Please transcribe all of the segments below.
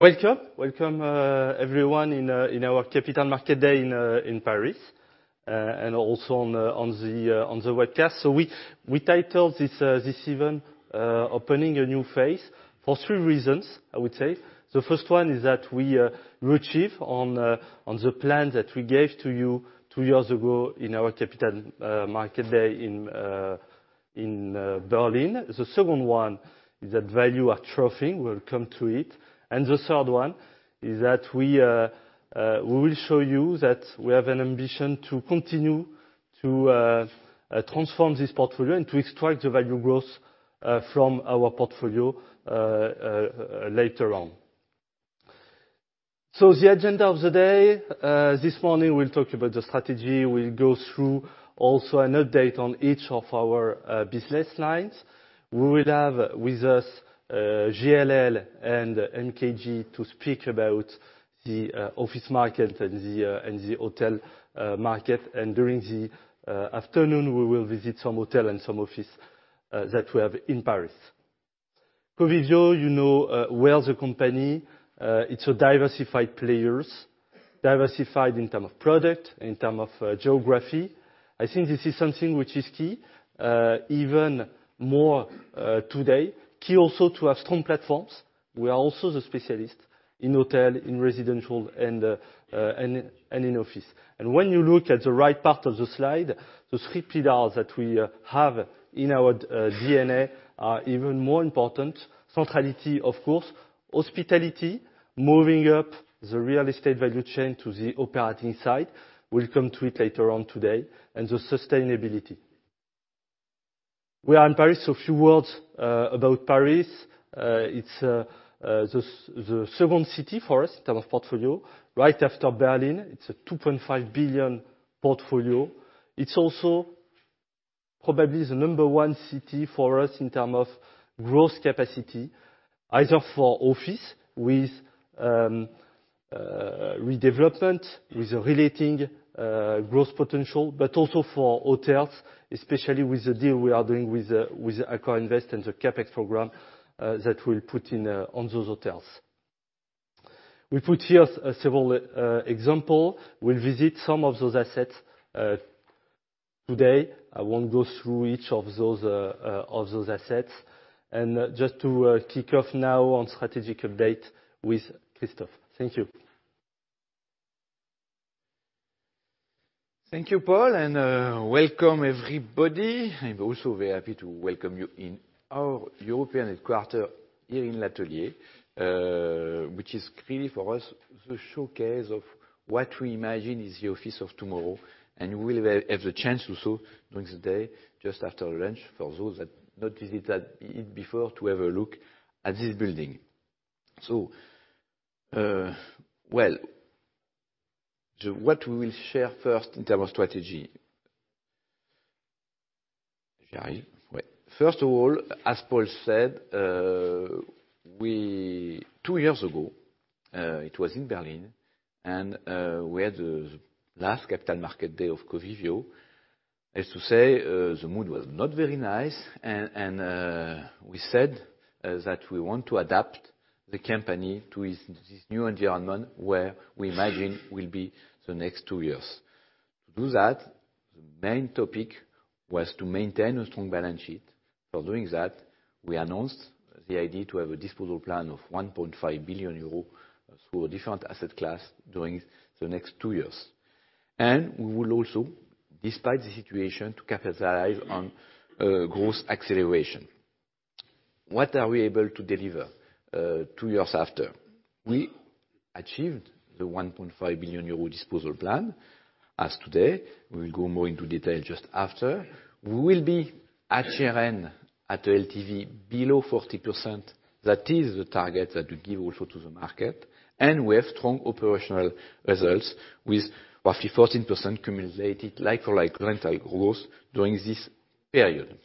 Welcome, everyone in our Capital Market Day in Paris, and also on the webcast. So we titled this event, "Opening a New Phase," for three reasons, I would say. The first one is that we achieved on the plan that we gave to you two years ago in our Capital Market Day in Berlin. The second one is that value at trophy—we'll come to it. And the third one is that we will show you that we have an ambition to continue to transform this portfolio and to extract the value growth from our portfolio later on. So the agenda of the day, this morning, we'll talk about the strategy. We'll go through also an update on each of our business lines. We will have with us JLL and MKG to speak about the office market and the hotel market. During the afternoon, we will visit some hotel and some office that we have in Paris. Covivio, you know, we're the company. It's a diversified players, diversified in term of product, in term of geography. I think this is something which is key, even more today. Key also to have strong platforms. We are also the specialist in hotel, in residential, and in office. When you look at the right part of the slide, the three pillars that we have in our DNA are even more important: centrality, of course, hospitality, moving up the real estate value chain to the operating side. We'll come to it later on today, and the sustainability. We are in Paris, so a few words about Paris. It's the second city for us in terms of portfolio, right after Berlin. It's a 2.5 billion portfolio. It's also probably the number one city for us in terms of growth capacity, either for office with redevelopment, with a reletting growth potential, but also for hotels, especially with the deal we are doing with AccorInvest and the CapEx program that we'll put in on those hotels. We put here several examples. We'll visit some of those assets today. I won't go through each of those assets. Just to kick off now on the strategic update with Christophe. Thank you. Thank you, Paul, and welcome, everybody. I'm also very happy to welcome you to our European headquarters here in L'Atelier, which is really for us the showcase of what we imagine is the office of tomorrow. We will have a chance to see during the day, just after lunch, for those that not visited it before, to have a look at this building. Well, what we will share first in terms of strategy. Géraldine. First of all, as Paul said, we two years ago, it was in Berlin, and we had the last Capital Market Day of Covivio. As to say, the mood was not very nice, and we said that we want to adapt the company to this new environment where we imagine will be the next two years. To do that, the main topic was to maintain a strong balance sheet. For doing that, we announced the idea to have a disposal plan of 1.5 billion euros through a different asset class during the next two years. We will also, despite the situation, to capitalize on growth acceleration. What are we able to deliver two years after? We achieved the 1.5 billion euro disposal plan as of today. We will go more into detail just after. We will be at year-end at the LTV below 40%. That is the target that we give also to the market. We have strong operational results with roughly 14% cumulated like-for-like rental growth during this period.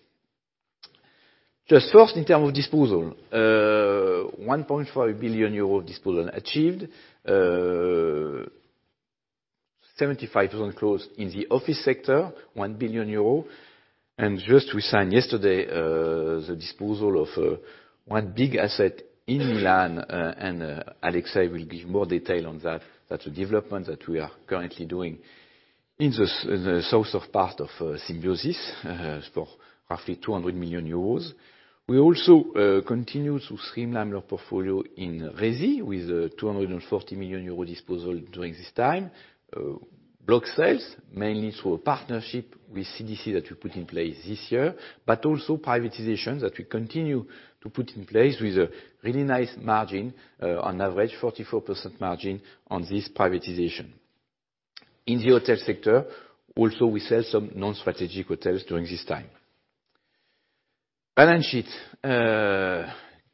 Just first, in terms of disposal, 1.5 billion euros disposal achieved, 75% growth in the office sector, 1 billion euro. We just signed yesterday the disposal of one big asset in Milan. Alexei will give more detail on that, the development that we are currently doing in the southern part of Symbiosis for roughly 200 million euros. We also continue to streamline our portfolio in Resi with a 240 million euros disposal during this time, block sales, mainly through a partnership with CDC that we put in place this year, but also privatizations that we continue to put in place with a really nice margin, on average, 44% margin on this privatization. In the hotel sector, also, we sell some non-strategic hotels during this time. Balance sheet,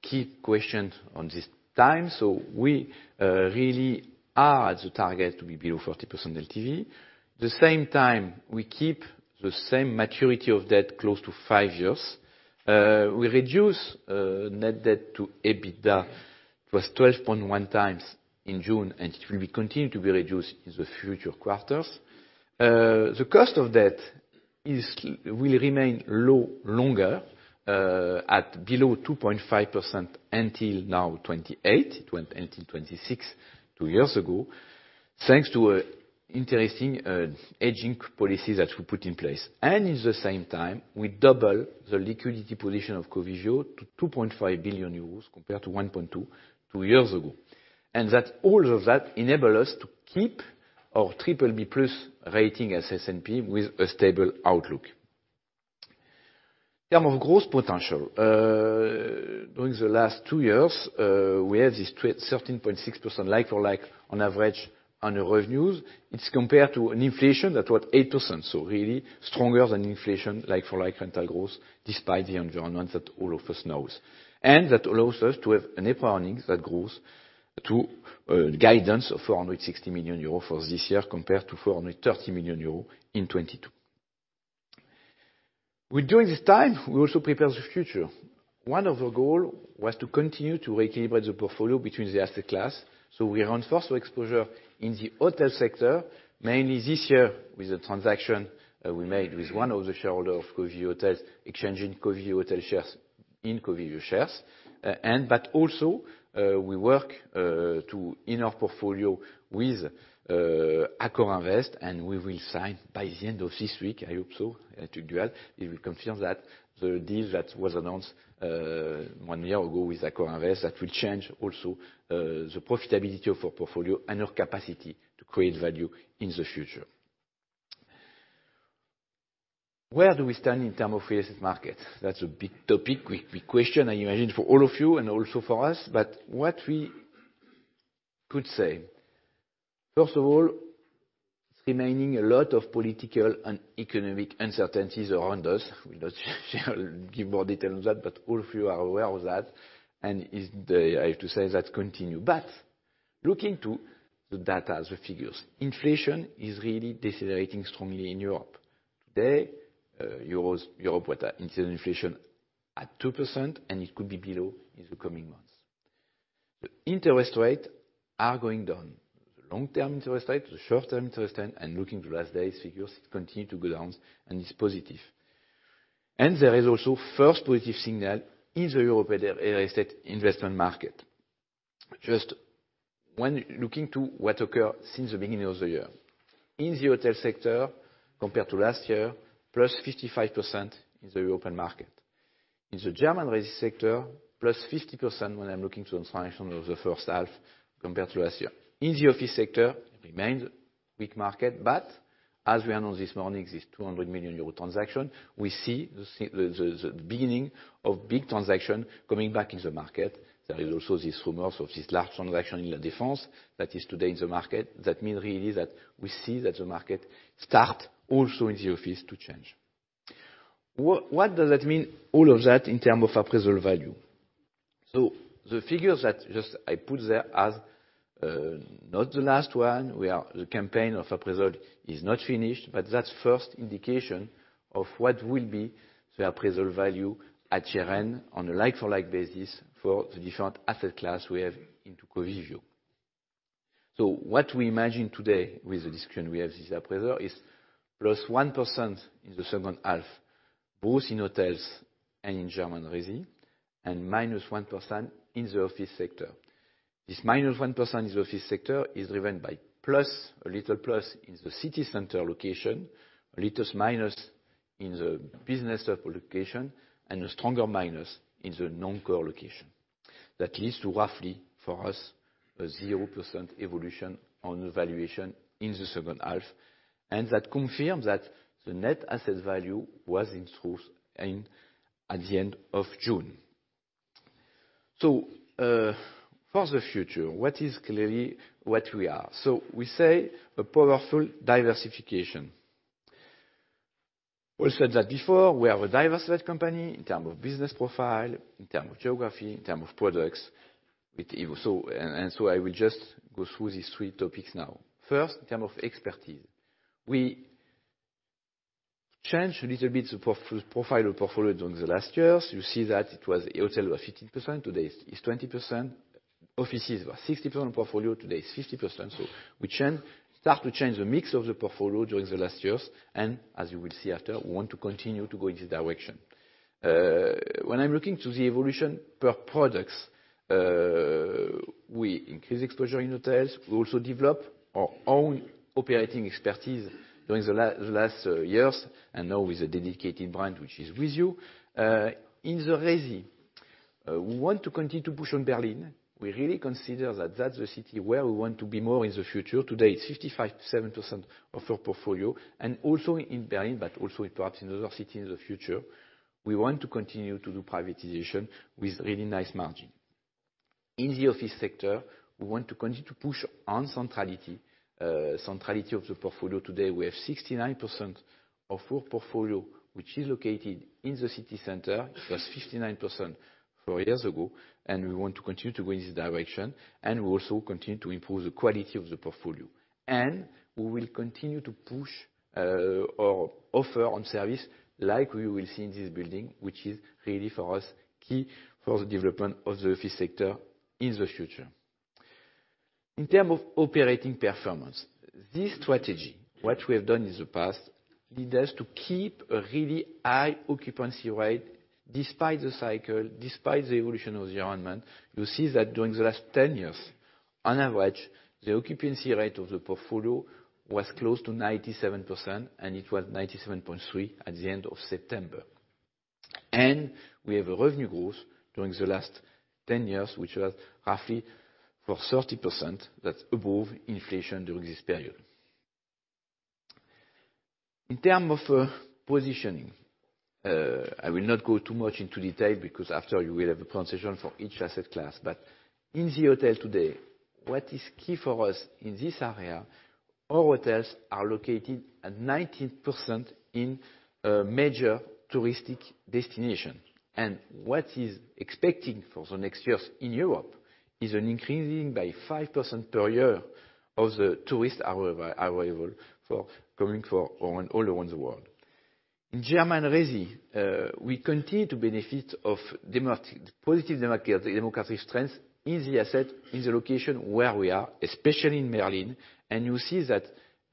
key question on this time. We really are at the target to be below 40% LTV. At the same time, we keep the same maturity of debt close to five years. We reduce net debt to EBITDA. It was 12.1 times in June, and it will be continued to be reduced in the future quarters. The cost of debt will remain low longer, at below 2.5% until 2028. It went until 2026 two years ago, thanks to interesting hedging policies that we put in place. And in the same time, we double the liquidity position of Covivio to 2.5 billion euros compared to 1.2 billion two years ago. And that all of that enables us to keep our BBB+ rating as S&P with a stable outlook. In terms of gross potential, during the last two years, we have this 13.6% like-for-like on average on the revenues. It's compared to an inflation that was 8%, so really stronger than inflation, like-for-like rental growth, despite the environment that all of us knows. That allows us to have an earnings that grows to guidance of 460 million euros for this year compared to 430 million euros in 2022. We're doing this time. We also prepare the future. One of our goal was to continue to reallocate the portfolio between the asset class. So we reinforce our exposure in the hotel sector, mainly this year with the transaction we made with one of the shareholders of Covivio Hotels, exchanging Covivio Hotels shares in Covivio shares. And but also, we work to in our portfolio with AccorInvest, and we will sign by the end of this week, I hope so, Tugdual. It will confirm that the deal that was announced one year ago with AccorInvest that will change also the profitability of our portfolio and our capacity to create value in the future. Where do we stand in terms of real estate market? That's a big topic, big, big question, I imagine, for all of you and also for us. But what we could say, first of all, it's remaining a lot of political and economic uncertainties around us. We'll not give more detail on that, but all of you are aware of that. And it is, I have to say, that continues. But looking to the data, the figures, inflation is really decelerating strongly in Europe today. Eurozone, Europe with inflation at 2%, and it could be below in the coming months. The interest rates are going down, the long-term interest rate, the short-term interest rate, and looking to last day's figures, it continued to go down and is positive. And there is also first positive signal in the European real estate investment market. Just, when looking to what occurred since the beginning of the year, in the hotel sector compared to last year, +55% in the European market. In the German real estate sector, +50% when I'm looking to the transaction of the first half compared to last year. In the office sector, it remained weak market, but as we announced this morning, this 200 million euro transaction, we see the beginning of big transaction coming back in the market. There is also this rumors of this large transaction in La Défense that is today in the market. That mean really that we see that the market start also in the office to change. What does that mean, all of that, in term of appraisal value? The figures that I just put there, as not the last one, the campaign of appraisal is not finished, but that's the first indication of what will be the appraisal value at year-end on a like-for-like basis for the different asset classes we have in Covivio. What we imagine today with the discussion we have, this appraisal is plus 1% in the second half, both in hotels and in German resi, and minus 1% in the office sector. This minus 1% in the office sector is driven by plus a little plus in the city center location, a little minus in the business location, and a stronger minus in the non-core location. That leads to roughly, for us, a 0% evolution on the valuation in the second half, and that confirms that the net asset value was in truth at the end of June. For the future, what we clearly are is a powerful diversification. We said that before, we are a diversified company in terms of business profile, in terms of geography, in terms of products. It evolves, and so I will just go through these three topics now. First, in terms of expertise, we changed a little bit the profile of portfolio during the last years. You see that it was hotel 15%, today it's 20%. Offices were 60% portfolio, today it's 50%. We started to change the mix of the portfolio during the last years. And as you will see after, we want to continue to go in this direction. When I'm looking to the evolution per products, we increase exposure in hotels. We also develop our own operating expertise during the last years and now with a dedicated brand, which is WiZiU. In the resi, we want to continue to push on Berlin. We really consider that that's the city where we want to be more in the future. Today, it's 55%, 7% of our portfolio. And also in Berlin, but also perhaps in other cities in the future, we want to continue to do privatization with really nice margin. In the office sector, we want to continue to push on centrality of the portfolio. Today, we have 69% of our portfolio, which is located in the city center. It was 59% four years ago, and we want to continue to go in this direction, and we also continue to improve the quality of the portfolio. We will continue to push our offer on service like we will see in this building, which is really for us key for the development of the office sector in the future. In terms of operating performance, this strategy, what we have done in the past, leads us to keep a really high occupancy rate despite the cycle, despite the evolution of the environment. You see that during the last 10 years, on average, the occupancy rate of the portfolio was close to 97%, and it was 97.3% at the end of September. We have a revenue growth during the last 10 years, which was roughly 30%. That's above inflation during this period. In terms of positioning, I will not go too much into detail because after you will have a presentation for each asset class. In the hotel today, what is key for us in this area, our hotels are located at 19% in major touristic destinations. What is expecting for the next years in Europe is an increasing by 5% per year of the tourist arrival for coming for all around the world. In German resi, we continue to benefit of demographic positive demographic strength in the asset in the location where we are, especially in Berlin. You see that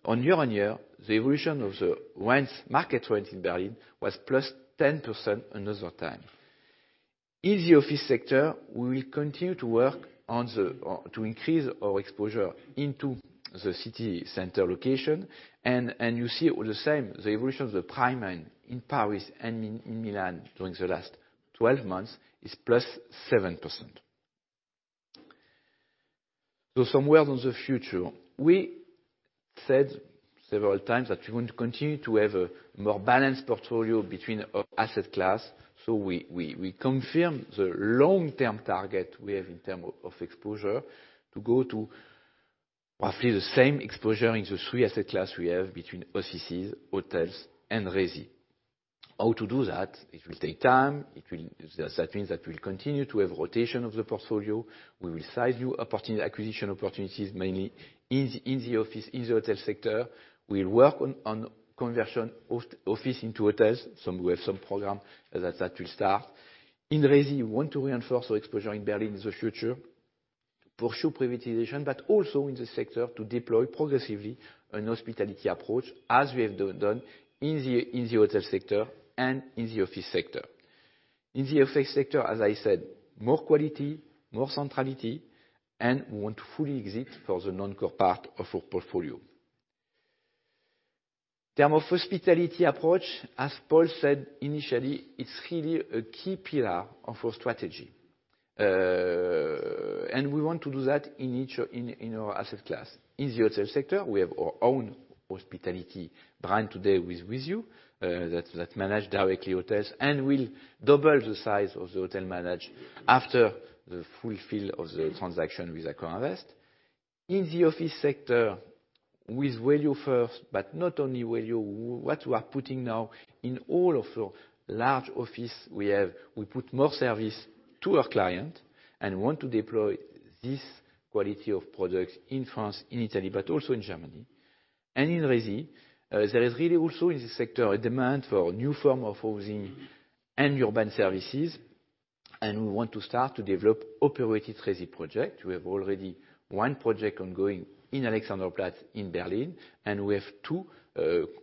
on year-on-year, the evolution of the rents market rent in Berlin was plus 10% another time. In the office sector, we will continue to work on to increase our exposure into the city center location. You see the same, the evolution of the prime rents in Paris and in Milan during the last 12 months is plus 7%. Somewhere in the future, we said several times that we want to continue to have a more balanced portfolio between our asset classes. We confirm the long-term target we have in terms of exposure to go to roughly the same exposure in the three asset classes we have between offices, hotels, and resi. How to do that? It will take time. That means that we'll continue to have rotation of the portfolio. We will selectively pursue opportunistic acquisition opportunities mainly in the office and hotel sectors. We'll work on conversion of offices into hotels. We have some programs that will start. In resi, we want to reinforce our exposure in Berlin in the future to pursue privatization, but also in the sector to deploy progressively a hospitality approach as we have done in the hotel sector and in the office sector. In the office sector, as I said, more quality, more centrality, and we want to fully exit from the non-core part of our portfolio. In terms of hospitality approach, as Paul said initially, it's really a key pillar of our strategy, and we want to do that in each of our asset classes. In the hotel sector, we have our own hospitality brand today with WiZiU, that manages directly hotels and will double the size of the hotels managed after the fulfillment of the transaction with AccorInvest. In the office sector, with value first, but not only value, what we are putting now in all of the large office we have, we put more service to our client and want to deploy this quality of products in France, in Italy, but also in Germany. And in resi, there is really also in the sector a demand for new form of housing and urban services. And we want to start to develop operated resi project. We have already one project ongoing in Alexanderplatz in Berlin, and we have two,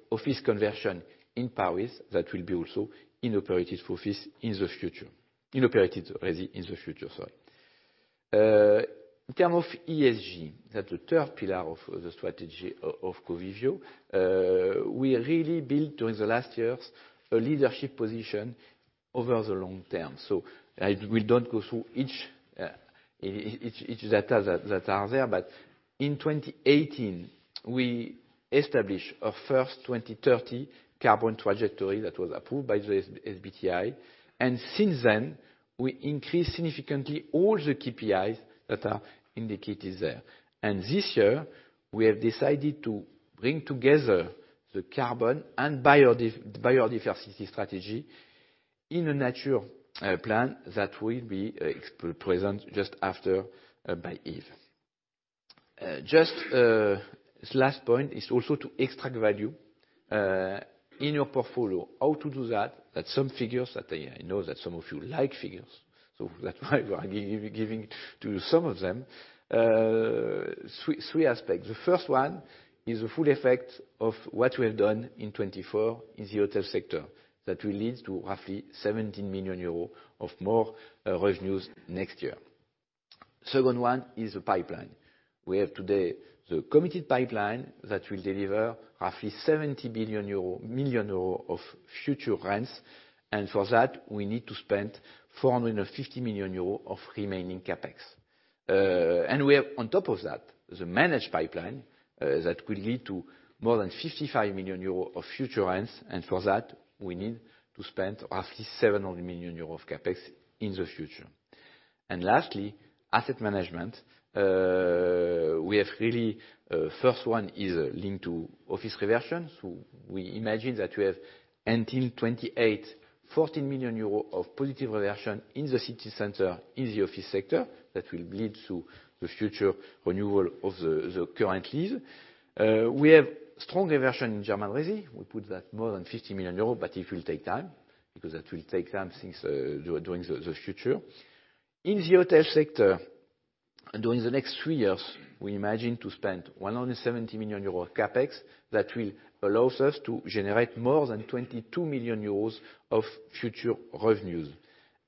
office conversion in Paris that will be also in operated office in the future, in operated resi in the future, sorry. In terms of ESG, that's the third pillar of the strategy of Covivio. We really built during the last years a leadership position over the long term. I won't go through each data that are there, but in 2018, we established our first 2030 carbon trajectory that was approved by the SBTi. Since then, we increased significantly all the KPIs that are indicated there. And this year, we have decided to bring together the carbon and biodiversity strategy in a nature plan that will be presented just after by Yves. Last point is also to extract value in your portfolio. How to do that? That's some figures that I know that some of you like figures, so that's why we are giving to some of them three aspects. The first one is the full effect of what we have done in 2024 in the hotel sector that will lead to roughly 17 million euros of more revenues next year. Second one is the pipeline. We have today the committed pipeline that will deliver roughly 70 million euro of future rents. For that, we need to spend 450 million euro of remaining CapEx. We have, on top of that, the managed pipeline, that could lead to more than 55 million euros of future rents. For that, we need to spend roughly 700 million euros of CapEx in the future. Lastly, asset management. We have really, first one is linked to office reversion. We imagine that you have until 2028, 14 million euros of positive reversion in the city center in the office sector that will lead to the future renewal of the, the current lease. We have strong reversion in German resi. We put that more than 50 million euros, but it will take time because that will take time since, during the future. In the hotel sector, during the next three years, we imagine to spend 170 million euros CapEx that will allow us to generate more than 22 million euros of future revenues.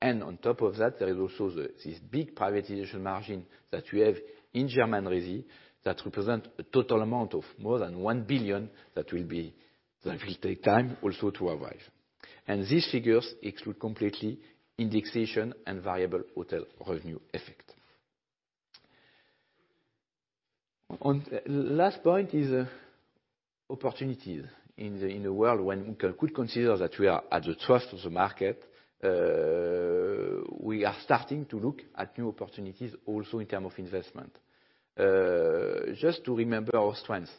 And on top of that, there is also this big privatization margin that you have in German resi that represent a total amount of more than 1 billion that will be, that will take time also to arrive. And these figures exclude completely indexation and variable hotel revenue effect. On the last point is opportunities in the world when we could consider that we are at the thrust of the market, we are starting to look at new opportunities also in term of investment. Just to remember our strengths,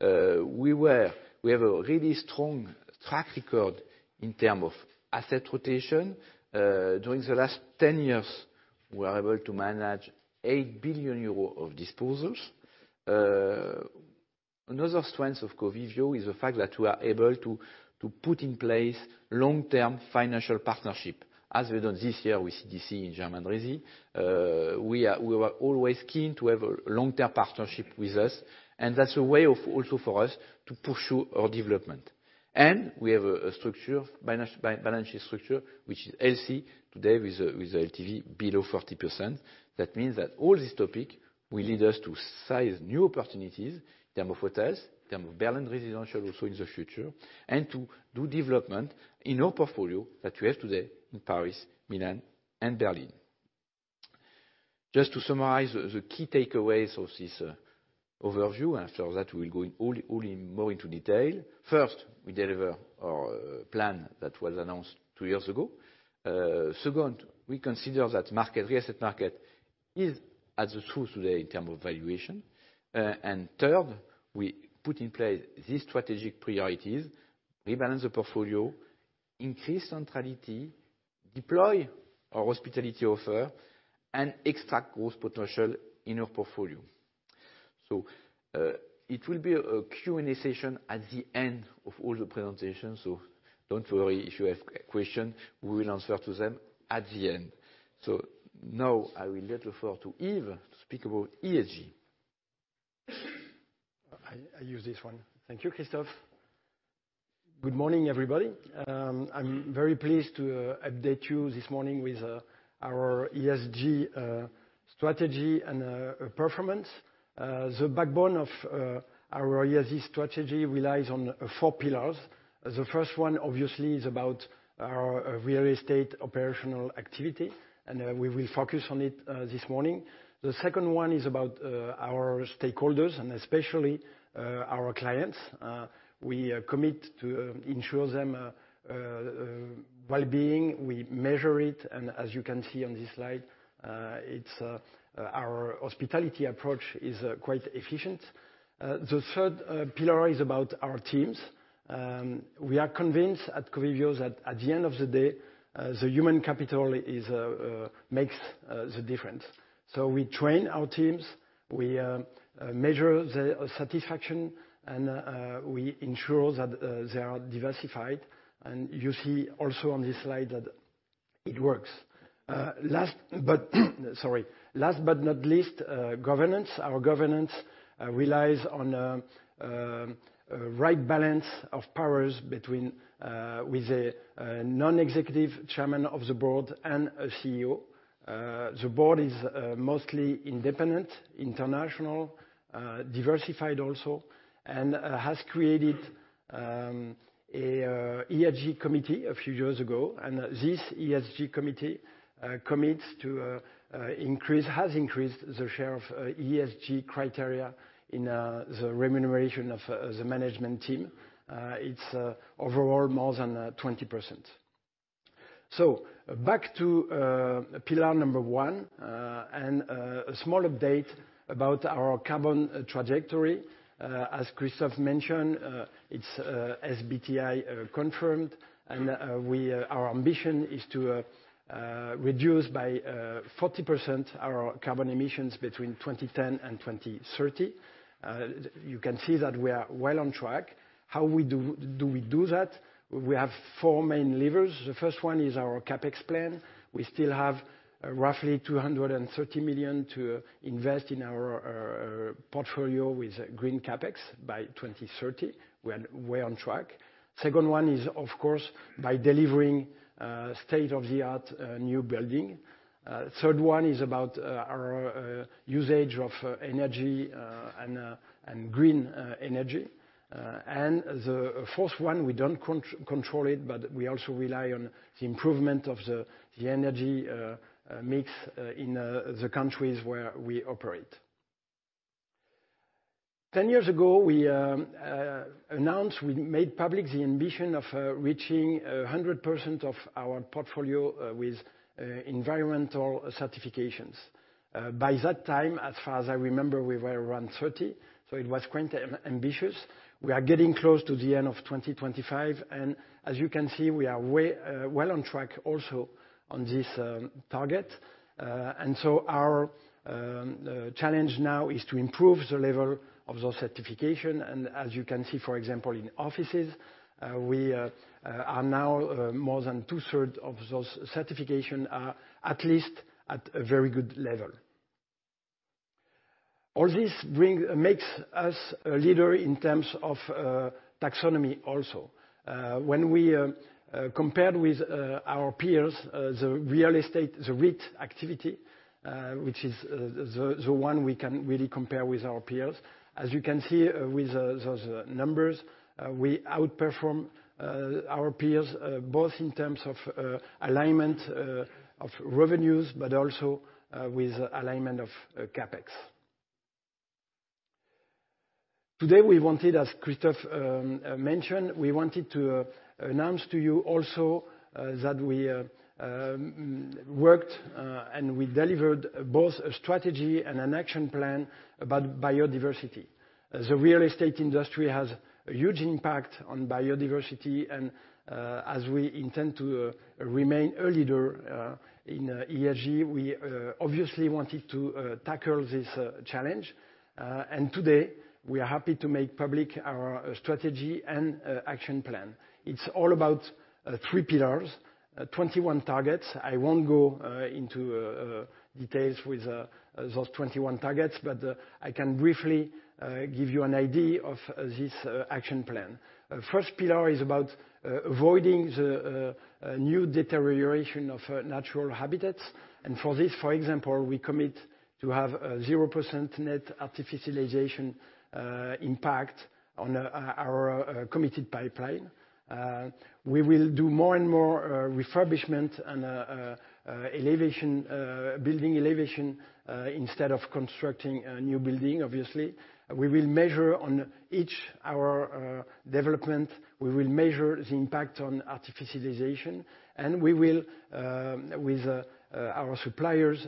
we were, we have a really strong track record in term of asset rotation. During the last 10 years, we are able to manage 8 billion euros of disposals. Another strength of Covivio is the fact that we are able to to put in place long-term financial partnership as we done this year with CDC in German resi. We were always keen to have a long-term partnership with us, and that's a way of also for us to pursue our development. We have a financial structure, which is healthy today with the LTV below 40%. That means that all this topic will lead us to seize new opportunities in terms of hotels, in terms of Berlin residential also in the future, and to do development in our portfolio that we have today in Paris, Milan, and Berlin. Just to summarize the key takeaways of this overview, and after that, we will go in more into detail. First, we deliver our plan that was announced two years ago. Second, we consider that market, the asset market, is at the trough today in terms of valuation. And third, we put in place these strategic priorities, rebalance the portfolio, increase centrality, deploy our hospitality offer, and extract growth potential in our portfolio. So, it will be a Q&A session at the end of all the presentations. So don't worry if you have questions, we will answer to them at the end. So now I will give the floor to Yves to speak about ESG. I use this one. Thank you, Christophe. Good morning, everybody. I'm very pleased to update you this morning with our ESG strategy and performance. The backbone of our ESG strategy relies on four pillars. The first one, obviously, is about our real estate operational activity, and we will focus on it this morning. The second one is about our stakeholders and especially our clients. We commit to ensure their well-being. We measure it, and as you can see on this slide, our hospitality approach is quite efficient. The third pillar is about our teams. We are convinced at Covivio that at the end of the day, the human capital makes the difference. So we train our teams, we measure the satisfaction, and we ensure that they are diversified. You see also on this slide that it works. Last but not least, governance. Our governance relies on the right balance of powers between a non-executive chairman of the board and a CEO. The board is mostly independent, international, diversified also, and has created an ESG committee a few years ago. This ESG committee has increased the share of ESG criteria in the remuneration of the management team. It's overall more than 20%. So back to pillar number one, and a small update about our carbon trajectory. As Christophe mentioned, it's SBTi confirmed, and our ambition is to reduce by 40% our carbon emissions between 2010 and 2030. You can see that we are well on track. How we do that? We have four main levers. The first one is our CapEx plan. We still have roughly 230 million to invest in our portfolio with green CapEx by 2030. We are on track. Second one is of course by delivering state-of-the-art new building. Third one is about our usage of energy and green energy. And the fourth one, we don't control it, but we also rely on the improvement of the energy mix in the countries where we operate. Ten years ago, we announced we made public the ambition of reaching 100% of our portfolio with environmental certifications. By that time, as far as I remember, we were around 30, so it was quite ambitious. We are getting close to the end of 2025, and as you can see, we are way well on track also on this target. So our challenge now is to improve the level of those certifications. As you can see, for example, in offices, we are now more than two-thirds of those certifications are at least at a very good level. All this makes us a leader in terms of Taxonomy also. When we compared with our peers, the real estate REIT activity, which is the one we can really compare with our peers. As you can see, with those numbers, we outperform our peers, both in terms of alignment of revenues, but also with alignment of CapEx. Today, we wanted, as Christophe mentioned, we wanted to announce to you also that we worked and we delivered both a strategy and an action plan about biodiversity. The real estate industry has a huge impact on biodiversity, and as we intend to remain a leader in ESG, we obviously wanted to tackle this challenge, and today we are happy to make public our strategy and action plan. It's all about three pillars, 21 targets. I won't go into details with those 21 targets, but I can briefly give you an idea of this action plan. First pillar is about avoiding the new deterioration of natural habitats. And for this, for example, we commit to have 0% net artificialization impact on our committed pipeline. We will do more and more refurbishment and elevation, building elevation, instead of constructing a new building, obviously. We will measure on each our development. We will measure the impact on artificialization, and we will, with our suppliers,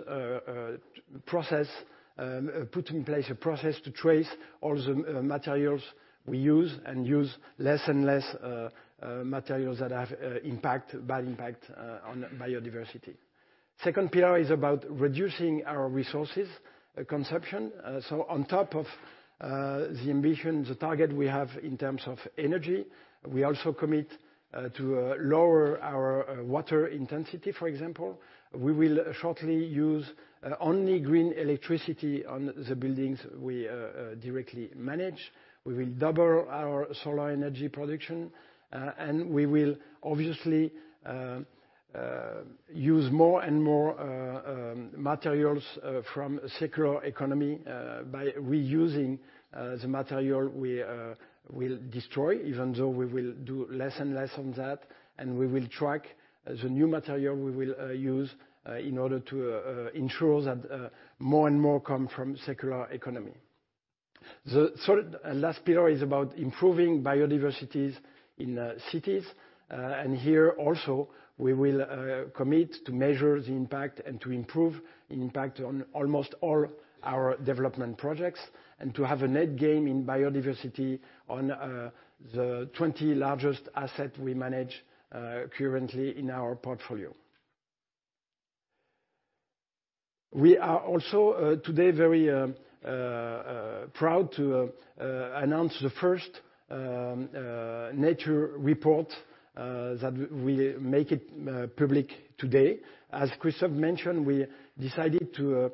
process, put in place a process to trace all the materials we use and use less and less materials that have impact, bad impact, on biodiversity. Second pillar is about reducing our resources consumption. So on top of the ambition, the target we have in terms of energy, we also commit to lower our water intensity, for example. We will shortly use only green electricity on the buildings we directly manage. We will double our solar energy production, and we will obviously use more and more materials from a circular economy, by reusing the material we will destroy, even though we will do less and less on that. And we will track the new material we will use, in order to ensure that more and more come from circular economy. The third and last pillar is about improving biodiversity in cities. And here also, we will commit to measure the impact and to improve the impact on almost all our development projects and to have a net gain in biodiversity on the 20 largest assets we manage currently in our portfolio. We are also today very proud to announce the first nature report that we make public today. As Christophe mentioned, we decided to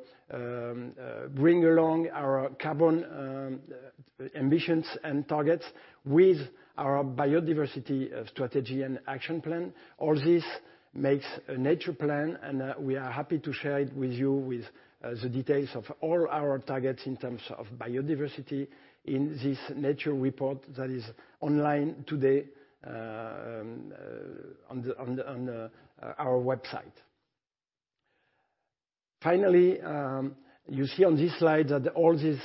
bring along our carbon ambitions and targets with our biodiversity strategy and action plan. All this makes a nature plan, and we are happy to share it with you with the details of all our targets in terms of biodiversity in this nature report that is online today, on our website. Finally, you see on this slide that all this,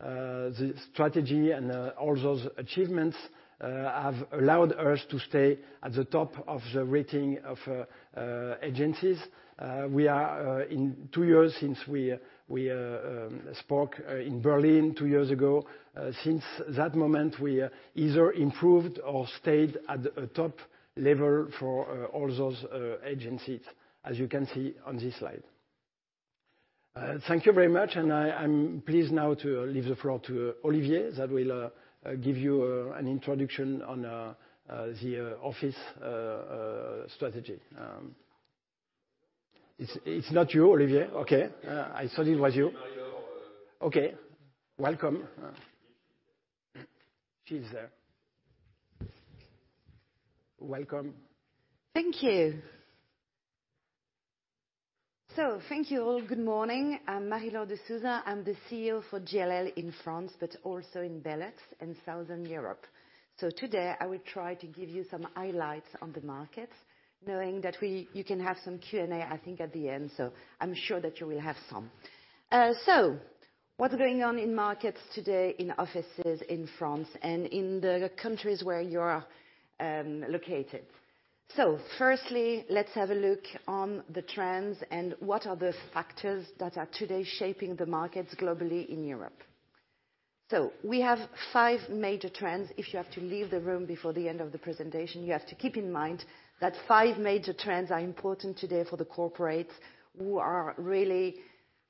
the strategy and all those achievements, have allowed us to stay at the top of the rating of agencies. We are in two years since we spoke in Berlin two years ago. Since that moment, we either improved or stayed at the top level for all those agencies, as you can see on this slide. Thank you very much, and I'm pleased now to leave the floor to Olivier that will give you an introduction on the office strategy. It's not you, Olivier. Okay. I thought it was you. Okay. Welcome. She's there. Welcome. Thank you. So thank you all. Good morning. I'm Marie-Laure de Sousa. I'm the CEO for JLL in France, but also in Belgium and Southern Europe. So today, I will try to give you some highlights on the markets, knowing that you can have some Q&A, I think, at the end, so I'm sure that you will have some. What's going on in markets today in offices in France and in the countries where you are located? So firstly, let's have a look on the trends and what are the factors that are today shaping the markets globally in Europe. So we have five major trends. If you have to leave the room before the end of the presentation, you have to keep in mind that five major trends are important today for the corporates who are really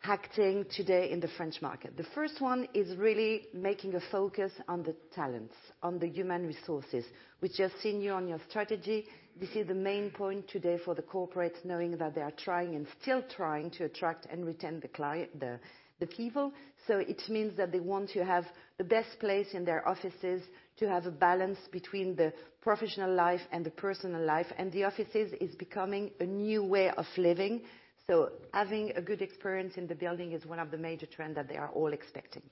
acting today in the French market. The first one is really making a focus on the talents, on the human resources, which you have seen here on your strategy. This is the main point today for the corporates, knowing that they are trying and still trying to attract and retain the client, the people. So it means that they want to have the best place in their offices to have a balance between the professional life and the personal life. And the offices is becoming a new way of living. So having a good experience in the building is one of the major trends that they are all expecting.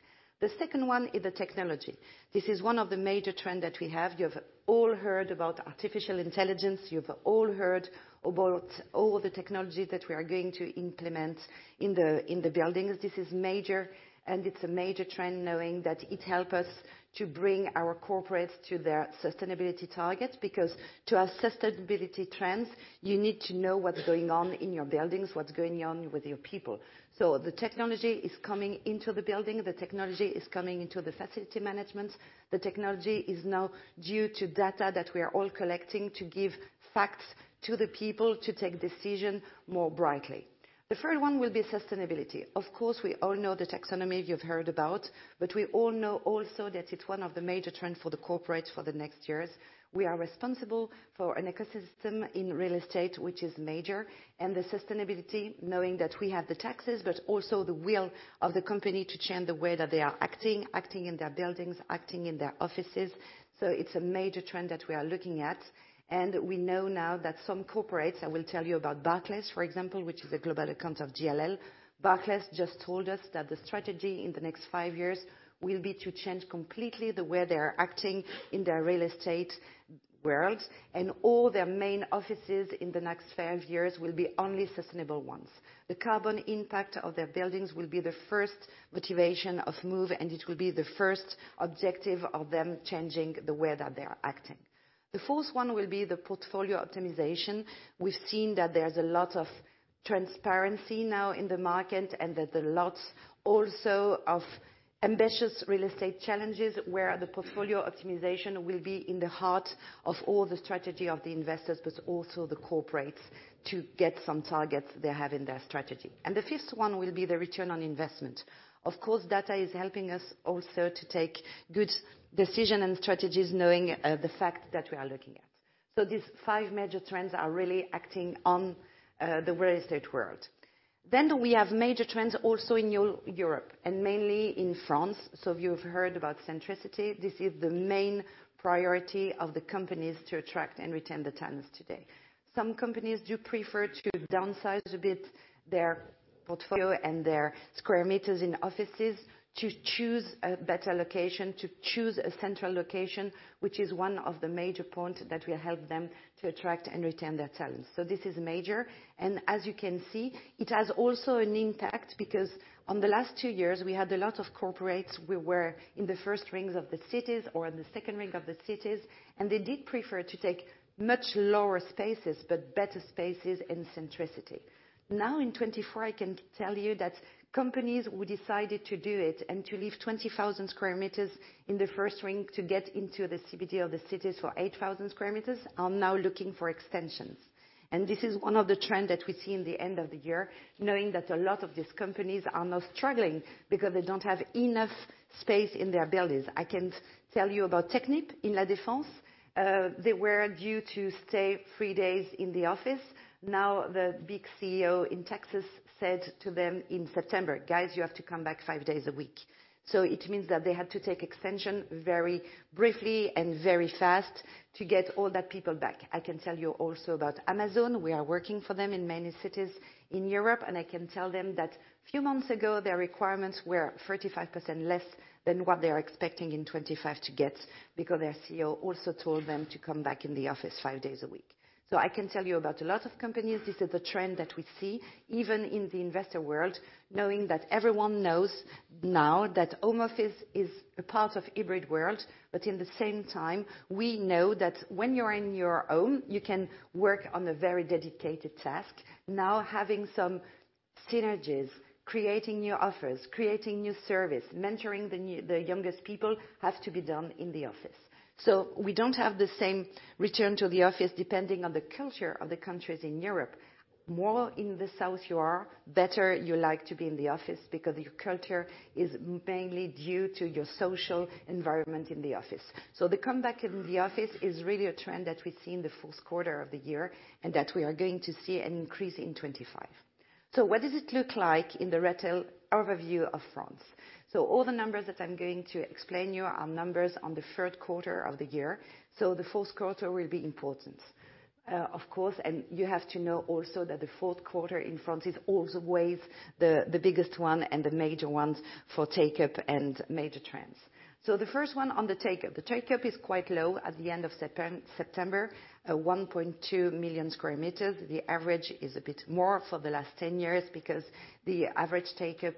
The second one is the technology. This is one of the major trends that we have. You have all heard about artificial intelligence. You've all heard about all the technologies that we are going to implement in the buildings. This is major, and it's a major trend, knowing that it helps us to bring our corporates to their sustainability targets. Because to have sustainability trends, you need to know what's going on in your buildings, what's going on with your people. So the technology is coming into the building. The technology is coming into the facility management. The technology is now due to data that we are all collecting to give facts to the people to take decisions more brightly. The third one will be sustainability. Of course, we all know the Taxonomy you've heard about, but we all know also that it's one of the major trends for the corporates for the next years. We are responsible for an ecosystem in real estate, which is major, and the sustainability, knowing that we have the stakes, but also the will of the company to change the way that they are acting, acting in their buildings, acting in their offices. So it's a major trend that we are looking at. And we know now that some corporates, I will tell you about Barclays, for example, which is a global account of JLL. Barclays just told us that the strategy in the next five years will be to change completely the way they are acting in their real estate world, and all their main offices in the next five years will be only sustainable ones. The carbon impact of their buildings will be the first motivation of move, and it will be the first objective of them changing the way that they are acting. The fourth one will be the portfolio optimization. We've seen that there's a lot of transparency now in the market and that there's a lot also of ambitious real estate challenges where the portfolio optimization will be in the heart of all the strategy of the investors, but also the corporates to get some targets they have in their strategy. And the fifth one will be the return on investment. Of course, data is helping us also to take good decisions and strategies, knowing the fact that we are looking at. So these five major trends are really acting on the real estate world. Then we have major trends also in Europe, and mainly in France. So if you've heard about centricity, this is the main priority of the companies to attract and retain the talents today. Some companies do prefer to downsize a bit their portfolio and their square meters in offices to choose a better location, to choose a central location, which is one of the major points that will help them to attract and retain their talents, so this is major, and as you can see, it has also an impact because on the last two years, we had a lot of corporates who were in the first rings of the cities or in the second ring of the cities, and they did prefer to take much lower spaces, but better spaces in centricity. Now, in 2024, I can tell you that companies who decided to do it and to leave 20,000 square meters in the first ring to get into the CBD of the cities for 8,000 square meters are now looking for extensions. This is one of the trends that we see in the end of the year, knowing that a lot of these companies are now struggling because they don't have enough space in their buildings. I can tell you about Technip in La Défense. They were due to stay three days in the office. Now, the big CEO in Texas said to them in September, "Guys, you have to come back five days a week." So it means that they had to take extension very briefly and very fast to get all that people back. I can tell you also about Amazon. We are working for them in many cities in Europe, and I can tell them that a few months ago, their requirements were 35% less than what they are expecting in 2025 to get because their CEO also told them to come back in the office five days a week. So I can tell you about a lot of companies. This is a trend that we see even in the investor world, knowing that everyone knows now that home office is a part of the hybrid world. But in the same time, we know that when you're in your home, you can work on a very dedicated task. Now, having some synergies, creating new offers, creating new service, mentoring the new, the youngest people have to be done in the office. So we don't have the same return to the office depending on the culture of the countries in Europe. More in the south you are, better you like to be in the office because your culture is mainly due to your social environment in the office. The comeback in the office is really a trend that we see in the fourth quarter of the year and that we are going to see an increase in 2025. What does it look like in the real estate overview of France? All the numbers that I'm going to explain to you are numbers on the third quarter of the year. The fourth quarter will be important, of course. You have to know also that the fourth quarter in France is also with the biggest one and the major ones for take-up and major trends. The first one on the take-up, the take-up is quite low at the end of September, 1.2 million sq m. The average is a bit more for the last 10 years because the average take-up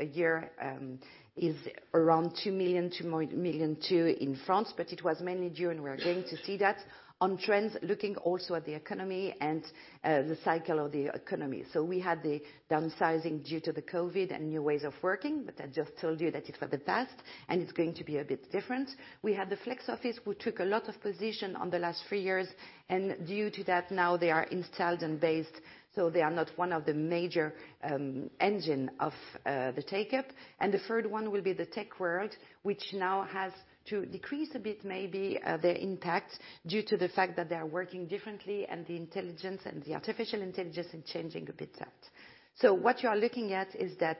a year is around two million to one million in France, but it was mainly during. We're going to see that on trends, looking also at the economy and the cycle of the economy. So we had the downsizing due to the COVID and new ways of working, but I just told you that it was the past and it's going to be a bit different. We had the flex office who took a lot of position on the last three years, and due to that, now they are installed and based, so they are not one of the major engine of the take-up. The third one will be the tech world, which now has to decrease a bit, maybe, their impact due to the fact that they are working differently and the intelligence and the artificial intelligence is changing a bit that. What you are looking at is that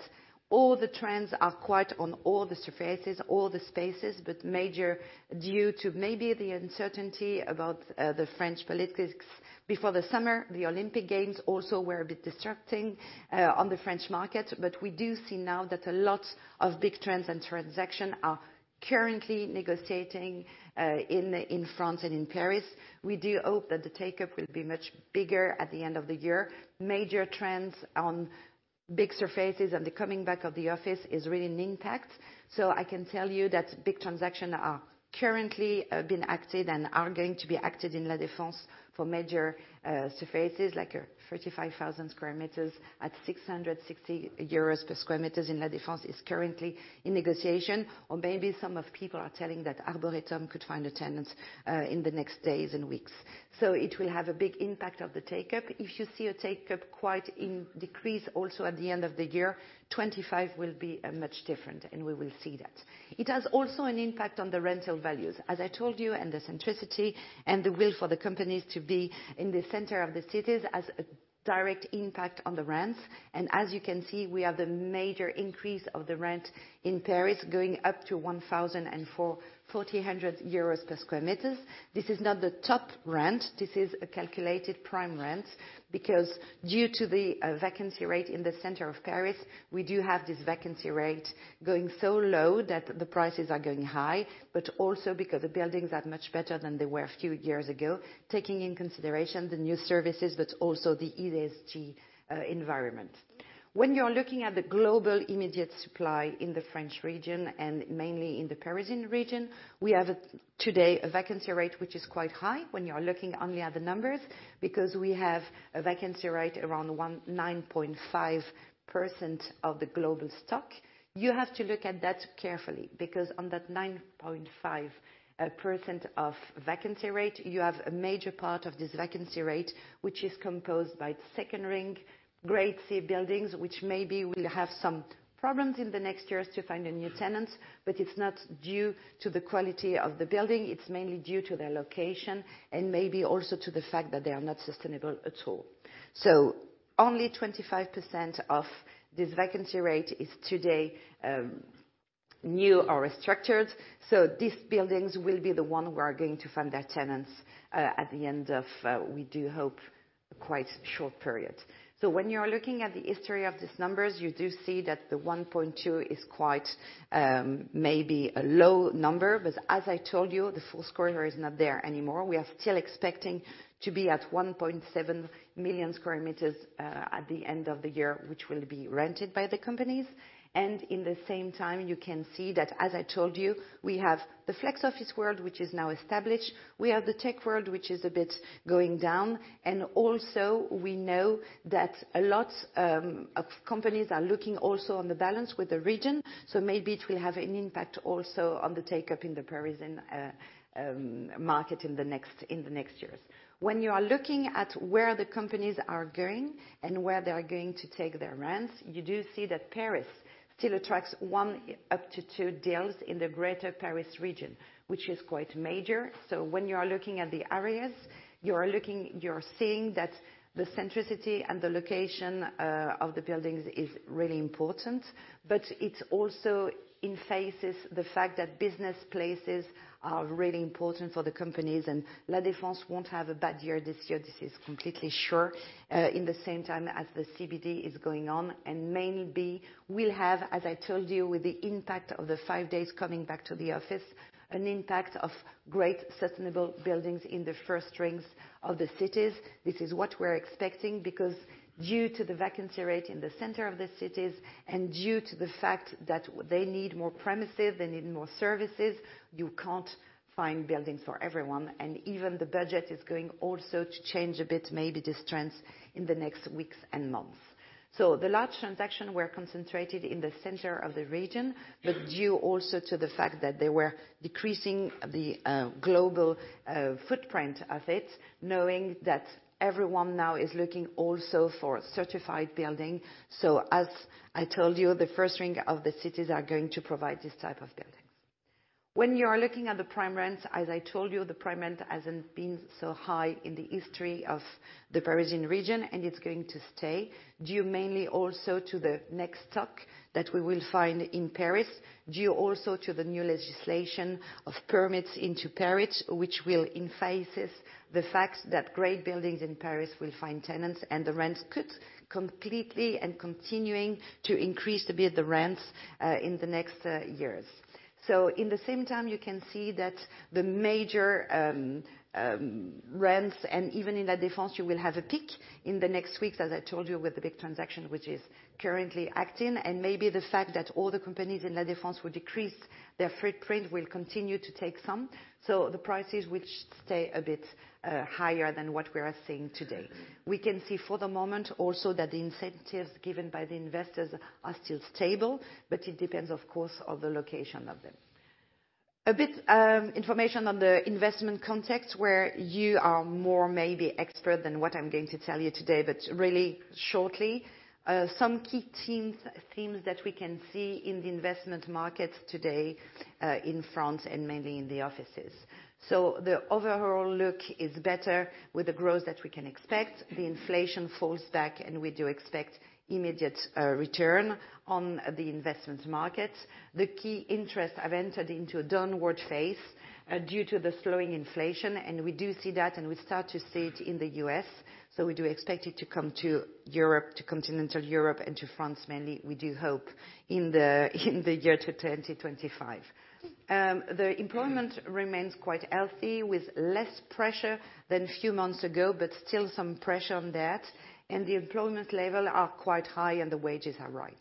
all the trends are quite on all the surfaces, all the spaces, but major due to maybe the uncertainty about the French politics before the summer. The Olympic Games also were a bit distracting on the French market, but we do see now that a lot of big trends and transactions are currently negotiating in France and in Paris. We do hope that the take-up will be much bigger at the end of the year. Major trends on big surfaces and the coming back of the office is really an impact. I can tell you that big transactions are currently being acted and are going to be acted in La Défense for major surfaces like 35,000 sq m at 660 euros per sq m in La Défense is currently in negotiation. Maybe some people are telling that Arboretum could find a tenant in the next days and weeks. It will have a big impact on the take-up. If you see a take-up quite in decrease also at the end of the year, 2025 will be much different, and we will see that. It has also an impact on the rental values, as I told you, and the centricity and the will for the companies to be in the center of the cities has a direct impact on the rents. As you can see, we have the major increase of the rent in Paris going up to 1,400 euros per sq m. This is not the top rent. This is a calculated prime rent because due to the vacancy rate in the center of Paris, we do have this vacancy rate going so low that the prices are going high, but also because the buildings are much better than they were a few years ago, taking into consideration the new services, but also the ESG environment. When you're looking at the global immediate supply in the French region and mainly in the Parisian region, we have today a vacancy rate which is quite high when you're looking only at the numbers because we have a vacancy rate around 19.5% of the global stock. You have to look at that carefully because on that 9.5% of vacancy rate, you have a major part of this vacancy rate, which is composed by second ring Grade C buildings, which maybe will have some problems in the next years to find a new tenant, but it's not due to the quality of the building. It's mainly due to their location and maybe also to the fact that they are not sustainable at all. So only 25% of this vacancy rate is today, new or restructured. So these buildings will be the ones who are going to find their tenants, at the end of, we do hope, a quite short period. So when you're looking at the history of these numbers, you do see that the 1.2 is quite, maybe a low number, but as I told you, the fourth quarter is not there anymore. We are still expecting to be at 1.7 million sq m at the end of the year, which will be rented by the companies. And in the same time, you can see that, as I told you, we have the flex office world, which is now established. We have the tech world, which is a bit going down. And also we know that a lot of companies are looking also on the balance with the region. So maybe it will have an impact also on the take-up in the Parisian market in the next years. When you are looking at where the companies are going and where they are going to take their rents, you do see that Paris still attracts one up to two deals in the Greater Paris region, which is quite major. So when you are looking at the areas, you're seeing that the centricity and the location of the buildings is really important, but it's also in phases the fact that business places are really important for the companies. And La Défense won't have a bad year this year. This is completely sure. In the same time as the CBD is going on and mainly will have, as I told you, with the impact of the five days coming back to the office, an impact of great sustainable buildings in the first rings of the cities. This is what we're expecting because due to the vacancy rate in the center of the cities and due to the fact that they need more premises, they need more services, you can't find buildings for everyone. Even the budget is going also to change a bit, maybe these trends in the next weeks and months. The large transactions were concentrated in the center of the region, but due also to the fact that they were decreasing the global footprint of it, knowing that everyone now is looking also for certified building. As I told you, the first ring of the cities are going to provide this type of buildings. When you are looking at the prime rent, as I told you, the prime rent hasn't been so high in the history of the Parisian region, and it's going to stay due mainly also to the net stock that we will find in Paris, due also to the new legislation of permits in Paris, which will phase in the fact that great buildings in Paris will find tenants and the rents could completely and continuing to increase a bit the rents in the next years. So in the same time, you can see that the major rents and even in La Défense, you will have a peak in the next weeks, as I told you, with the big transaction, which is currently acting. And maybe the fact that all the companies in La Défense will decrease their footprint will continue to take some. So the prices will stay a bit higher than what we are seeing today. We can see for the moment also that the incentives given by the investors are still stable, but it depends, of course, on the location of them. A bit of information on the investment context where you are more maybe expert than what I'm going to tell you today, but really shortly, some key themes that we can see in the investment markets today, in France and mainly in the offices. So the overall look is better with the growth that we can expect. The inflation falls back, and we do expect an immediate return on the investment markets. The key interest rates have entered into a downward phase, due to the slowing inflation, and we do see that, and we start to see it in the U.S. So we do expect it to come to Europe, to continental Europe, and to France mainly. We do hope in the year to 2025. The employment remains quite healthy with less pressure than a few months ago, but still some pressure on that. The employment levels are quite high, and the wages are right.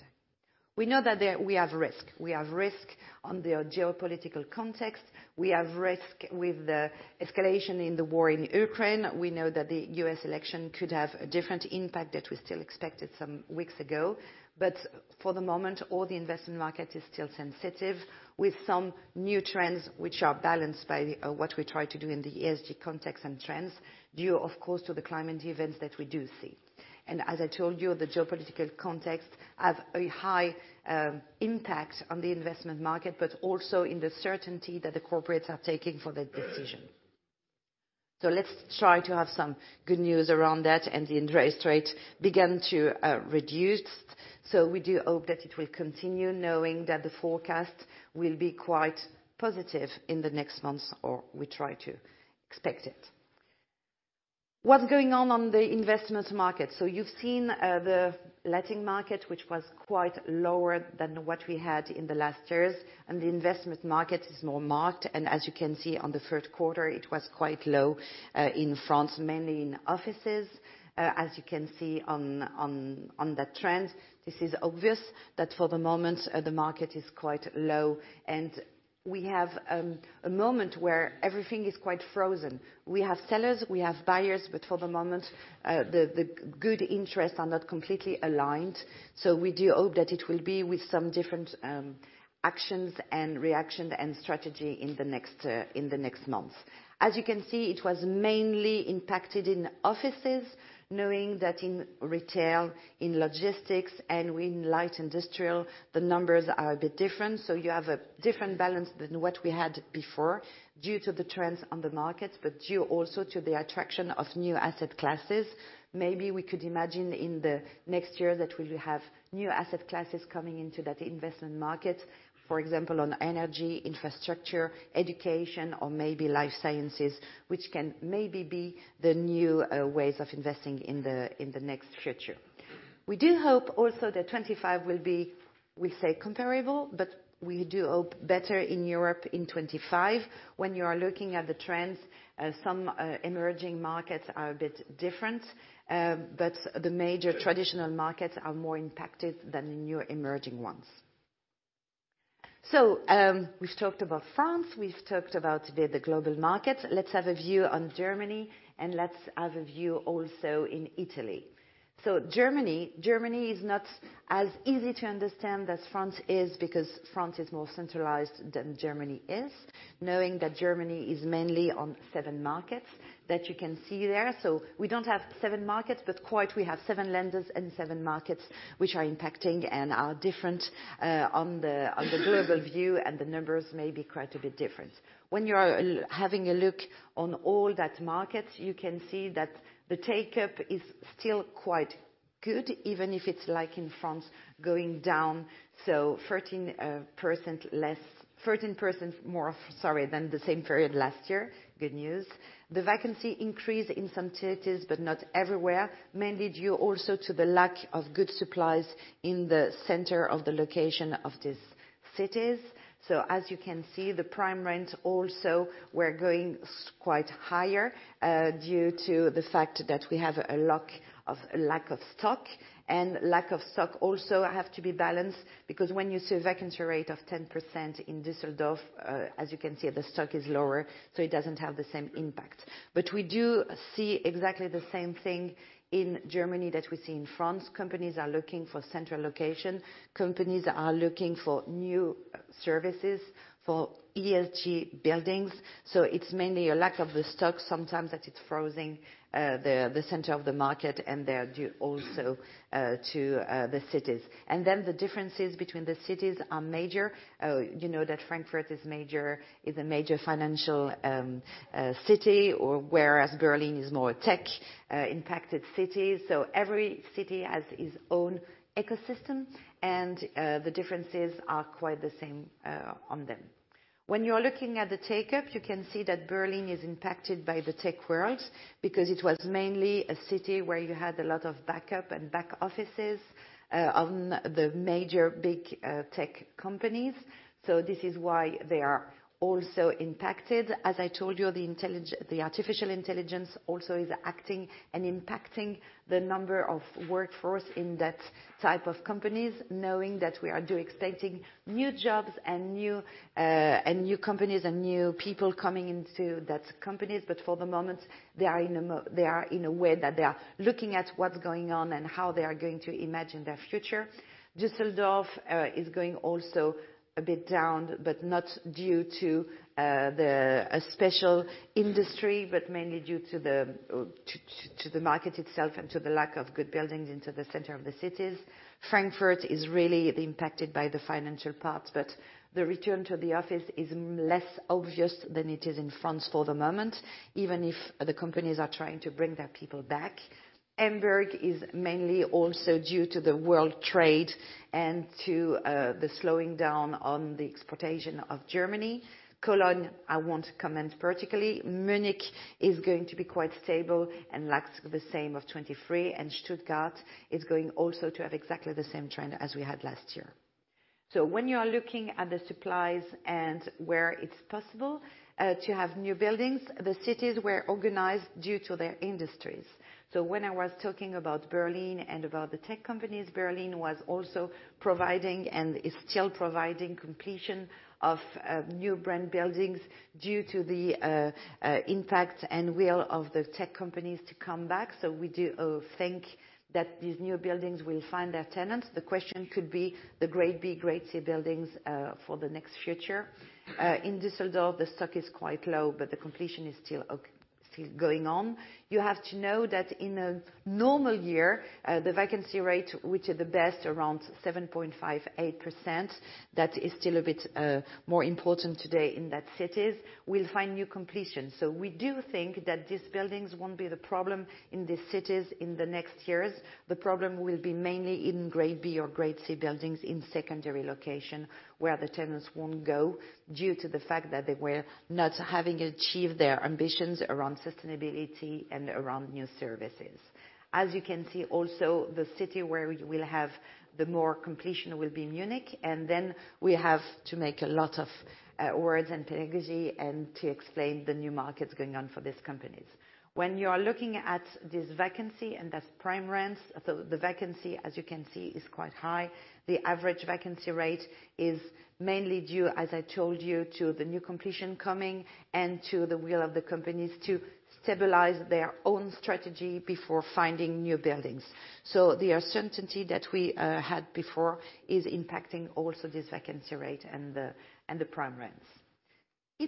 We know that there we have risk. We have risk on the geopolitical context. We have risk with the escalation in the war in Ukraine. We know that the U.S. election could have a different impact that we still expected some weeks ago. But for the moment, all the investment market is still sensitive with some new trends, which are balanced by what we try to do in the ESG context and trends due, of course, to the climate events that we do see. As I told you, the geopolitical context has a high impact on the investment market, but also in the certainty that the corporates are taking for that decision. So let's try to have some good news around that, and the interest rate began to reduce. So we do hope that it will continue, knowing that the forecast will be quite positive in the next months or we try to expect it. What's going on on the investment market? So you've seen the letting market, which was quite lower than what we had in the last years, and the investment market is more marked. And as you can see on the third quarter, it was quite low in France, mainly in offices. As you can see on that trend, this is obvious that for the moment, the market is quite low and we have a moment where everything is quite frozen. We have sellers, we have buyers, but for the moment, the good interests are not completely aligned. So we do hope that it will be with some different actions and reaction and strategy in the next months. As you can see, it was mainly impacted in offices, knowing that in retail, in logistics, and in light industrial, the numbers are a bit different. So you have a different balance than what we had before due to the trends on the markets, but due also to the attraction of new asset classes. Maybe we could imagine in the next year that we will have new asset classes coming into that investment market, for example, on energy, infrastructure, education, or maybe life sciences, which can maybe be the new ways of investing in the next future. We do hope also that 2025 will be, we'll say, comparable, but we do hope better in Europe in 2025. When you are looking at the trends, some emerging markets are a bit different, but the major traditional markets are more impacted than the new emerging ones. So, we've talked about France. We've talked about today the global markets. Let's have a view on Germany and let's have a view also in Italy. Germany is not as easy to understand as France is because France is more centralized than Germany is, knowing that Germany is mainly on seven markets that you can see there. We don't have seven markets, but quite we have seven lenders and seven markets which are impacting and are different, on the global view, and the numbers may be quite a bit different. When you are having a look on all that markets, you can see that the take-up is still quite good, even if it's like in France going down. 13% less, 13% more, sorry, than the same period last year. Good news. The vacancy increase in some cities, but not everywhere, mainly due also to the lack of good supplies in the center of the location of these cities. So as you can see, the prime rent also we're going quite higher, due to the fact that we have a lack of stock and lack of stock also have to be balanced because when you see a vacancy rate of 10% in Düsseldorf, as you can see, the stock is lower, so it doesn't have the same impact. But we do see exactly the same thing in Germany that we see in France. Companies are looking for central location. Companies are looking for new services for ESG buildings. So it's mainly a lack of the stock sometimes that it's frozen, the center of the market and they're due also to the cities, and then the differences between the cities are major. You know that Frankfurt is a major financial city, whereas Berlin is more a tech impacted city. So every city has its own ecosystem and the differences are quite the same on them. When you're looking at the take-up, you can see that Berlin is impacted by the tech world because it was mainly a city where you had a lot of backup and back offices on the major big tech companies. So this is why they are also impacted. As I told you, the intelligence, the artificial intelligence also is acting and impacting the number of workforce in that type of companies, knowing that we are due expecting new jobs and new companies and new people coming into that companies. But for the moment, they are in a way that they are looking at what's going on and how they are going to imagine their future. Düsseldorf is going also a bit down, but not due to the special industry, but mainly due to the market itself and to the lack of good buildings into the center of the cities. Frankfurt is really impacted by the financial part, but the return to the office is less obvious than it is in France for the moment, even if the companies are trying to bring their people back. Hamburg is mainly also due to the world trade and to the slowing down on the exportation of Germany. Cologne, I won't comment particularly. Munich is going to be quite stable and lacks the same of 2023, and Stuttgart is going also to have exactly the same trend as we had last year. So when you are looking at the supplies and where it's possible to have new buildings, the cities were organized due to their industries. So when I was talking about Berlin and about the tech companies, Berlin was also providing and is still providing completion of new branded buildings due to the impact and will of the tech companies to come back. So we do think that these new buildings will find their tenants. The question could be the Grade B, Grade C buildings for the next future. In Düsseldorf, the stock is quite low, but the completion is still going on. You have to know that in a normal year, the vacancy rate, which is the best around 7.58%, that is still a bit more important today in those cities, will find new completion. So we do think that these buildings won't be the problem in these cities in the next years. The problem will be mainly in Grade B or Grade C buildings in secondary location where the tenants won't go due to the fact that they were not having achieved their ambitions around sustainability and around new services. As you can see, also the city where you will have the more completion will be Munich, and then we have to make a lot of words and pedagogy and to explain the new markets going on for these companies. When you are looking at this vacancy and that's prime rents, so the vacancy, as you can see, is quite high. The average vacancy rate is mainly due, as I told you, to the new completion coming and to the will of the companies to stabilize their own strategy before finding new buildings, so the uncertainty that we had before is impacting also this vacancy rate and the prime rents.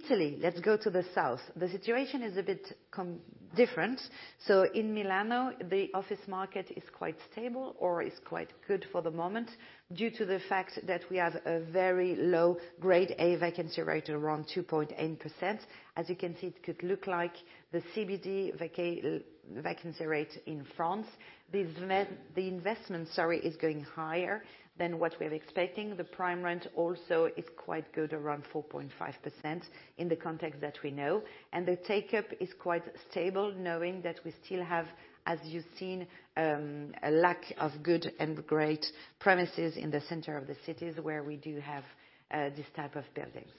Italy, let's go to the south. The situation is a bit completely different. So in Milan, the office market is quite stable or is quite good for the moment due to the fact that we have a very low Grade A vacancy rate around 2.8%. As you can see, it could look like the CBD vacancy rate in France. The investment, sorry, is going higher than what we are expecting. The prime rent also is quite good, around 4.5% in the context that we know. The take-up is quite stable, knowing that we still have, as you've seen, a lack of good and great premises in the center of the cities where we do have this type of buildings.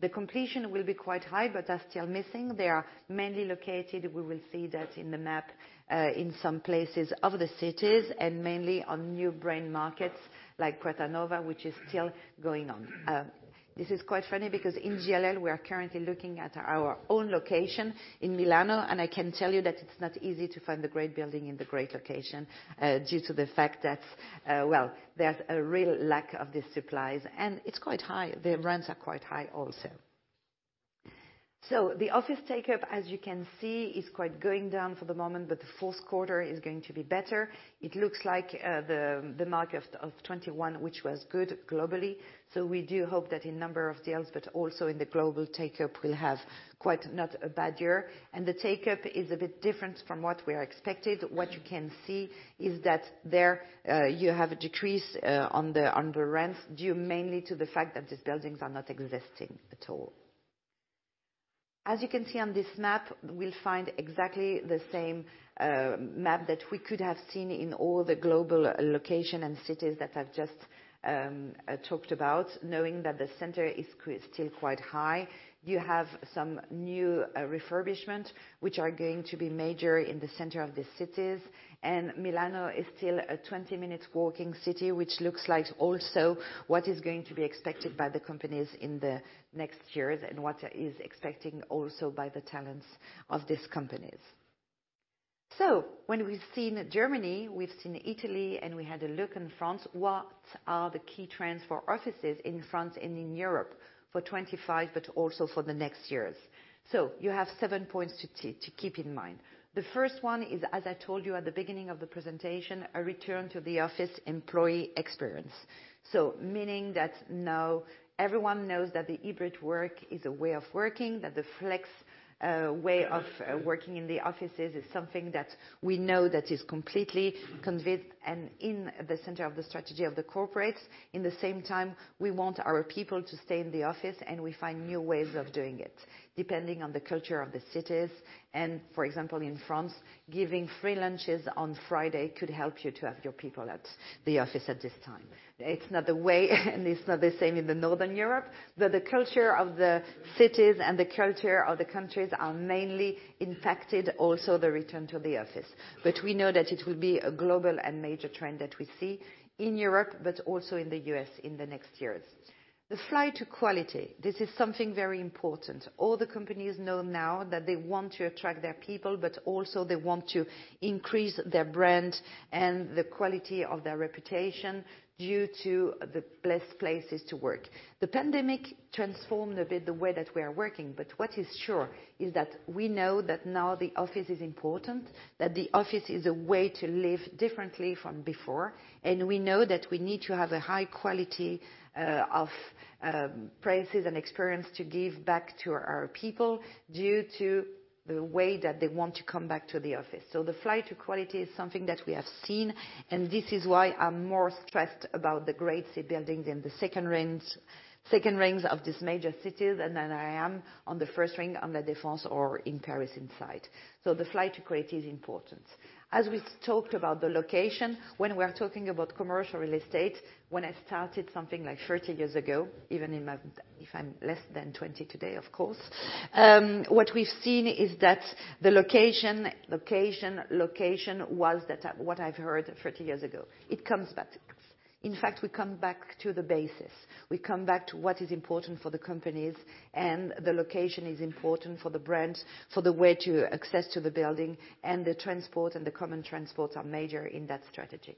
The completion will be quite high, but are still missing. They are mainly located, we will see that in the map, in some places of the cities and mainly on new prime markets like Porta Nuova, which is still going on. This is quite funny because in JLL, we are currently looking at our own location in Milan, and I can tell you that it's not easy to find the great building in the great location, due to the fact that, well, there's a real lack of supply and it's quite high. The rents are quite high also. So the office take-up, as you can see, is quite going down for the moment, but the fourth quarter is going to be better. It looks like the market of 2021, which was good globally. So we do hope that in number of deals, but also in the global take-up, we'll have quite not a bad year. The take-up is a bit different from what we are expected. What you can see is that there, you have a decrease on the rents due mainly to the fact that these buildings are not existing at all. As you can see on this map, we'll find exactly the same map that we could have seen in all the global location and cities that I've just talked about, knowing that the center is still quite high. You have some new refurbishment which are going to be major in the center of the cities. Milano is still a 20-minute walking city, which looks like also what is going to be expected by the companies in the next years and what is expecting also by the talents of these companies. When we've seen Germany, we've seen Italy, and we had a look in France, what are the key trends for offices in France and in Europe for 2025, but also for the next years? You have seven points to keep in mind. The first one is, as I told you at the beginning of the presentation, a return to the office employee experience. Meaning that now everyone knows that the hybrid work is a way of working, that the flex way of working in the offices is something that we know that is completely convinced and in the center of the strategy of the corporates. In the same time, we want our people to stay in the office and we find new ways of doing it depending on the culture of the cities. For example, in France, giving free lunches on Friday could help you to have your people at the office at this time. It's not the way, and it's not the same in Northern Europe, but the culture of the cities and the culture of the countries are mainly impacted also the return to the office. We know that it will be a global and major trend that we see in Europe, but also in the U.S. in the next years. The flight to quality, this is something very important. All the companies know now that they want to attract their people, but also they want to increase their brand and the quality of their reputation due to the best places to work. The pandemic transformed a bit the way that we are working, but what is sure is that we know that now the office is important, that the office is a way to live differently from before. We know that we need to have a high quality of spaces and experience to give back to our people due to the way that they want to come back to the office. The flight to quality is something that we have seen, and this is why I'm more stressed about the Grade C buildings and the second rings, second rings of these major cities than I am on the first ring in La Défense or in Paris inside. The flight to quality is important. As we talked about the location, when we're talking about commercial real estate, when I started something like 30 years ago, even if I'm less than 20 today, of course, what we've seen is that the location, location, location that's what I've heard 30 years ago. It comes back. In fact, we come back to the basics. We come back to what is important for the companies, and the location is important for the brand, for the way to access the building, and the transport and the common transport are major in that strategy.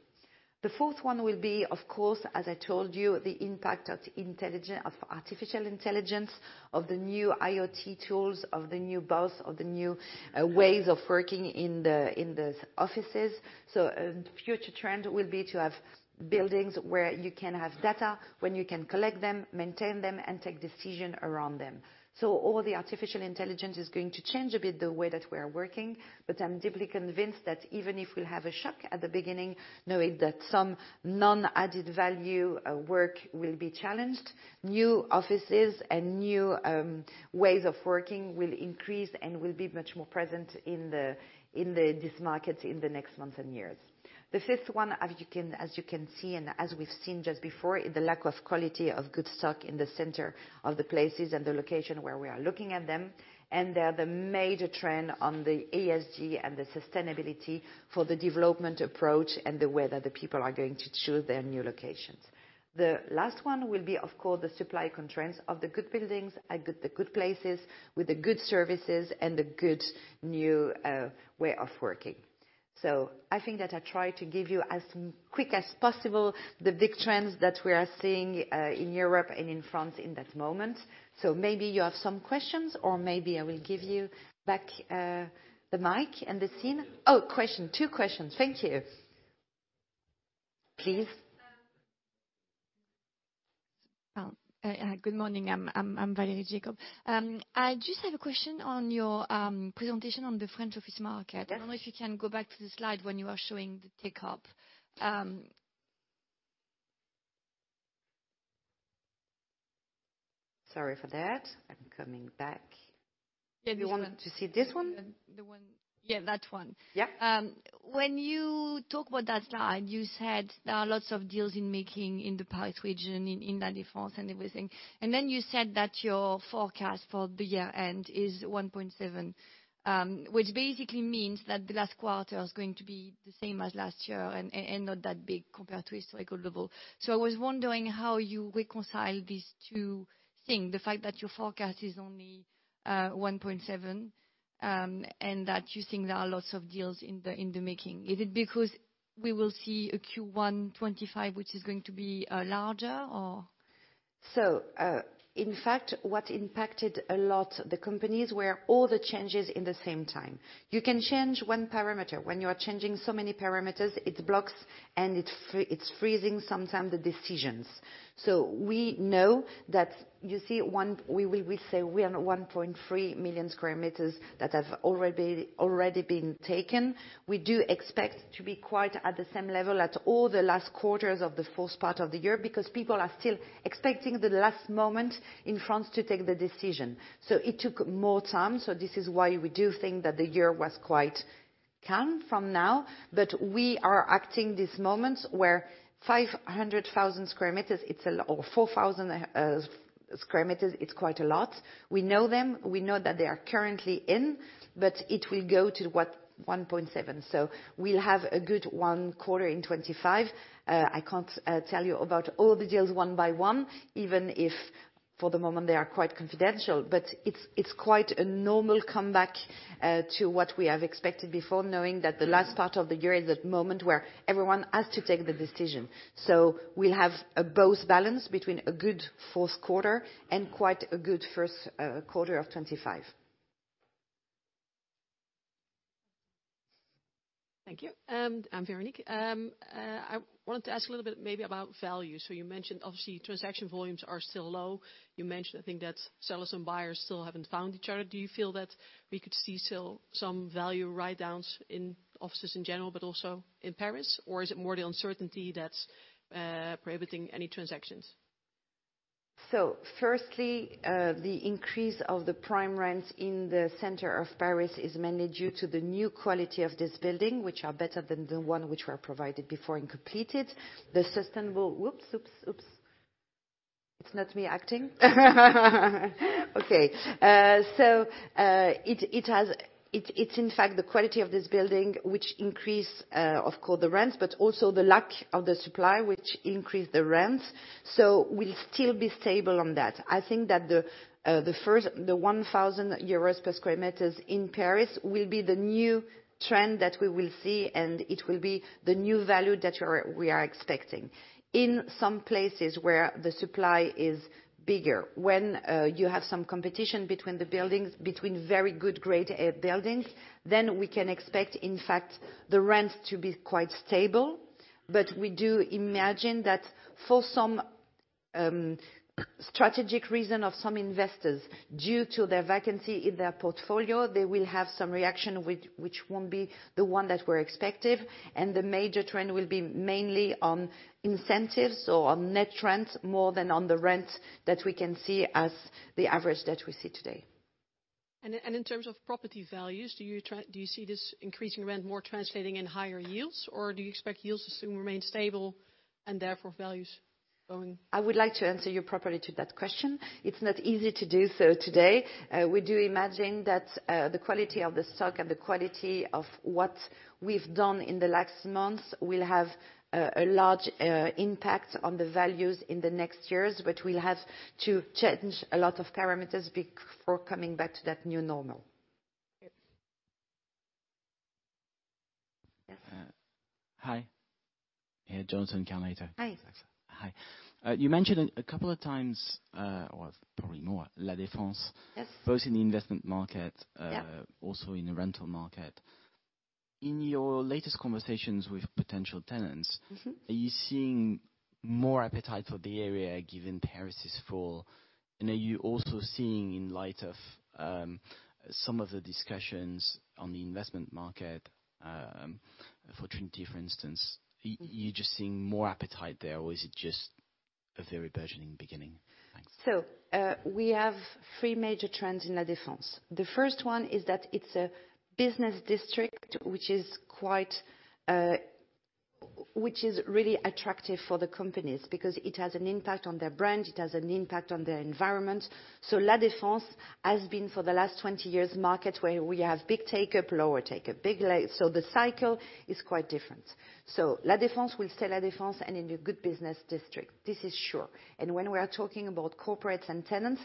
The fourth one will be, of course, as I told you, the impact of intelligence, of artificial intelligence, of the new IoT tools, of the new buzz, of the new ways of working in the offices. So a future trend will be to have buildings where you can have data when you can collect them, maintain them, and take decision around them. So all the artificial intelligence is going to change a bit the way that we are working, but I'm deeply convinced that even if we'll have a shock at the beginning, knowing that some non-added value work will be challenged, new offices and new ways of working will increase and will be much more present in this market in the next months and years. The fifth one, as you can see, and as we've seen just before, the lack of quality of good stock in the center of the places and the location where we are looking at them. They are the major trend on the ESG and the sustainability for the development approach and the way that the people are going to choose their new locations. The last one will be, of course, the supply constraints of the good buildings, the good places with the good services and the good new way of working. I think that I try to give you as quick as possible the big trends that we are seeing in Europe and in France at that moment. Maybe you have some questions, or maybe I will give you back the mic and the floor. Oh, question, two questions. Thank you. Please. Good morning. I'm Valérie Jacob. I just have a question on your presentation on the French office market. I don't know if you can go back to the slide when you are showing the take-up. Sorry for that. I'm coming back. Yeah, this one. You want to see this one? The one. Yeah, that one. Yeah. When you talk about that slide, you said there are lots of deals in the making in the Paris region, in La Défense and everything. And then you said that your forecast for the year end is 1.7, which basically means that the last quarter is going to be the same as last year and not that big compared to historical level. So I was wondering how you reconcile these two things, the fact that your forecast is only 1.7, and that you think there are lots of deals in the making. Is it because we will see a Q1 2025, which is going to be larger or? In fact, what impacted a lot the companies were all the changes in the same time. You can change one parameter. When you are changing so many parameters, it blocks and it, it's freezing sometimes the decisions. So we know that you see one, we will, we say we are 1.3 million sq m that have already, already been taken. We do expect to be quite at the same level at all the last quarters of the fourth part of the year because people are still expecting the last moment in France to take the decision. So it took more time. So this is why we do think that the year was quite calm so far, but we are at this moment where 500,000 sq m, it's a lot, or 4,000 sq m, it's quite a lot. We know them. We know that they are currently in, but it will go to what? 1.7. So we'll have a good one quarter in 2025. I can't tell you about all the deals one by one, even if for the moment they are quite confidential, but it's quite a normal comeback to what we have expected before, knowing that the last part of the year is that moment where everyone has to take the decision. So we'll have a both balance between a good fourth quarter and quite a good first quarter of 2025. Thank you. I'm Véronique. I wanted to ask a little bit maybe about value. So you mentioned obviously transaction volumes are still low. You mentioned, I think that sellers and buyers still haven't found each other. Do you feel that we could see still some value write-downs in offices in general, but also in Paris, or is it more the uncertainty that's prohibiting any transactions? So firstly, the increase of the prime rents in the center of Paris is mainly due to the new quality of this building, which are better than the one which were provided before and completed. So it has, it's in fact the quality of this building, which increase, of course the rents, but also the lack of the supply, which increased the rents. So we'll still be stable on that. I think that the first 1,000 euros per square meter in Paris will be the new trend that we will see, and it will be the new value that we are expecting in some places where the supply is bigger. When you have some competition between the buildings, between very good grade buildings, then we can expect in fact the rents to be quite stable. But we do imagine that for some strategic reason of some investors due to their vacancy in their portfolio, they will have some reaction which won't be the one that we're expecting. The major trend will be mainly on incentives or on net rents more than on the rents that we can see as the average that we see today. In terms of property values, do you see this increasing rent more translating in higher yields, or do you expect yields to still remain stable and therefore values going? I would like to answer you properly to that question. It's not easy to do so today. We do imagine that the quality of the stock and the quality of what we've done in the last months will have a large impact on the values in the next years, but we'll have to change a lot of parameters before coming back to that new normal. Yes. Hi. Yeah, Jonathan Kownator. Hi. Hi. You mentioned a couple of times, or probably more, La Défense. Yes. Both in the investment market, also in the rental market. In your latest conversations with potential tenants, are you seeing more appetite for the area given Paris is full? And are you also seeing in light of some of the discussions on the investment market, for Trinity, for instance, you're just seeing more appetite there, or is it just a very burgeoning beginning? Thanks. So, we have three major trends in La Défense. The first one is that it's a business district, which is quite, which is really attractive for the companies because it has an impact on their brand, it has an impact on their environment. So La Défense has been for the last 20 years market where we have big take-up, lower take-up, big like, so the cycle is quite different. So La Défense will stay La Défense and in a good business district. This is sure. And when we are talking about corporates and tenants,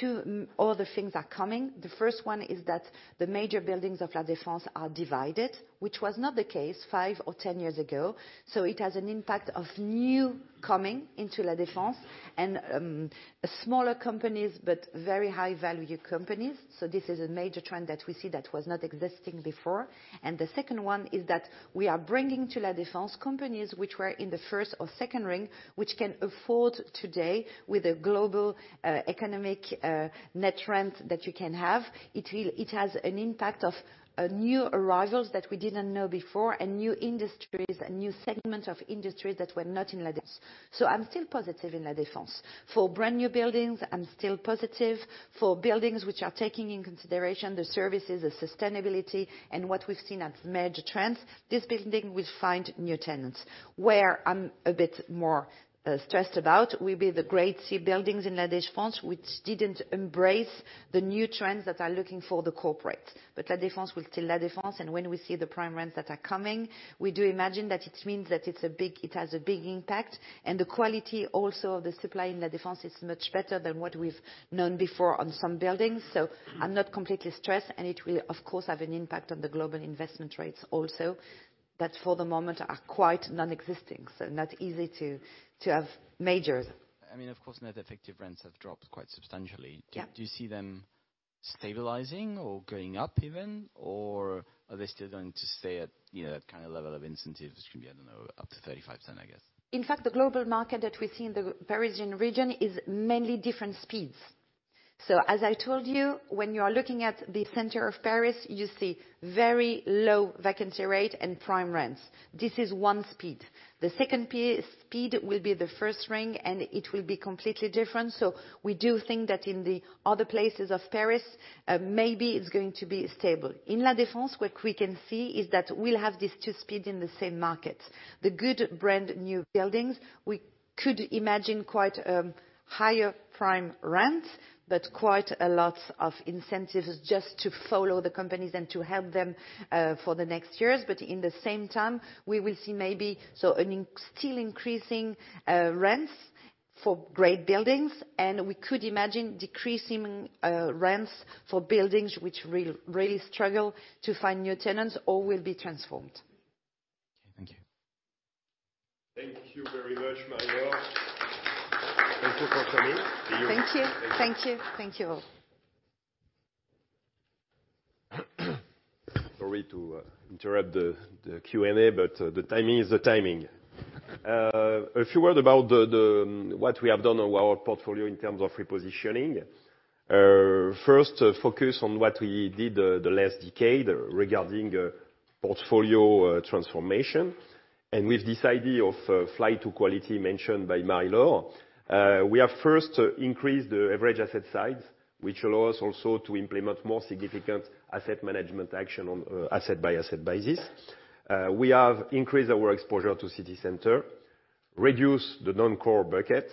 two other things are coming. The first one is that the major buildings of La Défense are divided, which was not the case five or ten years ago. So it has an impact of new coming into La Défense and, smaller companies, but very high value companies. So this is a major trend that we see that was not existing before. And the second one is that we are bringing to La Défense companies which were in the first or second ring, which can afford today with a global, economic, net rent that you can have. It will, it has an impact of, new arrivals that we didn't know before and new industries, a new segment of industries that were not in La Défense. So I'm still positive in La Défense. For brand new buildings, I'm still positive. For buildings which are taking into consideration the services, the sustainability, and what we've seen as major trends, this building will find new tenants. Where I'm a bit more stressed about will be the Grade C buildings in La Défense, which didn't embrace the new trends that the corporates are looking for, but La Défense will still La Défense, and when we see the prime rents that are coming, we do imagine that it means that it's a big, it has a big impact, and the quality also of the supply in La Défense is much better than what we've known before on some buildings, so I'm not completely stressed, and it will, of course, have an impact on the global investment rates also that for the moment are quite non-existent, so not easy to have majors. I mean, of course, net effective rents have dropped quite substantially. Yeah. Do you see them stabilizing or going up even, or are they still going to stay at, you know, that kind of level of incentive, which can be, I don't know, up to 35%, I guess? In fact, the global market that we see in the Parisian region is mainly different speeds. So as I told you, when you are looking at the center of Paris, you see very low vacancy rate and prime rents. This is one speed. The second speed will be the first ring, and it will be completely different. So we do think that in the other places of Paris, maybe it's going to be stable. In La Défense, what we can see is that we'll have these two speeds in the same market. The good brand new buildings, we could imagine quite higher prime rents, but quite a lot of incentives just to follow the companies and to help them for the next years. But in the same time, we will see maybe so an still increasing rents for great buildings, and we could imagine decreasing rents for buildings which really really struggle to find new tenants or will be transformed. Okay. Thank you. Thank you very much, Marie-Laure. Thank you for coming. Thank you. Thank you. Thank you all. Sorry to interrupt the Q&A, but the timing is the timing. A few words about the what we have done on our portfolio in terms of repositioning. First, focus on what we did the last decade regarding portfolio transformation. And with this idea of flight to quality mentioned by Marie-Laure, we have first increased the average asset size, which allows also to implement more significant asset management action on asset by asset basis. We have increased our exposure to city center, reduced the non-core bucket,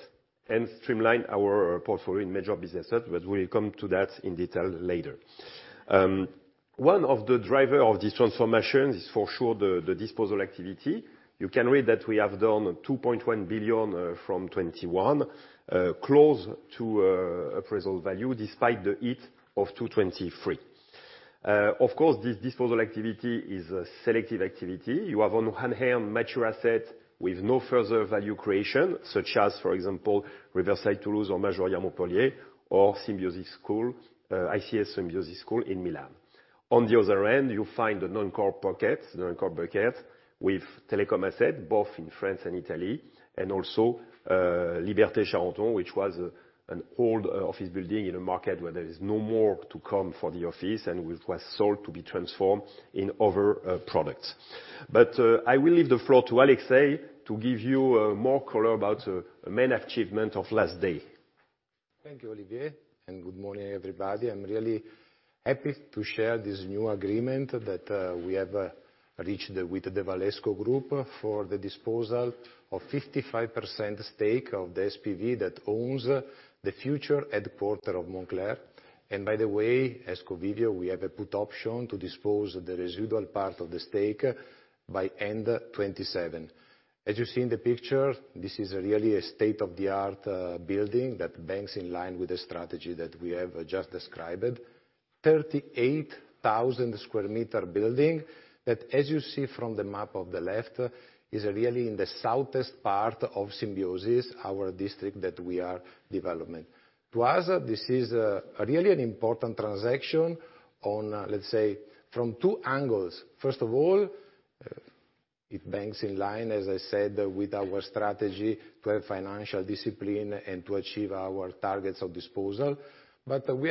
and streamlined our portfolio in major businesses, but we'll come to that in detail later. One of the drivers of this transformation is for sure the disposal activity. You can read that we have done 2.1 billion from 2021, close to appraisal value despite the hit of 223 million. Of course, this disposal activity is a selective activity. You have on one hand mature assets with no further value creation, such as, for example, Riverside Toulouse or Le Major Montpellier or ICS Symbiosis School in Milan. On the other end, you find the non-core pockets, the non-core buckets with telecom assets, both in France and Italy, and also, Liberté Charenton, which was an old office building in a market where there is no more to come for the office and which was sold to be transformed in other, products. I will leave the floor to Alexei to give you, more color about, the main achievement of last day. Thank you, Olivier, and good morning, everybody. I'm really happy to share this new agreement that, we have reached with the Valesco Group for the disposal of 55% stake of the SPV that owns the future headquarters of Moncler. And by the way, as Covivio, we have a put option to dispose of the residual part of the stake by end 2027. As you see in the picture, this is really a state-of-the-art building that aligns in line with the strategy that we have just described, 38,000 square meter building that, as you see from the map on the left, is really in the southeast part of Symbiosis, our district that we are developing. To us, this is really an important transaction on, let's say, from two angles. First of all, it aligns in line, as I said, with our strategy to have financial discipline and to achieve our targets of disposal, but we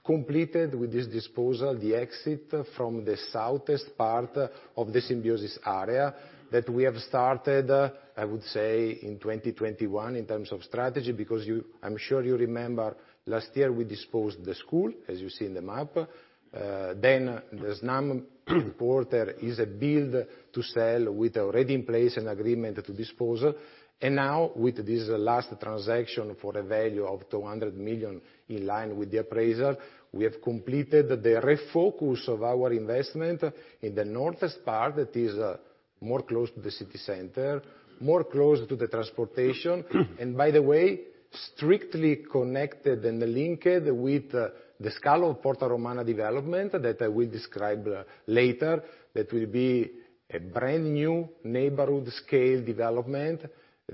have completed with this disposal the exit from the southeast part of the Symbiosis area that we have started, I would say, in 2021 in terms of strategy because you, I'm sure you remember last year we disposed the school, as you see in the map. Then the Snam Tower is a build to sell with already in place an agreement to dispose. Now, with this last transaction for a value of 200 million in line with the appraisal, we have completed the refocus of our investment in the northeast part that is, more close to the city center, more close to the transportation. By the way, strictly connected and linked with the Scalo di Porta Romana development that I will describe later, that will be a brand new neighborhood scale development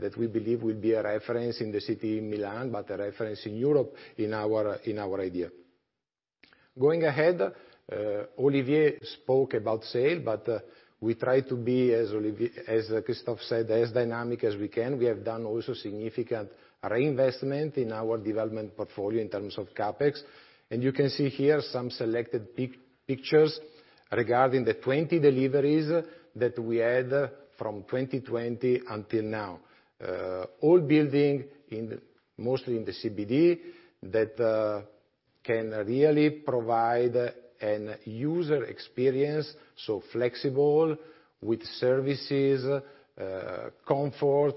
that we believe will be a reference in the city in Milan, but a reference in Europe in our idea. Going ahead, Olivier spoke about sale, but we try to be, as Olivier, as Christophe said, as dynamic as we can. We have done also significant reinvestment in our development portfolio in terms of CapEx. You can see here some selected pictures regarding the 20 deliveries that we had from 2020 until now. All buildings, mostly in the CBD, can really provide a user experience, so flexible with services, comfort,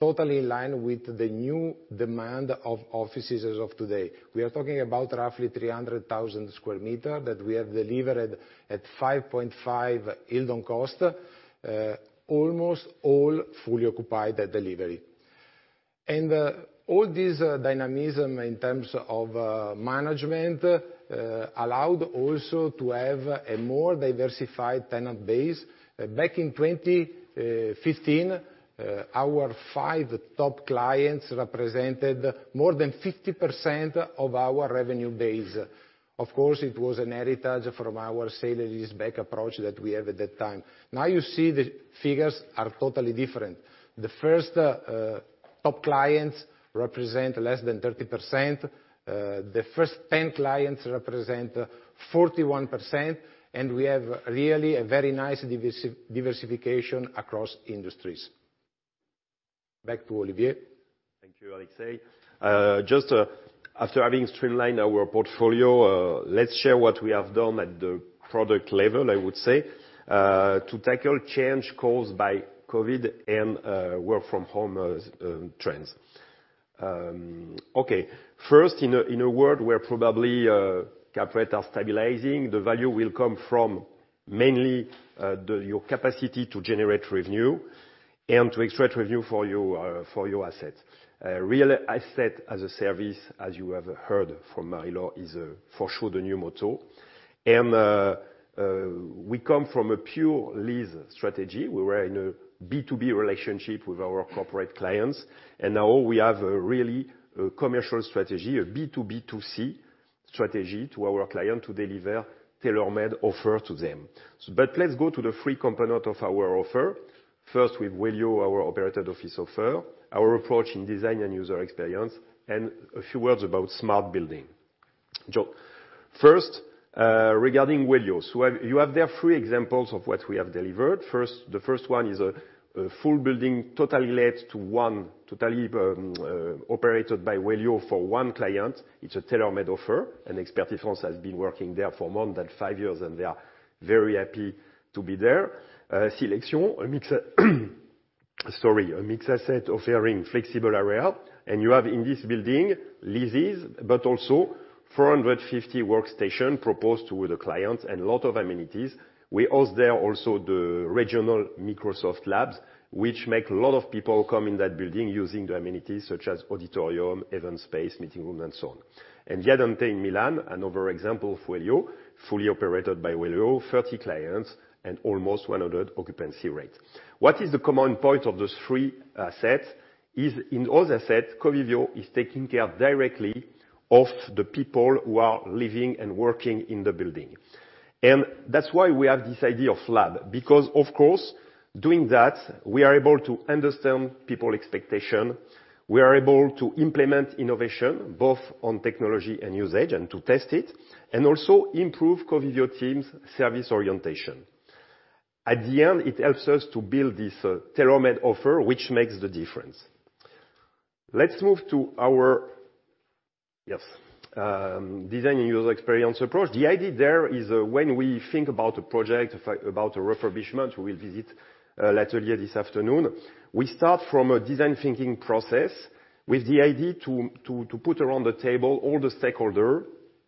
totally in line with the new demand of offices as of today. We are talking about roughly 300,000 sq m that we have delivered at 5.5% yield on cost, almost all fully occupied at delivery. All this dynamism in terms of management allowed also to have a more diversified tenant base. Back in 2015, our five top clients represented more than 50% of our revenue base. Of course, it was an heritage from our sale and leaseback approach that we have at that time. Now you see the figures are totally different. The top clients represent less than 30%. The first 10 clients represent 41%, and we have really a very nice diversification across industries. Back to Olivier. Thank you, Alexei. Just after having streamlined our portfolio, let's share what we have done at the product level, I would say, to tackle change caused by COVID and work from home trends. Okay. First, in a word, where probably cap rates are stabilizing, the value will come from mainly your capacity to generate revenue and to extract revenue for your assets. Real asset as a service, as you have heard from Marie-Laure, is for sure the new motto. And we come from a pure lease strategy. We were and almost 100% occupancy rate. What is the common point of the three assets? In those assets, Covivio is taking care directly of the people who are living and working in the building. And that's why we have this idea of lab, because of course, doing that, we are able to understand people's expectations. We are able to implement innovation both on technology and usage and to test it, and also improve Covivio team's service orientation. At the end, it helps us to build this tailor-made offer, which makes the difference. Let's move to our, yes, design and user experience approach. The idea there is when we think about a project, about a refurbishment, we'll visit L'Atelier this afternoon. We start from a design thinking process with the idea to put around the table all the stakeholders,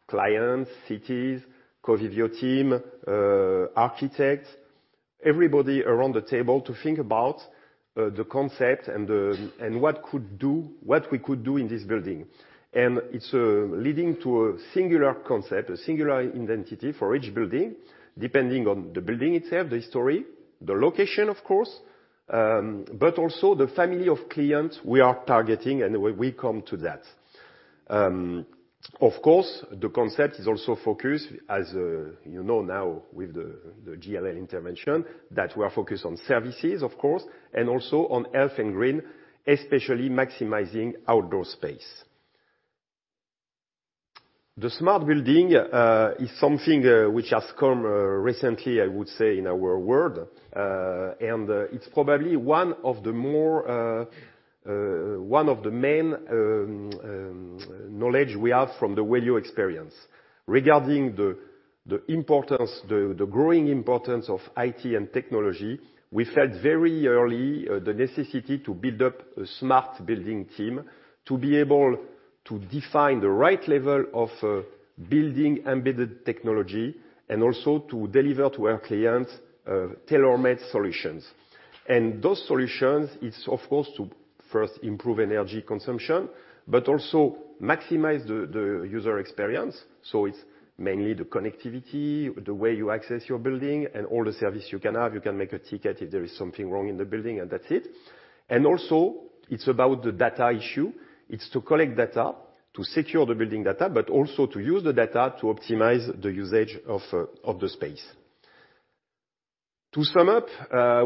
clients, cities, Covivio team, architects, everybody around the table to think about the concept and what we could do in this building, and it's leading to a singular concept, a singular identity for each building depending on the building itself, the history, the location, of course, but also the family of clients we are targeting, and we come to that. Of course, the concept is also focused as you know now with the JLL intervention that we are focused on services, of course, and also on health and green, especially maximizing outdoor space. The smart building is something which has come recently, I would say, in our world. It's probably one of the main knowledge we have from the Wellio experience regarding the growing importance of IT and technology. We felt very early the necessity to build up a smart building team to be able to define the right level of building embedded technology and also to deliver to our clients tailor-made solutions. And those solutions, it's of course to first improve energy consumption, but also maximize the user experience. So it's mainly the connectivity, the way you access your building, and all the service you can have. You can make a ticket if there is something wrong in the building, and that's it. And also, it's about the data issue. It's to collect data to secure the building data, but also to use the data to optimize the usage of the space. To sum up,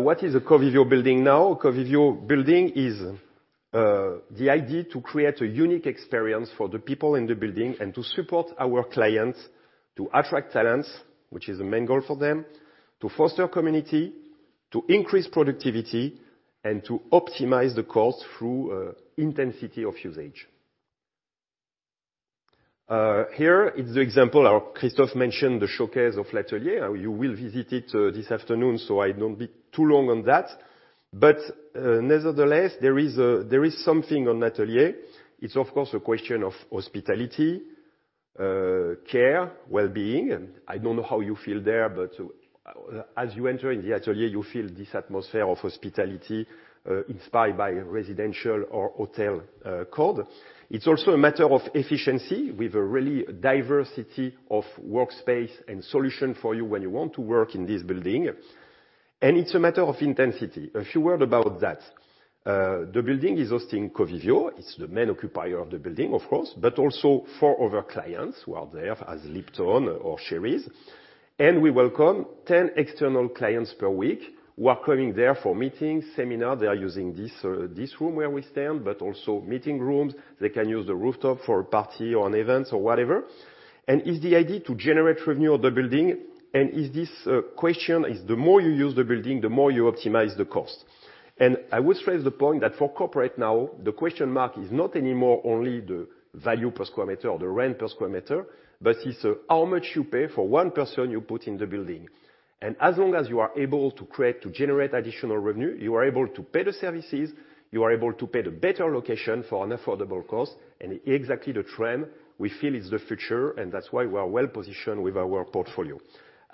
what is a Covivio building now? A Covivio building is, the idea to create a unique experience for the people in the building and to support our clients to attract talents, which is a main goal for them, to foster community, to increase productivity, and to optimize the cost through, intensity of usage. Here it's the example our Christophe mentioned, the showcase of L'Atelier. You will visit it, this afternoon, so I don't be too long on that. But, nevertheless, there is something on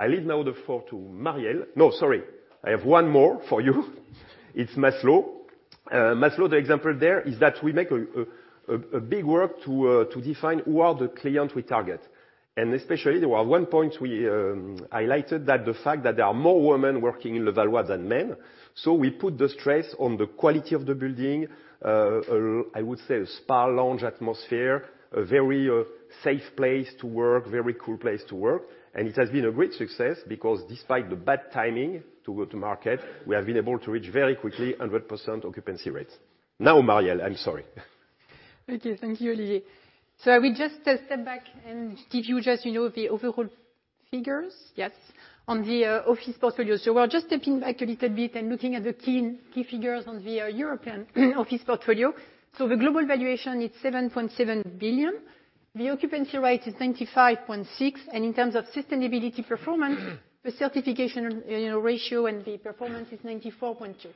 I leave now the floor to Marielle. No, sorry, I have one more for you. It's Maslow. Maslow, the example there is that we make a big work to define who are the clients we target. And especially there, we highlighted one point that the fact that there are more women working in Levallois than men. So we put the stress on the quality of the building, I would say a spa lounge atmosphere, a very safe place to work, very cool place to work. It has been a great success because despite the bad timing to go to market, we have been able to reach very quickly 100% occupancy rates. Now, Marielle, I'm sorry. Okay, thank you, Olivier. I will just step back and give you just, you know, the overall figures, yes, on the office portfolio. We're just stepping back a little bit and looking at the key, key figures on the European office portfolio. The global valuation, it's 7.7 billion. The occupancy rate is 95.6%. In terms of sustainability performance, the certification, you know, ratio and the performance is 94.2%.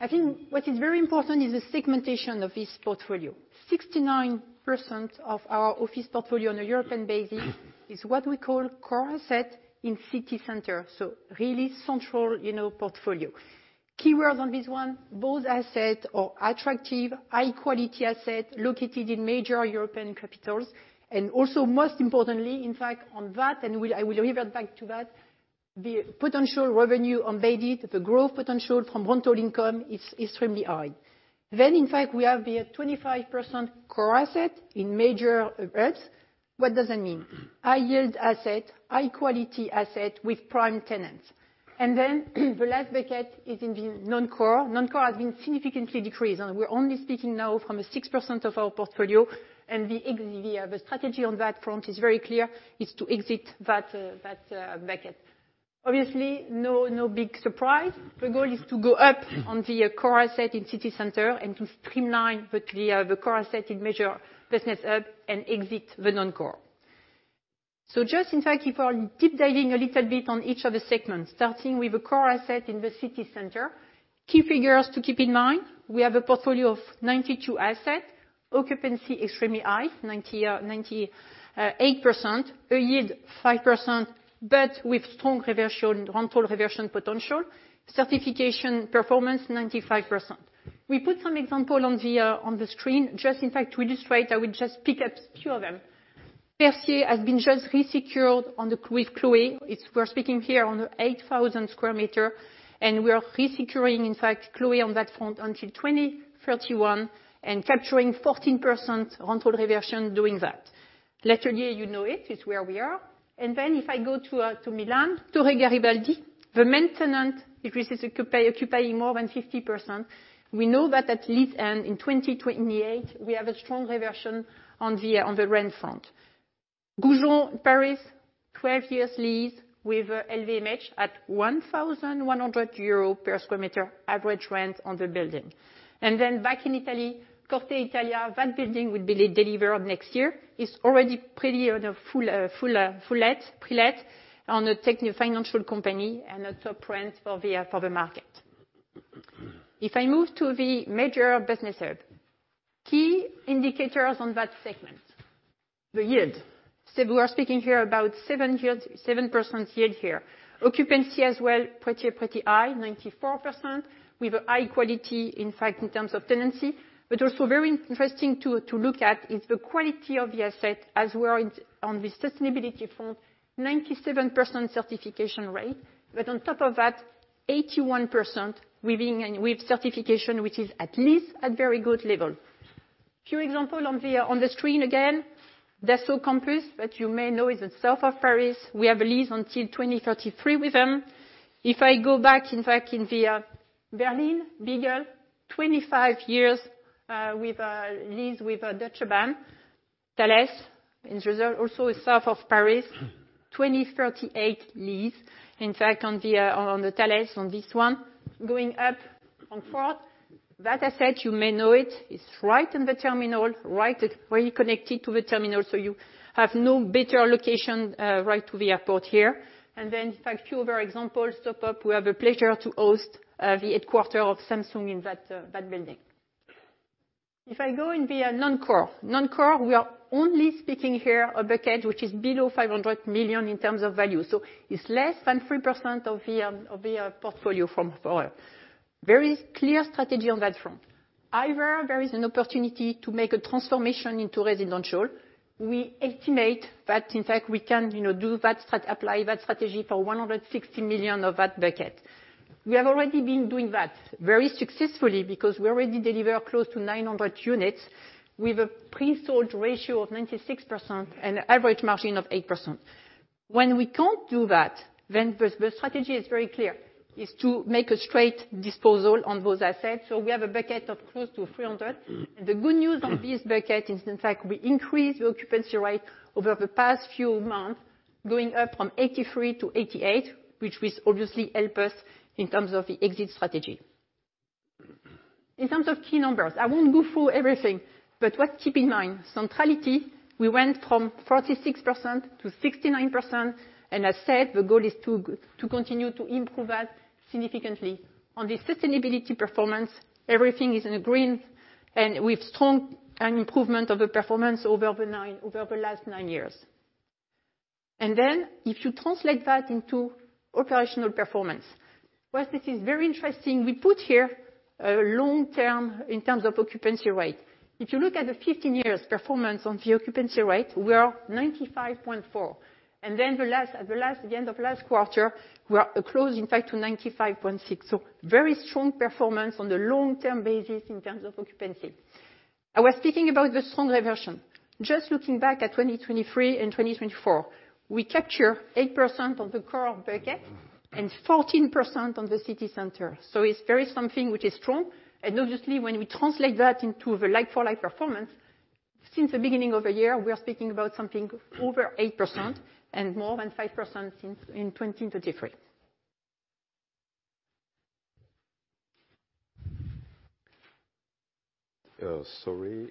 I think what is very important is the segmentation of this portfolio. 69% of our office portfolio on a European basis is what we call core asset in city center. Really central, you know, portfolio. words on this one, both assets are attractive, high-quality assets located in major European capitals. And also, most importantly, in fact, on that, I will revert back to that, the potential from reversion, the growth potential from rental income is extremely high. Then, in fact, we have the 25% core assets in major CBDs. What does that mean? High-yield assets, high-quality assets with prime tenants. And then the last bucket is in the non-core. Non-core has been significantly decreased. And we're only speaking now of 6% of our portfolio. And the strategy on that front is very clear. It's to exit that bucket. Obviously, no big surprise. The goal is to go up on the core assets in city centers and to streamline the core assets in major business CBDs and exit the non-core. So just, in fact, if we're deep diving a little bit on each of the segments, starting with the core asset in the city center, key figures to keep in mind, we have a portfolio of 92 assets, occupancy extremely high, 90-98%, a yield 5%, but with strong reversion, rental reversion potential, certification performance 95%. We put some examples on the screen, just in fact, to illustrate, I will just pick up a few of them. Percier has been just resecured with Chloé. It's, we're speaking here on 8,000 sq m, and we are resecuring, in fact, Chloé on that front until 2031 and capturing 14% rental reversion doing that. L'Atelier, you know it, is where we are. And then if I go to Milan, Torre Garibaldi, Mediobanca occupying more than 50%. We know that at least, and in 2028, we have a strong reversion on the rent front. Goujon, Paris, 12 years lease with LVMH at 1,100 euros per square meter average rent on the building. And then back in Italy, Corte Italia, that building will be delivered next year. It's already pretty on a full let, pre-let on a tech financial company and a top rent for the market. If I move to the major business EPS, key indicators on that segment, the yield. So we're speaking here about 7% yield here. Occupancy as well, pretty high, 94% with a high quality, in fact, in terms of tenancy. But also very interesting to look at is the quality of the asset as we're in on the sustainability front, 97% certification rate. But on top of that, 81% within, with certification, which is at least at very good level. Few examples on the, on the screen again, Dassault Campus, but you may know it's the south of Paris. We have a lease until 2033 with them. If I go back, in fact, in the Berlin, Biegel, 25 years, with a lease with a Deutsche Bahn, Thales, in also south of Paris, 2038 lease. In fact, on the, on the Thales on this one, going up Frankfurt, that asset, you may know it, is right in the terminal, right, very connected to the terminal. So you have no better location, right to the airport here. And then, in fact, a few other examples, top-up, we have the pleasure to host, the headquarters of Samsung in that, that building. If I go in the non-core, we are only speaking here a bucket which is below 500 million in terms of value. So it's less than 3% of the portfolio from forever. Very clear strategy on that front. Either there is an opportunity to make a transformation into residential. We estimate that, in fact, we can, you know, do that, apply that strategy for 160 million of that bucket. We have already been doing that very successfully because we already deliver close to 900 units with a pre-sold ratio of 96% and an average margin of 8%. When we can't do that, then the strategy is very clear, is to make a straight disposal on those assets. So we have a bucket of close to 300. The good news on this bucket is, in fact, we increased the occupancy rate over the past few months, going up from 83%-88%, which will obviously help us in terms of the exit strategy. In terms of key numbers, I won't go through everything, but what to keep in mind, centrality, we went from 46%-69%. As said, the goal is to continue to improve that significantly. On the sustainability performance, everything is in green and with strong improvement of the performance over the last nine years. If you translate that into operational performance, what this is very interesting, we put here a long-term in terms of occupancy rate. If you look at the 15 years performance on the occupancy rate, we are 95.4%. Then the end of last quarter, we are close, in fact, to 95.6%. So very strong performance on the long-term basis in terms of occupancy. I was speaking about the strong reversion. Just looking back at 2023 and 2024, we capture 8% of the core bucket and 14% on the city center. So it's very something which is strong. And obviously, when we translate that into the like-for-like performance, since the beginning of the year, we are speaking about something over 8% and more than 5% since in 2023. Sorry,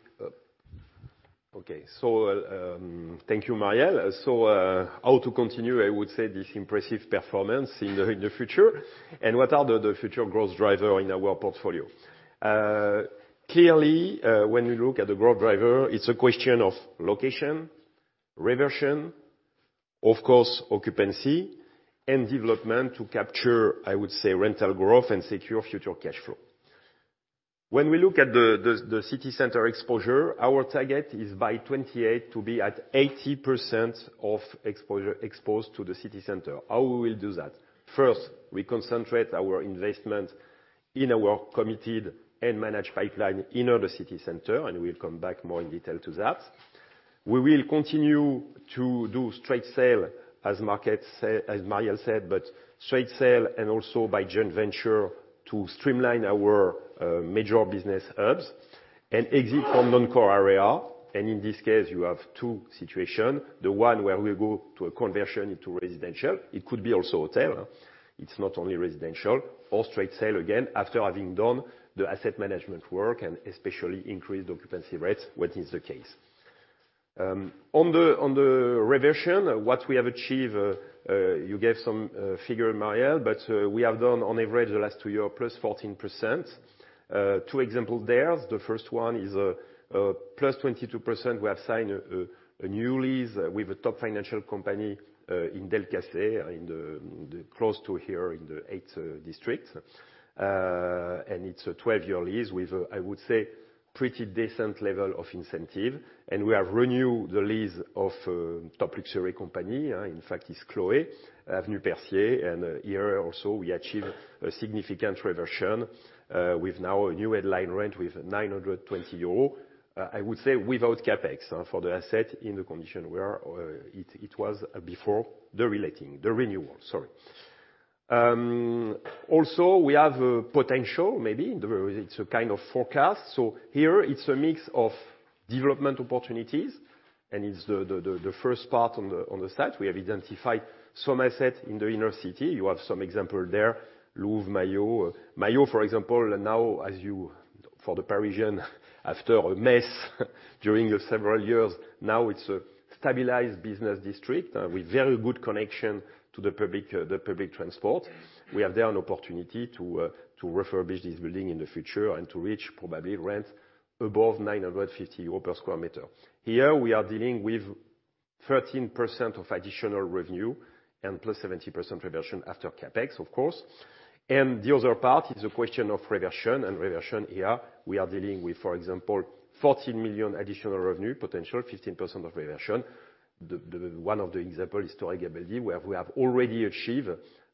okay. So, thank you, Marielle. How to continue, I would say, this impressive performance in the future and what are the future growth driver in our portfolio? Clearly, when we look at the growth driver, it's a question of location, reversion, of course, occupancy, and development to capture, I would say, rental growth and secure future cash flow. When we look at the city center exposure, our target is by 2028 to be at 80% of exposure exposed to the city center. How will we do that? First, we concentrate our investment in our committed and managed pipeline in the city center, and we'll come back more in detail to that. We will continue to do straight sale as market said, as Marielle said, but straight sale and also by joint venture to streamline our major business EPS and exit from non-core area. And in this case, you have two situations. The one where we go to a conversion into residential. It could be also hotel. It's not only residential or straight sale again after having done the asset management work and especially increased occupancy rates, when it's the case. On the reversion, what we have achieved, you gave some figure, Marielle, but we have done on average the last two years, 14%. Two examples there. The first one is 22%. We have signed a new lease with a top financial company, in La Défense in the close to here in the 8th district. And it's a 12-year lease with a, I would say, pretty decent level of incentive. And we have renewed the lease of a top luxury company, in fact, it's Chloé Avenue Percier. And here also, we achieved a significant reversion, with now a new headline rent with 920 euros, I would say without CapEx, for the asset in the condition where it was before the reletting, the renewal, sorry. Also, we have a potential maybe in the. It's a kind of forecast. So here, it's a mix of development opportunities, and it's the first part on the site. We have identified some assets in the inner city. You have some examples there, Louvre, Maillot. Maillot, for example, now, as you for the Parisian, after a mess during several years, now it's a stabilized business district with very good connection to the public transport. We have there an opportunity to refurbish this building in the future and to reach probably rent above 950 euros per square meter. Here, we are dealing with 13% of additional revenue and plus 70% reversion after CapEx, of course. And the other part is a question of reversion. And reversion here, we are dealing with, for example, 14 million additional revenue potential, 15% of reversion. The one of the example is Torre Garibaldi, where we have already achieved,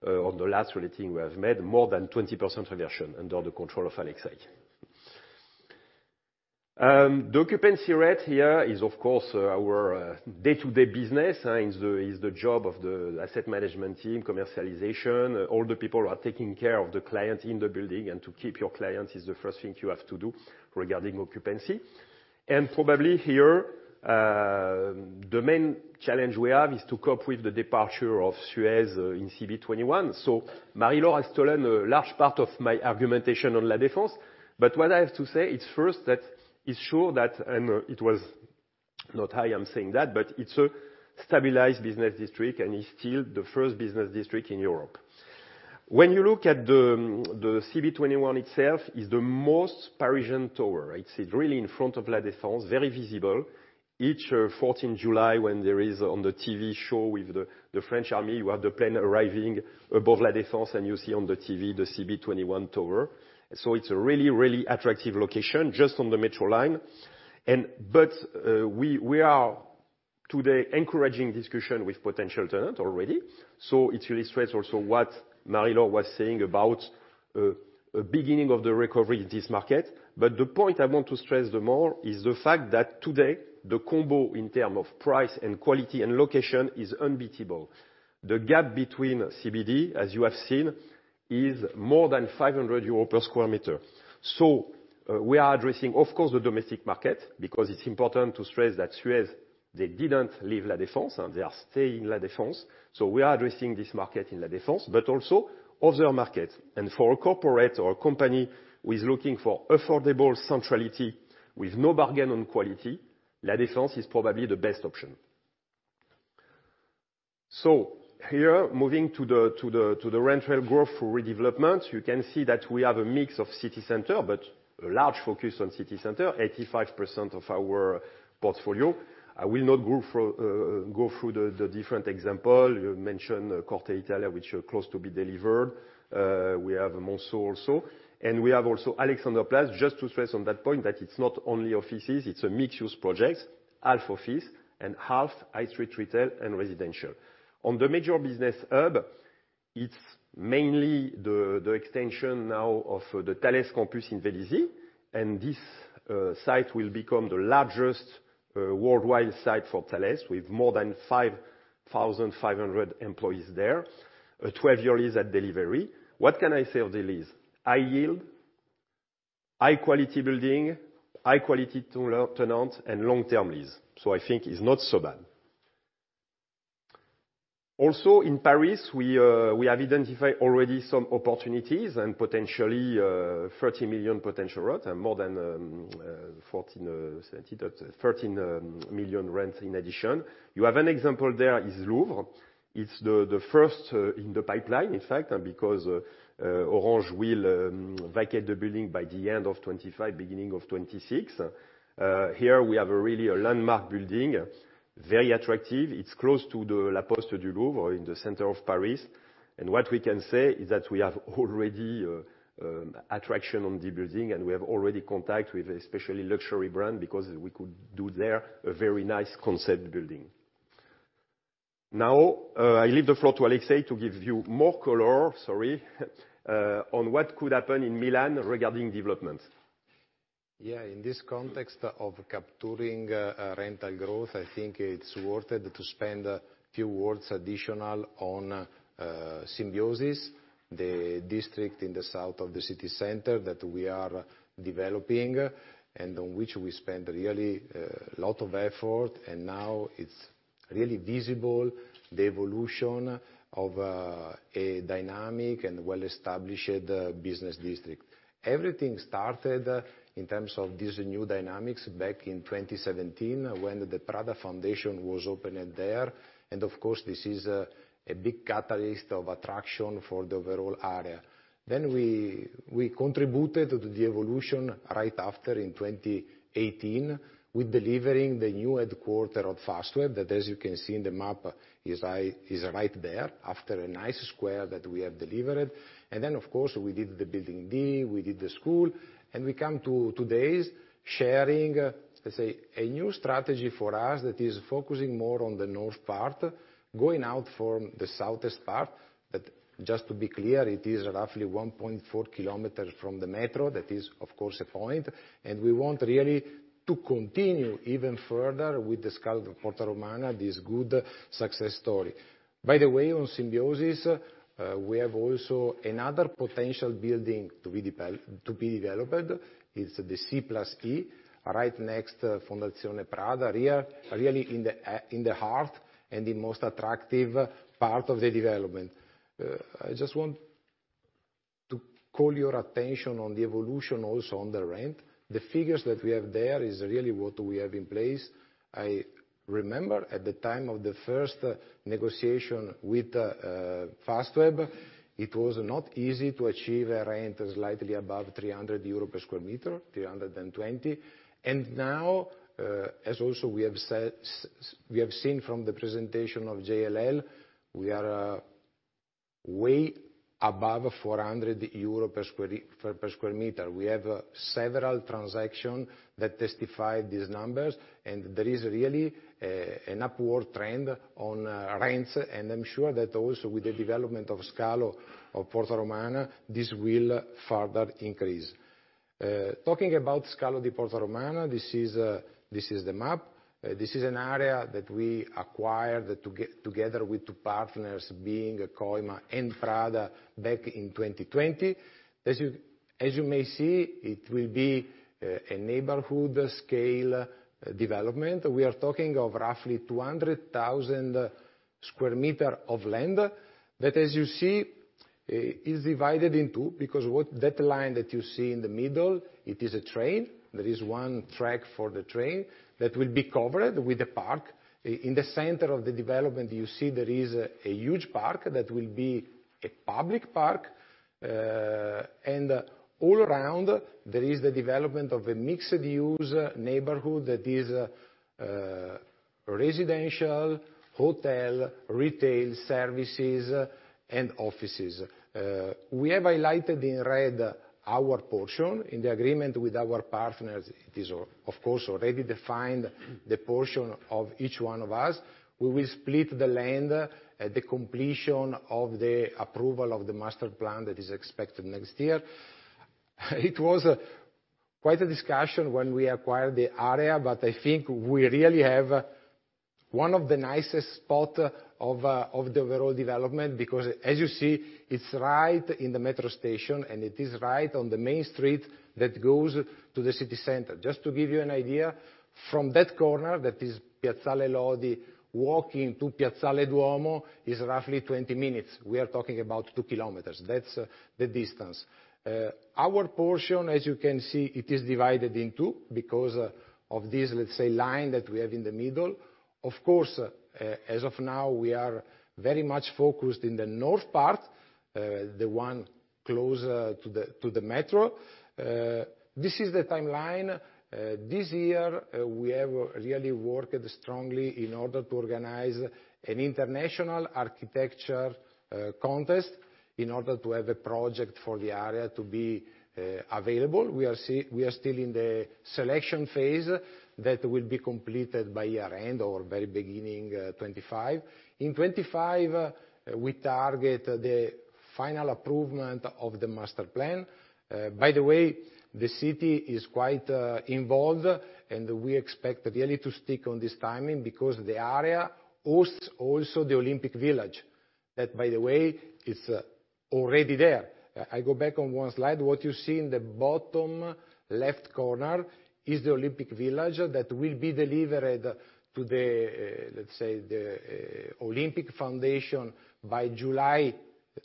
on the last reletting, we have made more than 20% reversion under the control of Alexei. The occupancy rate here is, of course, our day-to-day business, is the job of the asset management team, commercialization. All the people are taking care of the client in the building, and to keep your clients is the first thing you have to do regarding occupancy. And probably here, the main challenge we have is to cope with the departure of Suez in CB21. So Marie-Laure has stolen a large part of my argumentation on La Défense. But what I have to say, it's first that it's sure that, and it was not high, I'm saying that, but it's a stabilized business district, and it's still the first business district in Europe. When you look at the CB21 itself, it's the most Parisian tower. It's really in front of La Défense, very visible. Each 14th of July, when there is on the TV show with the French army, you have the plane arriving above La Défense, and you see on the TV the CB21 tower. So it's a really, really attractive location just on the metro line. But we are today encouraging discussion with potential tenant already. So it illustrates also what Marie-Laure was saying about a beginning of the recovery in this market. But the point I want to stress the more is the fact that today, the combo in terms of price and quality and location is unbeatable. The gap between CBD, as you have seen, is more than EUR 500 per sq m. So, we are addressing, of course, the domestic market because it's important to stress that Suez, they didn't leave La Défense. They are staying in La Défense. So we are addressing this market in La Défense, but also other markets. And for a corporate or a company who is looking for affordable centrality with no bargain on quality, La Défense is probably the best option. So here, moving to the rental growth for redevelopment, you can see that we have a mix of city center, but a large focus on city center, 85% of our portfolio. I will not go through the different examples. You mentioned Corte Italia, which are close to be delivered. We have Monceau also. And we have also Alexanderplatz, just to stress on that point that it's not only offices. It's a mixed-use project, half office, and half high street retail and residential. On the major business assets, it's mainly the extension now of the Thales campus in Vélizy. And this site will become the largest worldwide site for Thales with more than five,500 employees there, a 12-year lease at delivery. What can I say of the lease? High yield, high-quality building, high-quality tenant, and long-term lease. So I think it's not so bad. Also, in Paris, we have identified already some opportunities and potentially 30 million potential rent and more than 147 million rent in addition. You have an example there, is Louvre. It's the first in the pipeline, in fact, and because Orange will vacate the building by the end of 2025, beginning of 2026. Here we have a really landmark building, very attractive. It's close to the La Poste du Louvre in the center of Paris. What we can say is that we have already attraction on the building, and we have already contact with especially luxury brand because we could do there a very nice concept building. Now, I leave the floor to Alexei to give you more color, sorry, on what could happen in Milan regarding development. Yeah, in this context of capturing rental growth, I think it's worth it to spend a few additional words on Symbiosis, the district in the south of the city center that we are developing and on which we spend really a lot of effort. Now it's really visible the evolution of a dynamic and well-established business district. Everything started in terms of these new dynamics back in 2017 when the Prada Foundation was opened there. Of course, this is a big catalyst of attraction for the overall area. We, we contributed to the evolution right after in 2018 with delivering the new headquarters of Fastweb that, as you can see in the map, is right there after a nice square that we have delivered. Then, of course, we did the Building D, we did the school, and we come to today's sharing, let's say, a new strategy for us that is focusing more on the north part, going out from the southeast part. That just to be clear, it is roughly 1.4 km from the metro. That is, of course, a point. We want really to continue even further with the Scalo Porta Romana, this good success story. By the way, on Symbiosis, we have also another potential building to be developed. It's the C + E right next to Fondazione Prada, really, really in the, in the heart and the most attractive part of the development. I just want to call your attention on the evolution also on the rent. The figures that we have there is really what we have in place. I remember at the time of the first negotiation with Fastweb, it was not easy to achieve a rent slightly above 300 euros per sq m, 320. And now, as also we have said, we have seen from the presentation of JLL, we are way above 400 euro per sq m. We have several transactions that testify these numbers, and there is really an upward trend on rents, and I'm sure that also with the development of Scalo di Porta Romana, this will further increase. Talking about Scalo di Porta Romana, this is the map. This is an area that we acquired together with two partners being COIMA and Prada back in 2020. As you may see, it will be a neighborhood scale development. We are talking of roughly 200,000 square meters of land that, as you see, is divided in two because what that line that you see in the middle, it is a train. There is one track for the train that will be covered with the park. In the center of the development, you see there is a huge park that will be a public park. And all around, there is the development of a mixed-use neighborhood that is residential, hotel, retail services, and offices. We have highlighted in red our portion in the agreement with our partners. It is, of course, already defined the portion of each one of us. We will split the land at the completion of the approval of the master plan that is expected next year. It was quite a discussion when we acquired the area, but I think we really have one of the nicest spots of the overall development because, as you see, it's right in the metro station, and it is right on the main street that goes to the city center. Just to give you an idea, from that corner that is Piazzale Lodi, walking to Piazzale Duomo is roughly 20 minutes. We are talking about two kilometers. That's the distance. Our portion, as you can see, it is divided in two because of this, let's say, line that we have in the middle. Of course, as of now, we are very much focused in the north part, the one closer to the, to the metro. This is the timeline. This year, we have really worked strongly in order to organize an international architecture contest in order to have a project for the area to be available. We are still, we are still in the selection phase that will be completed by year-end or very beginning 2025. In 2025, we target the final approval of the master plan. By the way, the city is quite involved, and we expect really to stick on this timing because the area hosts also the Olympic Village. That, by the way, it's already there. I go back on one slide. What you see in the bottom left corner is the Olympic Village that will be delivered to the, let's say, Olympic Foundation by July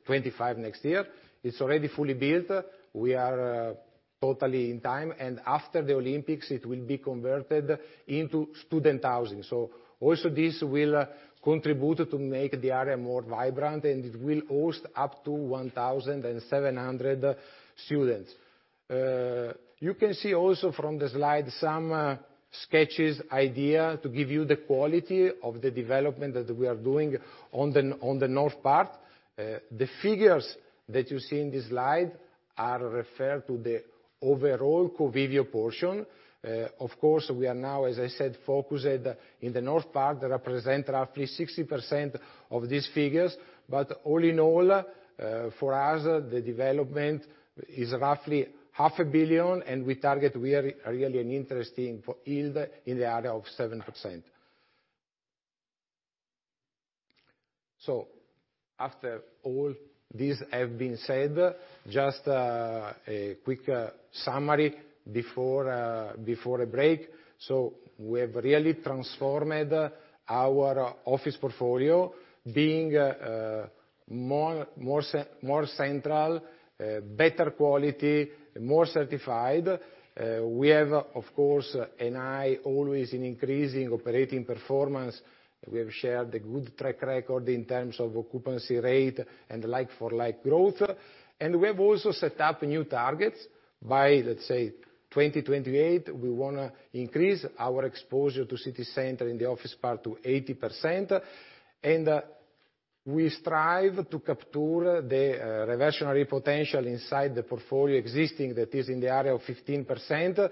2025 next year. It's already fully built. We are totally on time. After the Olympics, it will be converted into student housing. So also, this will contribute to make the area more vibrant, and it will host up to 1,700 students. You can see also from the slide some sketches, ideas to give you the quality of the development that we are doing on the north part. The figures that you see in this slide are referred to the overall Covivio portion. Of course, we are now, as I said, focused in the north part that represents roughly 60% of these figures. But all in all, for us, the development is roughly 500 million, and we target we are really an interesting yield in the area of 7%. So after all these have been said, just a quick summary before a break. So we have really transformed our office portfolio being more central, better quality, more certified. We have, of course, an always increasing operating performance. We have shared the good track record in terms of occupancy rate and like-for-like growth. And we have also set up new targets by, let's say, 2028. We want to increase our exposure to city center in the office part to 80%. And we strive to capture the revolutionary potential inside the existing portfolio that is in the area of 15%,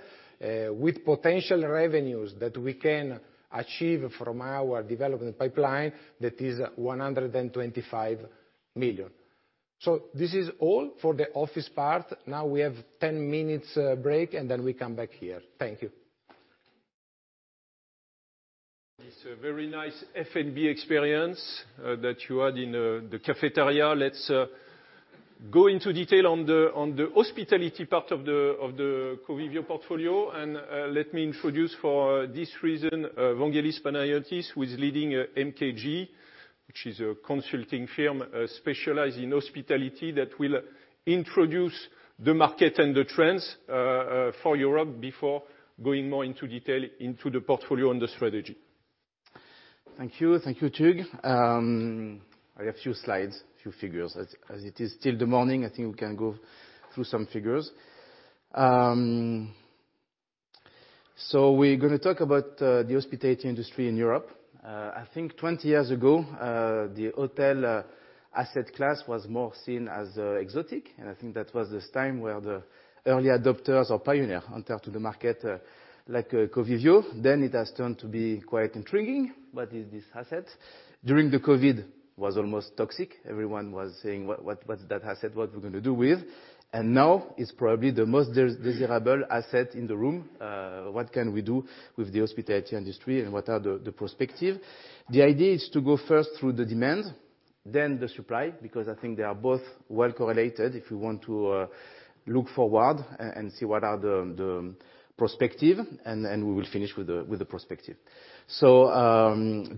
with potential revenues that we can achieve from our development pipeline that is 125 million. So this is all for the office part. Now we have 10 minutes break, and then we come back here. Thank you. It's a very nice F&B experience that you had in the cafeteria. Let's go into detail on the, on the hospitality part of the, of the Covivio portfolio. And let me introduce for this reason Vanguelis Panayotis who is leading MKG, which is a consulting firm specialized in hospitality that will introduce the market and the trends, for Europe before going more into detail into the portfolio and the strategy. Thank you. Thank you, Tug. I have a few slides, a few figures. As it is still the morning, I think we can go through some figures. So we're going to talk about the hospitality industry in Europe. I think 20 years ago, the hotel asset class was more seen as exotic. I think that was the time where the early adopters or pioneers entered to the market like Covivio. Then it has turned to be quite intriguing. What is this asset? During the COVID, it was almost toxic. Everyone was saying, "What, what, what's that asset? What are we going to do with it?" And now it's probably the most desirable asset in the room. What can we do with the hospitality industry and what are the prospects? The idea is to go first through the demand, then the supply, because I think they are both well correlated if we want to look forward and see what are the prospects. We will finish with the prospects. So,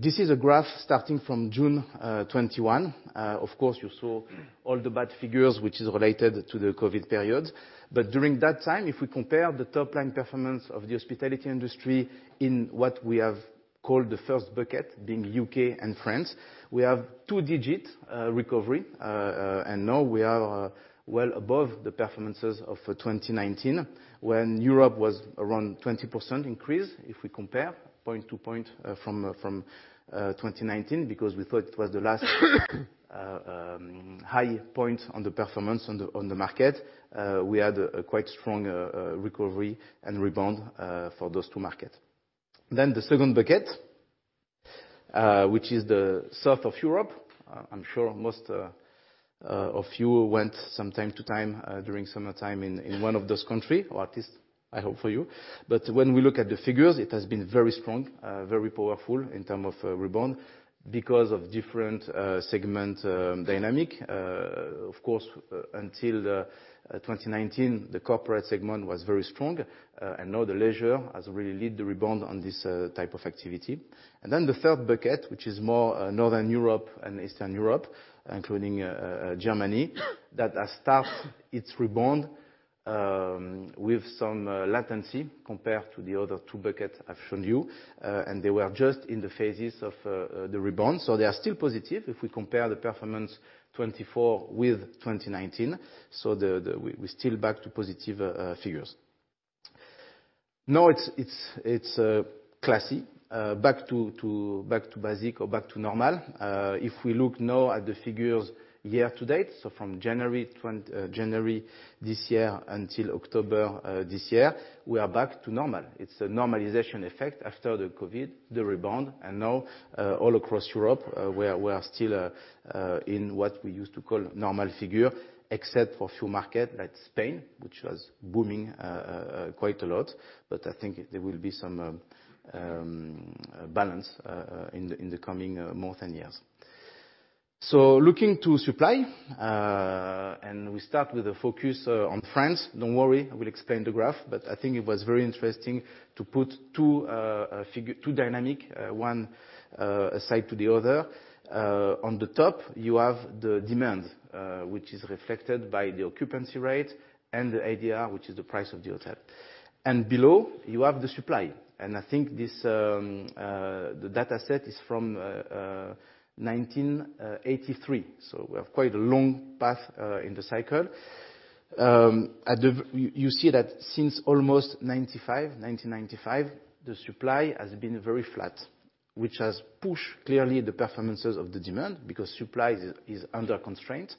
this is a graph starting from June 2021. Of course, you saw all the bad figures, which is related to the COVID period. But during that time, if we compare the top-line performance of the hospitality industry in what we have called the first bucket, being U.K. and France, we have two-digit recovery. And now we are well above the performances of 2019 when Europe was around 20% increase if we compare point to point from 2019, because we thought it was the last high point on the performance on the market. We had a quite strong recovery and rebound for those two markets. Then the second bucket, which is the south of Europe. I'm sure most of you went from time to time during summertime in one of those countries, or at least I hope for you. But when we look at the figures, it has been very strong, very powerful in terms of rebound because of different segment dynamic. Of course, until 2019, the corporate segment was very strong, and now the leisure has really led the rebound on this type of activity, and then the third bucket, which is more northern Europe and Eastern Europe, including Germany, that has started its rebound with some latency compared to the other two buckets I've shown you, and they were just in the phases of the rebound, so they are still positive if we compare the performance 2024 with 2019. So the, we're still back to positive figures. No, it's classic back to basics or back to normal. If we look now at the figures year-to-date, so from January 2020, January this year until October this year, we are back to normal. It's a normalization effect after the COVID, the rebound. And now, all across Europe, we are still in what we used to call normal figure, except for a few markets like Spain, which was booming quite a lot. But I think there will be some balance in the coming months and years. So looking to supply, and we start with a focus on France. Don't worry, I will explain the graph. But I think it was very interesting to put two figures, two dynamics, one aside to the other. On the top, you have the demand, which is reflected by the occupancy rate and the ADR, which is the price of the hotel. And below, you have the supply. And I think this, the data set is from 1983. So we have quite a long path in the cycle. At the, you see that since almost 1995, the supply has been very flat, which has pushed clearly the performances of the demand because supply is under constraint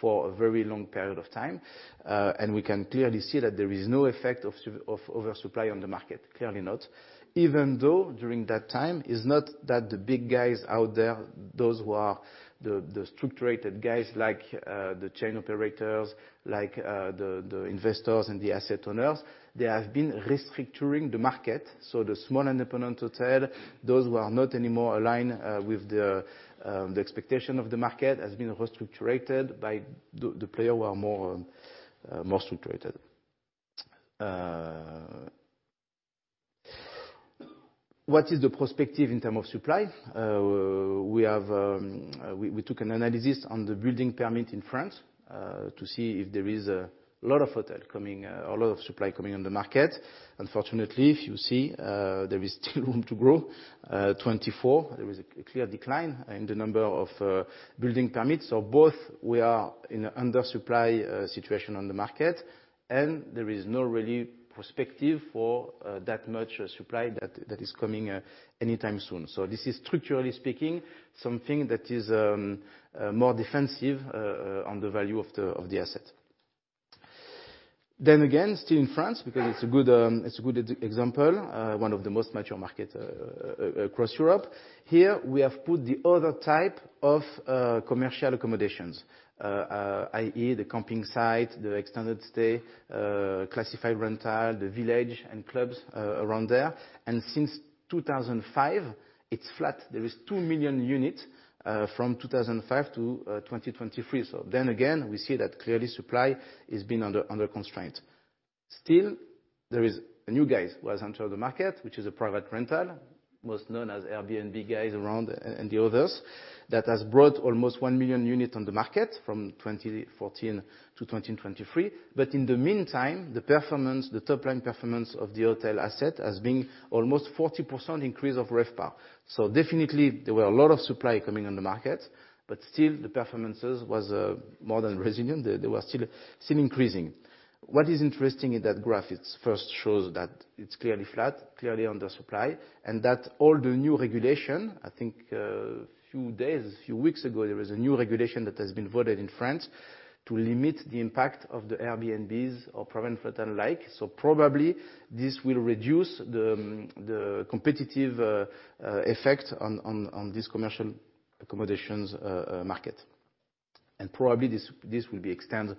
for a very long period of time. And we can clearly see that there is no effect of oversupply on the market, clearly not, even though during that time, it's not that the big guys out there, those who are the structured guys like the chain operators like the investors and the asset owners, they have been restructuring the market. So the small independent hotel, those who are not anymore aligned with the expectation of the market has been restructured by the players who are more structured. What is the prospects in terms of supply? We took an analysis on the building permit in France to see if there is a lot of hotel coming or a lot of supply coming on the market. Unfortunately, if you see, there is still room to grow. 2024, there is a clear decline in the number of building permits. So both we are in an undersupply situation on the market, and there is no really prospective for that much supply that is coming anytime soon. So this is, structurally speaking, something that is more defensive on the value of the asset. Then again, still in France, because it is a good example, one of the most mature markets across Europe. Here, we have put the other type of commercial accommodations, i.e., the camping site, the extended stay, classified rental, the village and clubs, around there. Since 2005, it is flat. There is 2 million units from 2005 to 2023. So then again, we see that clearly supply has been under constraint. Still, there is a new guy who has entered the market, which is a private rental, most known as Airbnb guys around and the others that has brought almost 1 million units on the market from 2014 to 2023. But in the meantime, the performance, the top-line performance of the hotel asset has been almost 40% increase of RevPAR. So definitely, there were a lot of supply coming on the market, but still, the performances was more than resilient. They were still increasing. What is interesting in that graph, it first shows that it's clearly flat, clearly undersupply, and that all the new regulation, I think, a few days, a few weeks ago, there was a new regulation that has been voted in France to limit the impact of the Airbnbs or private hotel like. So probably this will reduce the competitive effect on this commercial accommodations market. And probably this will be extended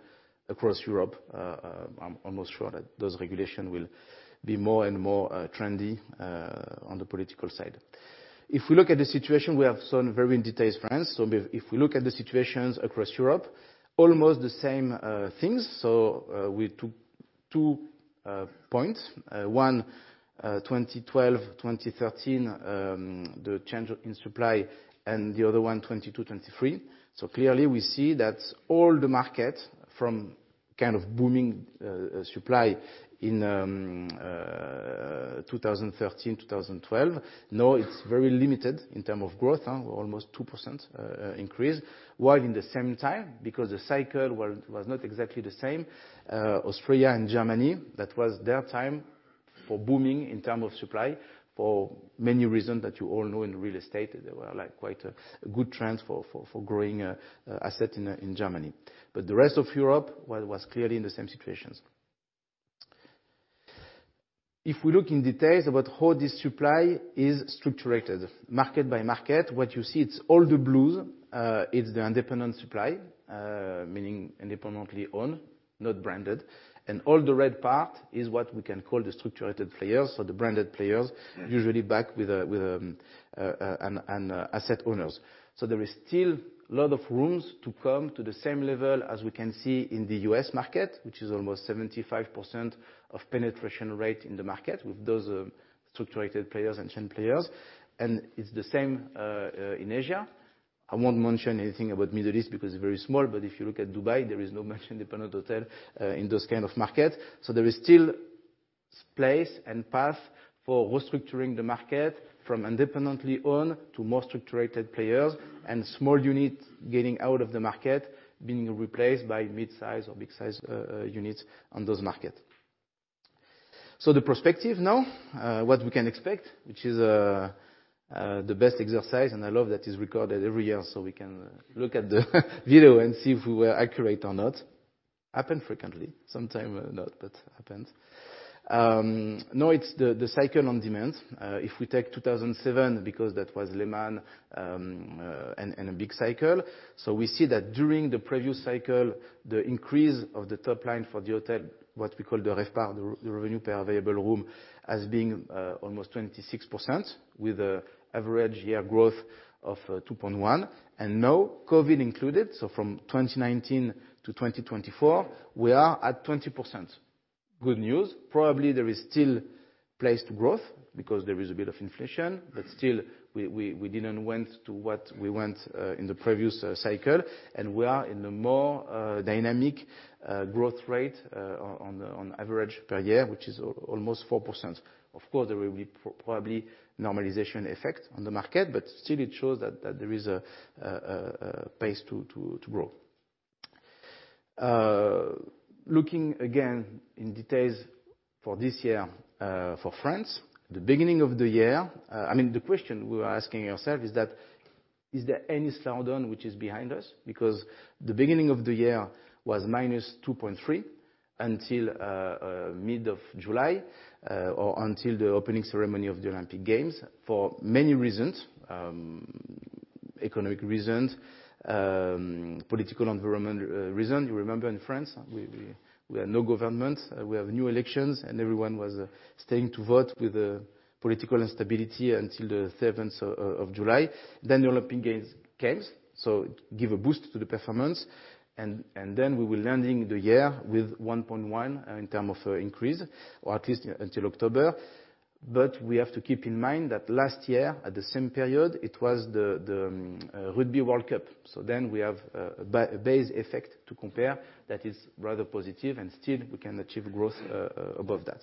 across Europe. I'm almost sure that those regulations will be more and more trendy on the political side. If we look at the situation, we have seen very in detail France. So if we look at the situations across Europe, almost the same things. So we took two points: one, 2012, 2013, the change in supply, and the other one, 2022, 2023. So clearly, we see that all the market from kind of booming supply in 2013, 2012, now it's very limited in terms of growth, almost 2% increase. While in the same time, because the cycle was not exactly the same, Austria and Germany, that was their time for booming in terms of supply for many reasons that you all know in real estate. There were like quite a good trends for growing assets in Germany. But the rest of Europe was clearly in the same situations. If we look in details about how this supply is structured, market by market, what you see, it's all the blues, it's the independent supply, meaning independently owned, not branded. And all the red part is what we can call the structured players. So the branded players usually back with an asset owners. So there is still a lot of rooms to come to the same level as we can see in the U.S. market, which is almost 75% of penetration rate in the market with those structured players and chain players. And it's the same in Asia. I won't mention anything about Middle East because it's very small. But if you look at Dubai, there is not much independent hotel in those kind of markets. So there is still space and path for restructuring the market from independently owned to more structured players and small units getting out of the market, being replaced by mid-size or big-size units on those markets. So the prospects now, what we can expect, which is the best exercise, and I love that it's recorded every year so we can look at the video and see if we were accurate or not. Happened frequently. Sometimes not, but happened. No, it's the cycle on demand. If we take 2007, because that was Lehman, and a big cycle. So we see that during the previous cycle, the increase of the top line for the hotel, what we call the RevPAR, the revenue per available room, has been almost 26% with an average year growth of 2.1%. And now, COVID included, so from 2019-2024, we are at 20%. Good news. Probably there is still place to growth because there is a bit of inflation, but still we didn't went to we have to keep in mind that last year, at the same period, it was the Rugby World Cup. So then we have a base effect to compare that is rather positive, and still we can achieve growth above that.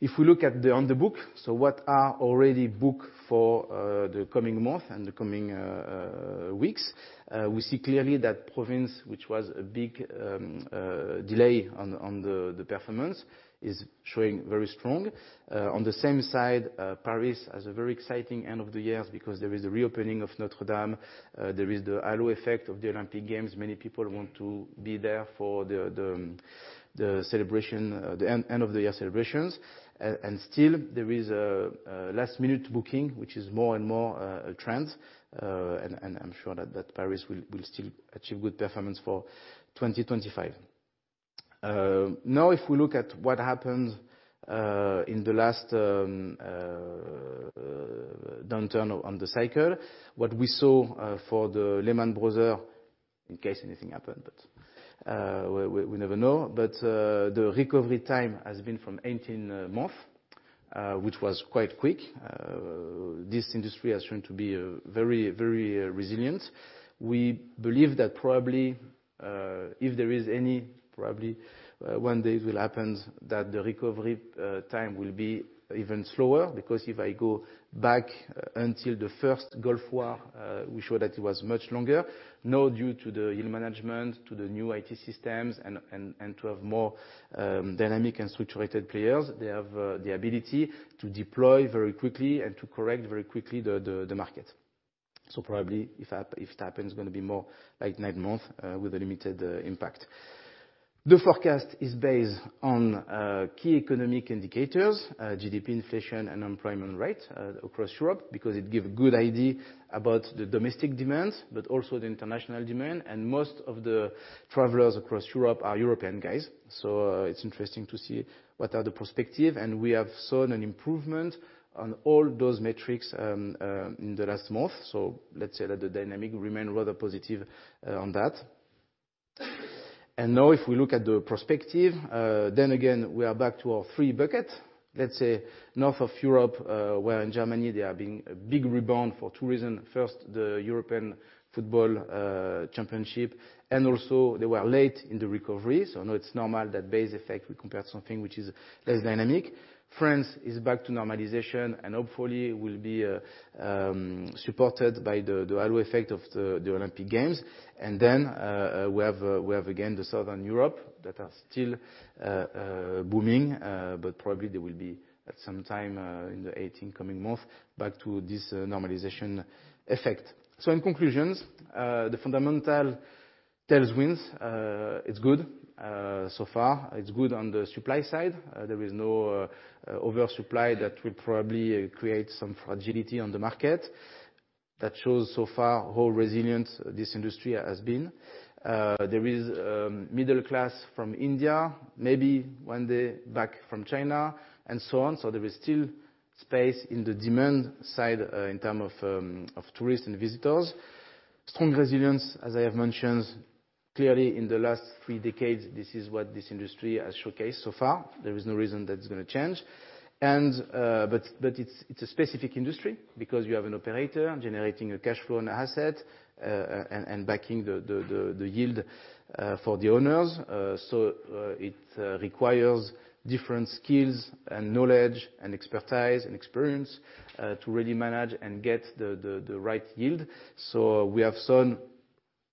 If we look at the on the books, so what are already booked for the coming month and the coming weeks, we see clearly that provinces, which was a big delay on the performance, is showing very strong. On the same side, Paris has a very exciting end of the year because there is the reopening of Notre Dame. There is the halo effect of the Olympic Games. Many people want to be there for the celebration, the end of the year celebrations. And still there is a last-minute booking, which is more and more a trend. I'm sure that Paris will still achieve good performance for 2025. Now, if we look at what happened in the last downturn on the cycle, what we saw for the Le Méridien, in case anything happened, but we never know. The recovery time has been 18 months, which was quite quick. This industry has shown to be very, very resilient. We believe that probably, if there is any, probably one day it will happen that the recovery time will be even slower because if I go back to the First Gulf War, we showed that it was much longer. Now, due to the yield management, to the new IT systems, and to have more dynamic and structured players, they have the ability to deploy very quickly and to correct very quickly the market. Probably if that, if it happens, it's going to be more like nine months, with a limited impact. The forecast is based on key economic so far. It's good on the supply side. There is no oversupply that will probably create some fragility on the market. That shows so far how resilient this industry has been. There is middle class from India, maybe one day back from China, and so on. So there is still space in the demand side, in terms of tourists and visitors. Strong resilience, as I have mentioned, clearly in the last three decades. This is what this industry has showcased so far. There is no reason that it's going to change. But it's a specific industry because you have an operator generating a cash flow on the asset and backing the yield for the owners. It requires different skills and knowledge and expertise and experience to really manage and get the right yield. We have seen so far on the market good player. Accor was clearly one of them being one of the first who have tackled this externalization of payroll back when 2005, no? 2007, 2005. So one of the first players to do that. And nowadays, in a market that is continuing to get restructured, to get the right yield, you have to go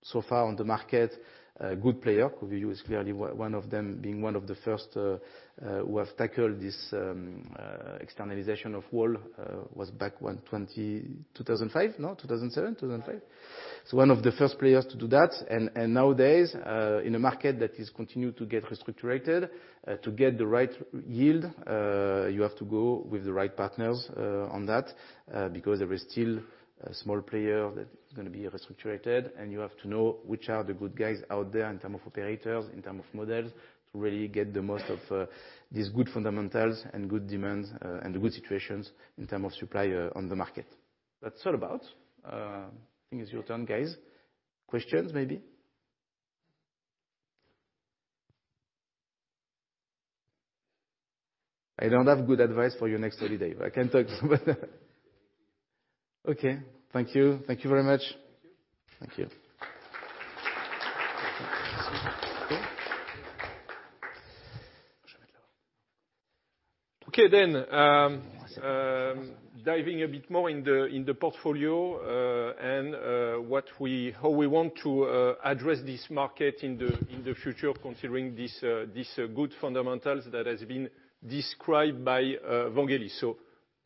with the right partners, on that, because there is still a small player that is going to be restructured, and you have to know which are the good guys out there in terms of operators, in terms of models, to really get the most of, these good fundamentals and good demands, and the good situations in terms of supply on the market. That's all about. I think it's your turn, guys. Questions maybe? I don't have good advice for your next holiday. I can talk so much. Okay. Thank you. Thank you very much. Thank you. Thank you. Okay then, diving a bit more in the portfolio, and how we want to address this market in the future considering this good fundamentals that has been described by Vangelis.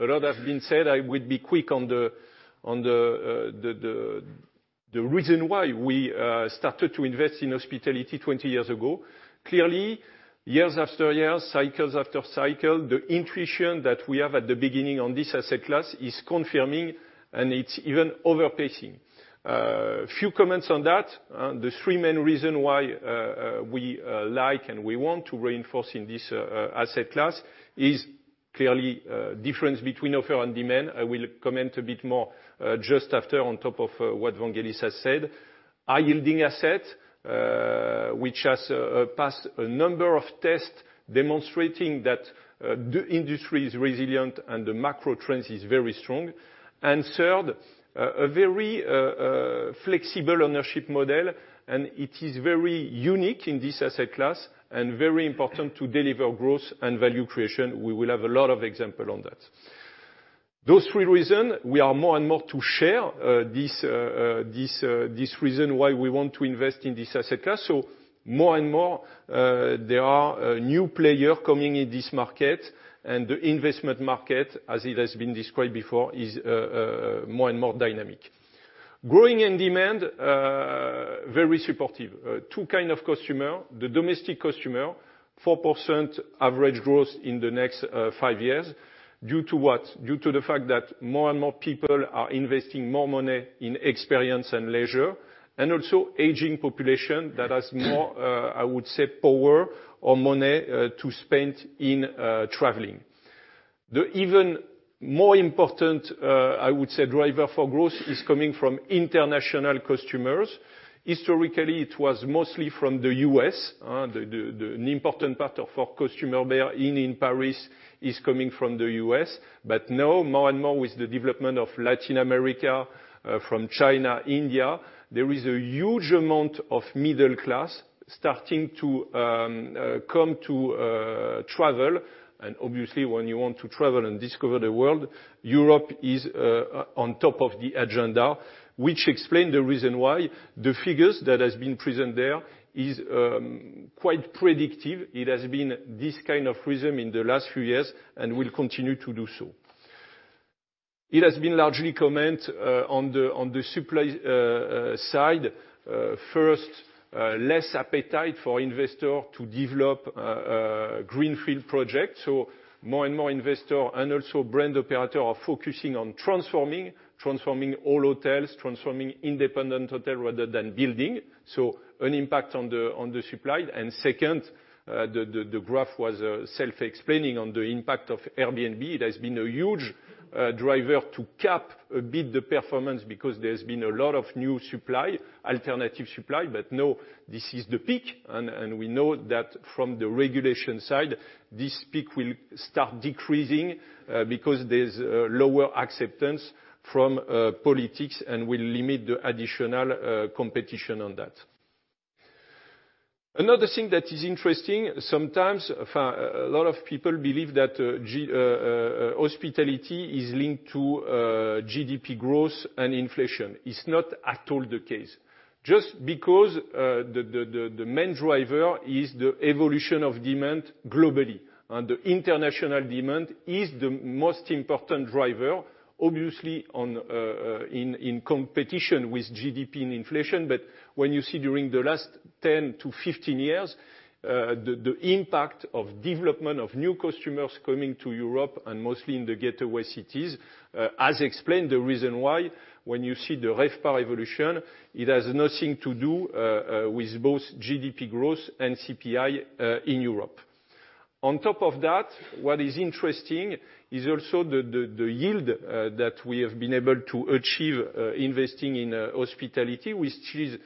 A lot has been said. I will be quick on the reason why we started to invest in hospitality 20 years ago. Clearly, years after years, cycles after cycle, the intuition that we have at the beginning on this asset class is confirming, and it's even outpacing. Few comments on that. The three main reasons why we like and we want to reinforce in this asset class is clearly difference between offer and demand. I will comment a bit more, just after on top of what Vangelis has said. High-yielding asset, which has passed a number of tests demonstrating that the industry is resilient and the macro trends is very strong. Third, a very flexible ownership model, and it is very unique in this asset class and very important to deliver growth and value creation. We will have a lot of examples on that. Those three reasons, we are more and more to share this reason why we want to invest in this asset class. More and more, there are new players coming in this market, and the investment market, as it has been described before, is more and more dynamic. Growing in demand, very supportive. Two kinds of customers. The domestic customer, 4% average growth in the next five years due to what? Due to the fact that more and more people are investing more money in experience and leisure, and also aging population that has more, I would say, power or money, to spend in traveling. The even more important, I would say, driver for growth is coming from international customers. Historically, it was mostly from the U.S., the important part of our customer there in Paris is coming from the U.S. But now, more and more with the development of Latin America, from China, India, there is a huge amount of middle class starting to travel. And obviously, when you want to travel and discover the world, Europe is on top of the agenda, which explains the reason why the figures that have been presented there is quite predictive. It has been this kind of rhythm in the last few years and will continue to do so. It has been largely commented on the supply side. First, less appetite for investors to develop greenfield projects. So more and more investors and also brand operators are focusing on transforming all hotels, transforming independent hotels rather than building. So an impact on the supply. And second, the graph was self-explanatory on the impact of Airbnb. It has been a huge driver to cap a bit the performance because there has been a lot of new supply, alternative supply. But now this is the peak, and we know that from the regulation side, this peak will start decreasing, because there's a lower acceptance from politics and will limit the additional competition on that. Another thing that is interesting. Sometimes a lot of people believe that hospitality is linked to GDP growth and inflation. It's not at all the case. Just because the main driver is the evolution of demand globally, and the international demand is the most important driver, obviously in competition with GDP and inflation. But when you see during the last 10 to 15 years, the impact of development of new customers coming to Europe and mostly in the gateway cities, as explained the reason why when you see the RevPAR evolution, it has nothing to do with both GDP growth and CPI in Europe. On top of that, what is interesting is also the yield that we have been able to achieve investing in hospitality, which is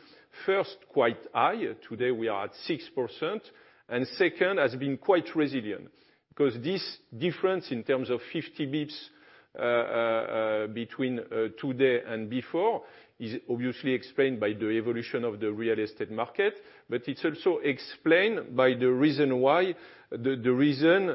first quite high. Today we are at 6%, and second has been quite resilient because this difference in terms of 50 basis points between today and before is obviously explained by the evolution of the real estate market, but it's also explained by the reason why the reason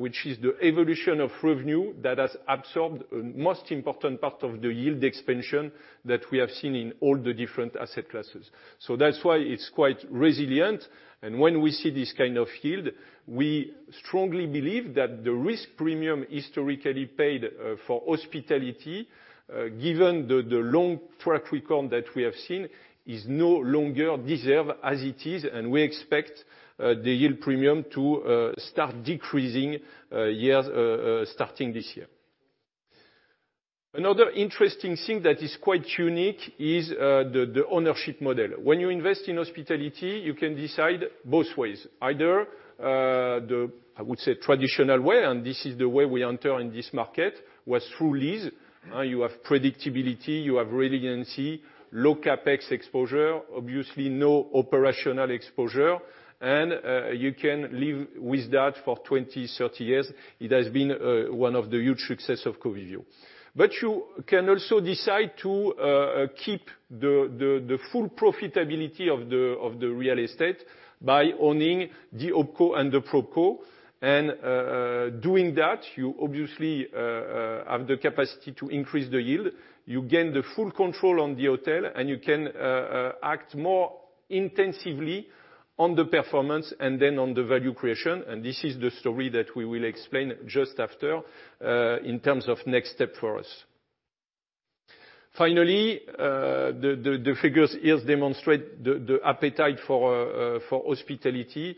which is the evolution of revenue that has absorbed the most important part of the yield expansion that we have seen in all the different asset classes. So that's why it's quite resilient. And when we see this kind of yield, we strongly believe that the risk premium historically paid for hospitality given the long track record that we have seen is no longer deserved as it is. And we expect the yield premium to start decreasing years starting this year. Another interesting thing that is quite unique is the ownership model. When you invest in hospitality, you can decide both ways. Either the traditional way, I would say, and this is the way we enter in this market, was through lease. You have predictability, you have redundancy, low CapEx exposure, obviously no operational exposure, and you can live with that for 20, 30 years. It has been one of the huge successes of Covivio. But you can also decide to keep the full profitability of the real estate by owning the OpCo and the PropCo. And doing that, you obviously have the capacity to increase the yield. You gain the full control on the hotel, and you can act more intensively on the performance and then on the value creation. And this is the story that we will explain just after, in terms of next step for us. Finally, the figures here demonstrate the appetite for hospitality.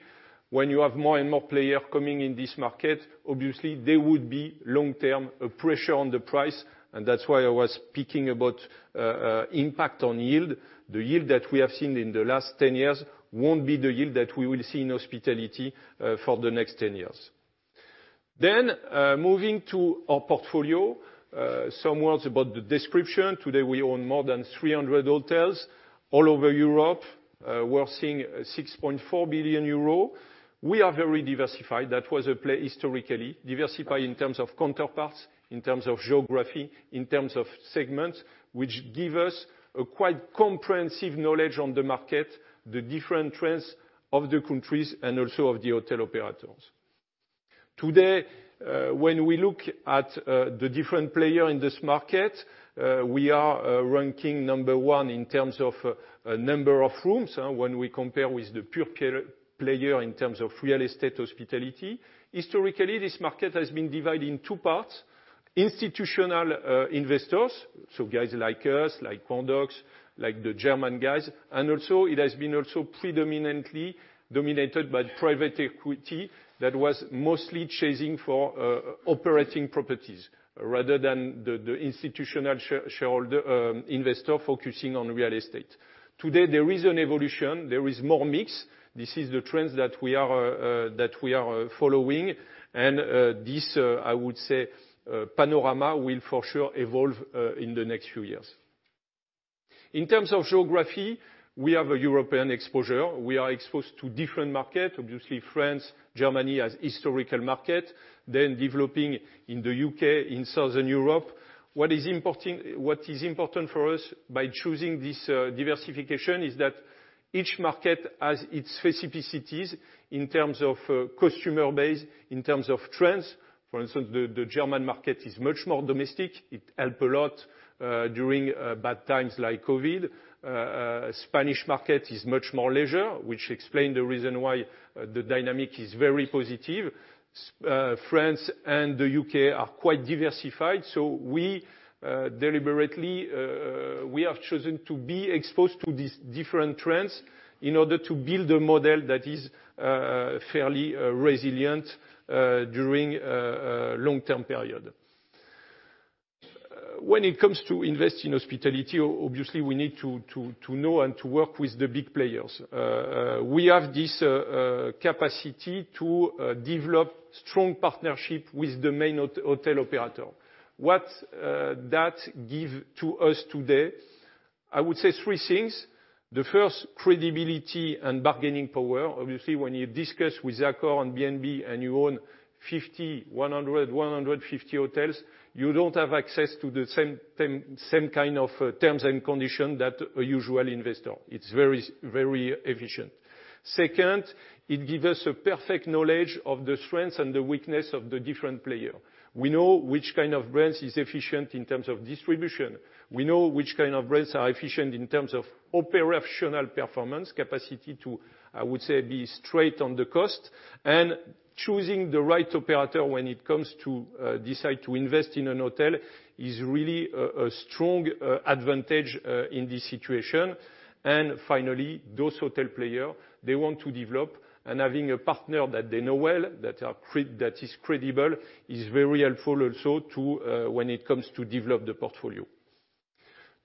When you have more and more players coming in this market, obviously there would be long-term pressure on the price. And that's why I was speaking about impact on yield. The yield that we have seen in the last 10 years won't be the yield that we will see in hospitality for the next 10 years. Then, moving to our portfolio, some words about the description. Today we own more than 300 hotels all over Europe. We're seeing 6.4 billion euros. We are very diversified. That was a play historically. Diversified in terms of counterparts, in terms of geography, in terms of segments, which give us a quite comprehensive knowledge on the market, the different trends of the countries, and also of the hotel operators. Today, when we look at the different players in this market, we are ranking number one in terms of number of rooms, when we compare with the pure player in terms of real estate hospitality. Historically, this market has been divided in two parts. Institutional investors, so guys like us, like Pandox, like the German guys, and it has been predominantly dominated by private equity that was mostly chasing for operating properties rather than the institutional shareholder investor focusing on real estate. Today, there is an evolution. There is more mix. This is the trends that we are following. And this, I would say, panorama will for sure evolve in the next few years. In terms of geography, we have a European exposure. We are exposed to different markets, obviously France, Germany as historical market, then developing in the U.K., in Southern Europe. What is important for us by choosing this diversification is that each market has its specificities in terms of customer base, in terms of trends. For instance, the German market is much more domestic. It helped a lot during bad times like COVID. Spanish market is much more leisure, which explains the reason why the dynamic is very positive. France and the U.K. are quite diversified. So we deliberately have chosen to be exposed to these different trends in order to build a model that is fairly resilient during long-term period. When it comes to investing in hospitality, obviously we need to know and to work with the big players. We have this capacity to develop strong partnerships with the main hotel operator. What that gives to us today? I would say three things. The first, credibility and bargaining power. Obviously, when you discuss with Accor and B&B and you own 50, 100, 150 hotels, you don't have access to the same kind of terms and conditions that a usual investor. It's very, very efficient. Second, it gives us a perfect knowledge of the strengths and the weaknesses of the different players. We know which kind of brands is efficient in terms of distribution. We know which kind of brands are efficient in terms of operational performance, capacity to, I would say, be straight on the cost. And choosing the right operator when it comes to decide to invest in a hotel is really a strong advantage in this situation. And finally, those hotel players, they want to develop and having a partner that they know well, that is credible, is very helpful also to when it comes to develop the portfolio.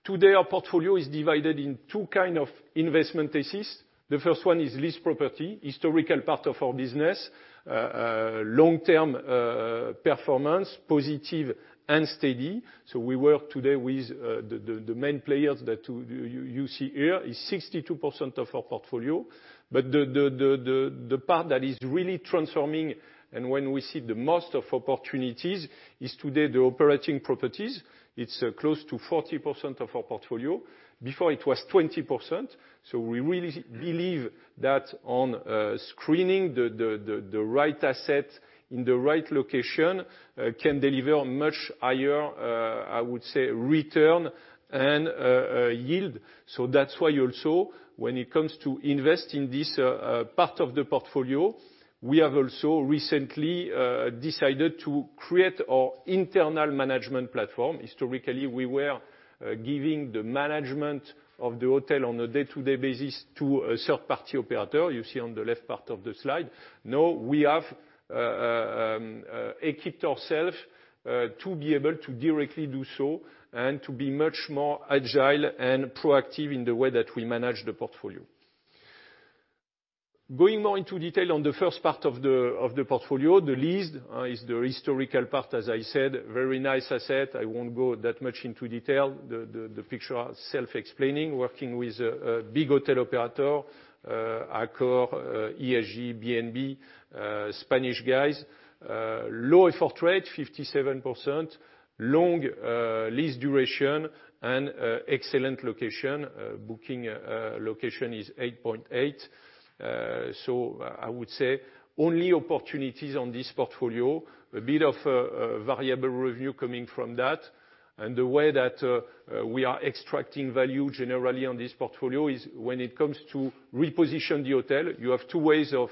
Today, our portfolio is divided in two kinds of investment theses. The first one is lease property, historical part of our business, long-term, performance, positive and steady. We work today with the main players that you see here is 62% of our portfolio. The part that is really transforming and when we see the most of opportunities is today the operating properties. It's close to 40% of our portfolio. Before, it was 20%. We really believe that on screening the right asset in the right location can deliver much higher, I would say, return and yield. That's why also, when it comes to investing this part of the portfolio, we have also recently decided to create our internal management platform. Historically, we were giving the management of the hotel on a day-to-day basis to a third-party operator. You see on the left part of the slide. Now we have equipped ourselves to be able to directly do so and to be much more agile and proactive in the way that we manage the portfolio. Going more into detail on the first part of the portfolio, the leased is the historical part, as I said, very nice asset. I won't go that much into detail. The picture is self-explanatory. Working with a big hotel operator, Accor, ESG, B&B, Spanish guys, low effort rate 57%, long lease duration, and excellent location. Booking location is 8.8. So I would say only opportunities on this portfolio, a bit of variable revenue coming from that. The way that we are extracting value generally on this portfolio is when it comes to reposition the hotel. You have two ways of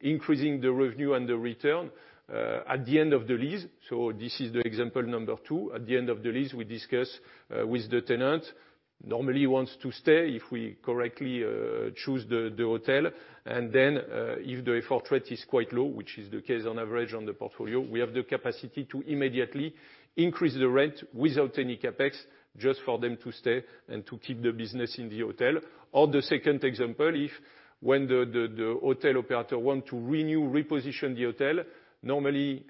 increasing the revenue and the return at the end of the lease. This is the example number two. At the end of the lease, we discuss with the tenant. Normally wants to stay if we correctly choose the hotel. If the effort rate is quite low, which is the case on average on the portfolio, we have the capacity to immediately increase the rent without any CapEx, just for them to stay and to keep the business in the hotel. Or the second example, if when the hotel operator wants to renew, reposition the hotel, normally,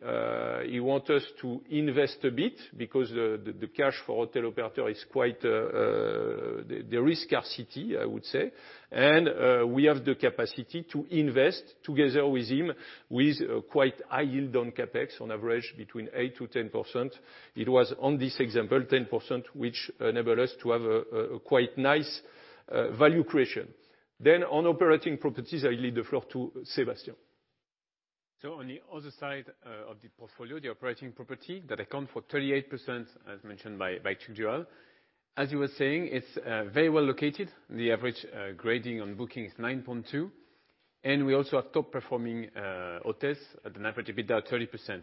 he wants us to invest a bit because the cash for hotel operator is quite tight, the risks are high, I would say. And we have the capacity to invest together with him with quite high yield on CapEx, on average between 8%-10%. It was on this example 10%, which enabled us to have a quite nice value creation. Then on operating properties, I leave the floor to Sébastien. So on the other side of the portfolio, the operating property that accounts for 38%, as mentioned by Tugdual. As you were saying, it's very well located. The average rating on Booking is 9.2. And we also have top-performing hotels at an average of 30%.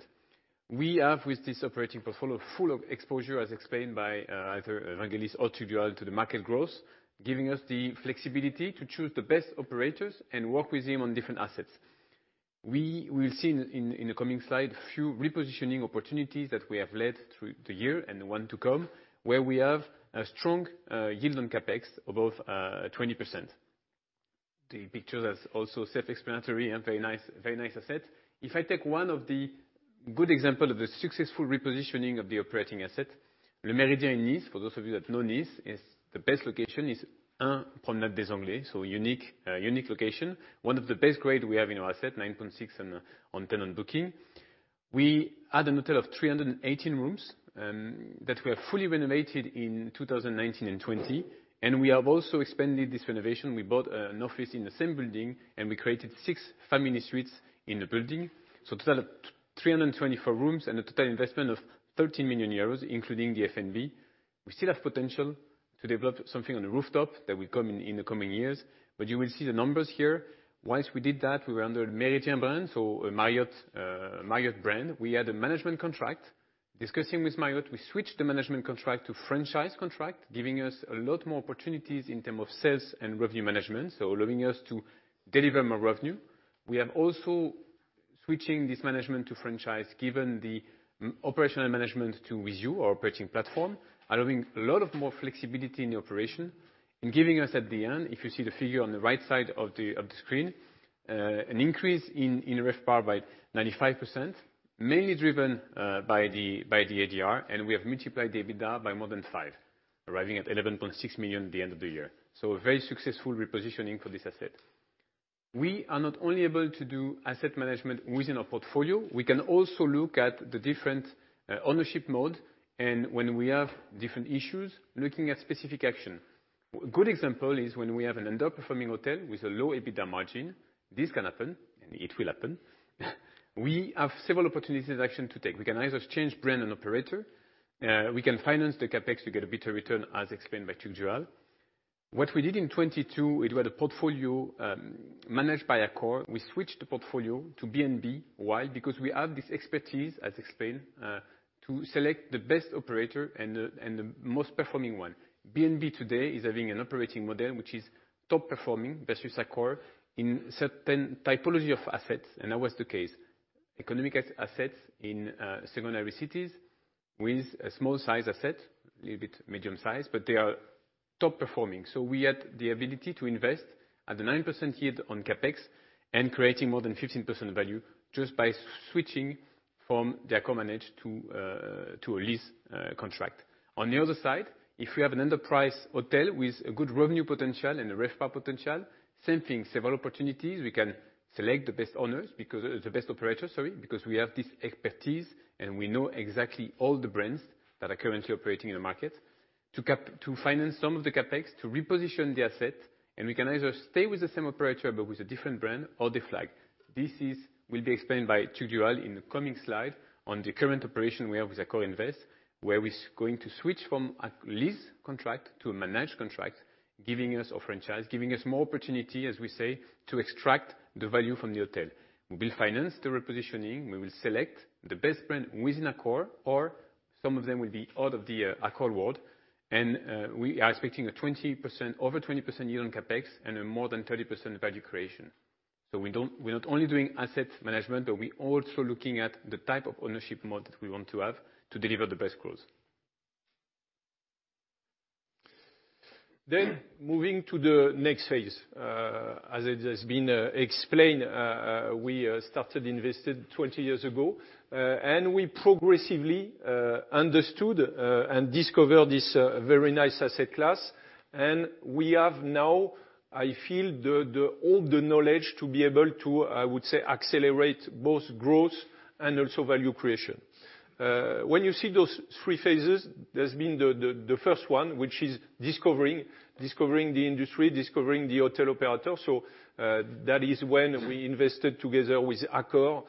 We have, with this operating portfolio, full of exposure, as explained by either Vangelis or Tugdual, to the market growth, giving us the flexibility to choose the best operators and work with him on different assets. We will see in the coming slide a few repositioning opportunities that we have led through the year and the one to come, where we have a strong yield on CapEx above 20%. The picture is also self-explanatory and very nice, very nice asset. If I take one of the good examples of the successful repositioning of the operating asset, Le Méridien in Nice, for those of you that know Nice, is the best location is one Promenade des Anglais, so unique, unique location. One of the best grades we have in our asset, 9.6 on 10 on Booking.com. We had a hotel of 318 rooms, that we have fully renovated in 2019 and 2020. And we have also expanded this renovation. We bought an office in the same building, and we created six family suites in the building. So a total of 324 rooms and a total investment of 13 million euros, including the F&B. We still have potential to develop something on the rooftop that will come in, in the coming years. But you will see the numbers here. Once we did that, we were under Le Méridien brand, so a Marriott, Marriott brand. We had a management contract. Discussing with Marriott, we switched the management contract to franchise contract, giving us a lot more opportunities in terms of sales and revenue management, so allowing us to deliver more revenue. We have also switching this management to franchise, given the operational management to WiZiU, our operating platform, allowing a lot more flexibility in the operation and giving us at the end, if you see the figure on the right side of the screen, an increase in RevPAR by 95%, mainly driven by the ADR. And we have multiplied EBITDA by more than 5, arriving at 11.6 million at the end of the year. So a very successful repositioning for this asset. We are not only able to do asset management within our portfolio. We can also look at the different ownership mode a nd when we have different issues, looking at specific action. A good example is when we have an underperforming hotel with a low EBITDA margin. This can happen, and it will happen. We have several opportunities of action to take. We can either change brand and operator. We can finance the CapEx to get a better return, as explained by Tugdual. What we did in 2022, it was the portfolio, managed by Accor. We switched the portfolio to B&B. Why? Because we have this expertise, as explained, to select the best operator and the, and the most performing one. B&B today is having an operating model which is top-performing versus Accor in certain typology of assets. And that was the case. Economic assets in secondary cities with a small-sized asset, a little bit medium-sized, but they are top-performing. So we had the ability to invest at a 9% yield on CapEx and creating more than 15% value just by switching from the Accor managed to a lease contract. On the other side, if we have an enterprise hotel with a good revenue potential and a RevPAR potential, same thing, several opportunities. We can select the best owners because the best operators, sorry, because we have this expertise and we know exactly all the brands that are currently operating in the market to cap, to finance some of the CapEx, to reposition the asset. And we can either stay with the same operator but with a different brand or the flag. This will be explained by Tugdual in the coming slide on the current operation we have with AccorInvest, where we're going to switch from a lease contract to a managed contract, giving us a franchise, giving us more opportunity, as we say, to extract the value from the hotel. We will finance the repositioning. We will select the best brand within Accor or some of them will be out of the Accor world. We are expecting over 20% yield on CapEx and more than 30% value creation. We are not only doing asset management, but we're also looking at the type of ownership mode that we want to have to deliver the best growth. Then moving to the next phase, as it has been explained, we started investing 20 years ago, and we progressively understood and discovered this very nice asset class. We have now, I feel, the older knowledge to be able to, I would say, accelerate both growth and also value creation. When you see those three phases, there's been the first one, which is discovering the industry, discovering the hotel operator. That is when we invested together with Accor,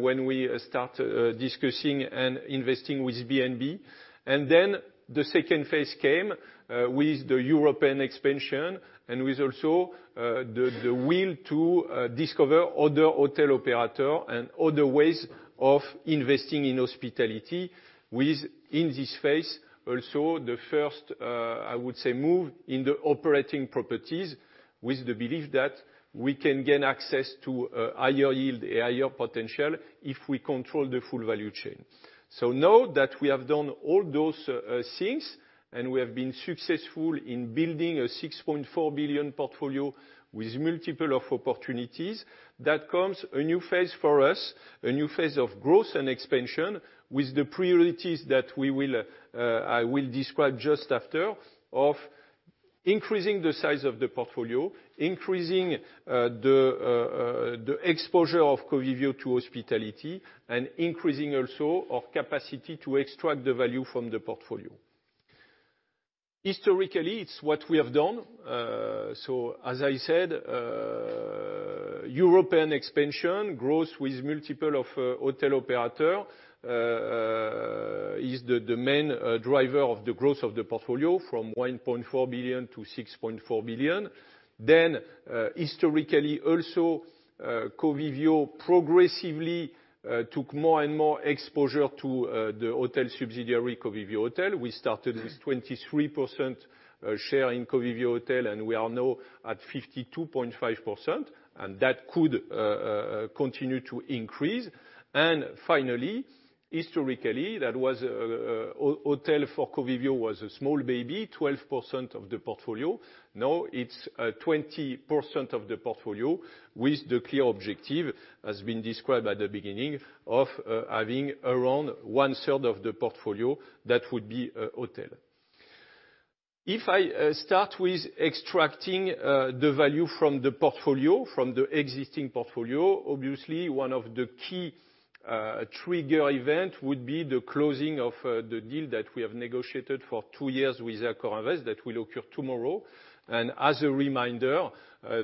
when we started discussing and investing with B&B. And then the second phase came, with the European expansion and with also the will to discover other hotel operators and other ways of investing in hospitality. In this phase, also the first, I would say, move in the operating properties with the belief that we can gain access to a higher yield, a higher potential if we control the full value chain. So now that we have done all those things and we have been successful in building a 6.4 billion portfolio with multiple opportunities, there comes a new phase for us, a new phase of growth and expansion with the priorities that I will describe just after of increasing the size of the portfolio, increasing the exposure of Covivio to hospitality, and increasing also our capacity to extract the value from the portfolio. Historically, it's what we have done, so as I said, European expansion, growth with multiple hotel operators, is the main driver of the growth of the portfolio from 1.4 billion to 6.4 billion. Then, historically also, Covivio progressively took more and more exposure to the hotel subsidiary Covivio Hotels. We started with 23% share in Covivio Hotels, and we are now at 52.5%. And that could continue to increase. Finally, historically, that was hotel for Covivio was a small baby, 12% of the portfolio. Now it's 20% of the portfolio with the clear objective, as has been described at the beginning, of having around one-third of the portfolio that would be a hotel. If I start with extracting the value from the portfolio, from the existing portfolio, obviously, one of the key trigger events would be the closing of the deal that we have negotiated for two years with AccorInvest that will occur tomorrow. As a reminder,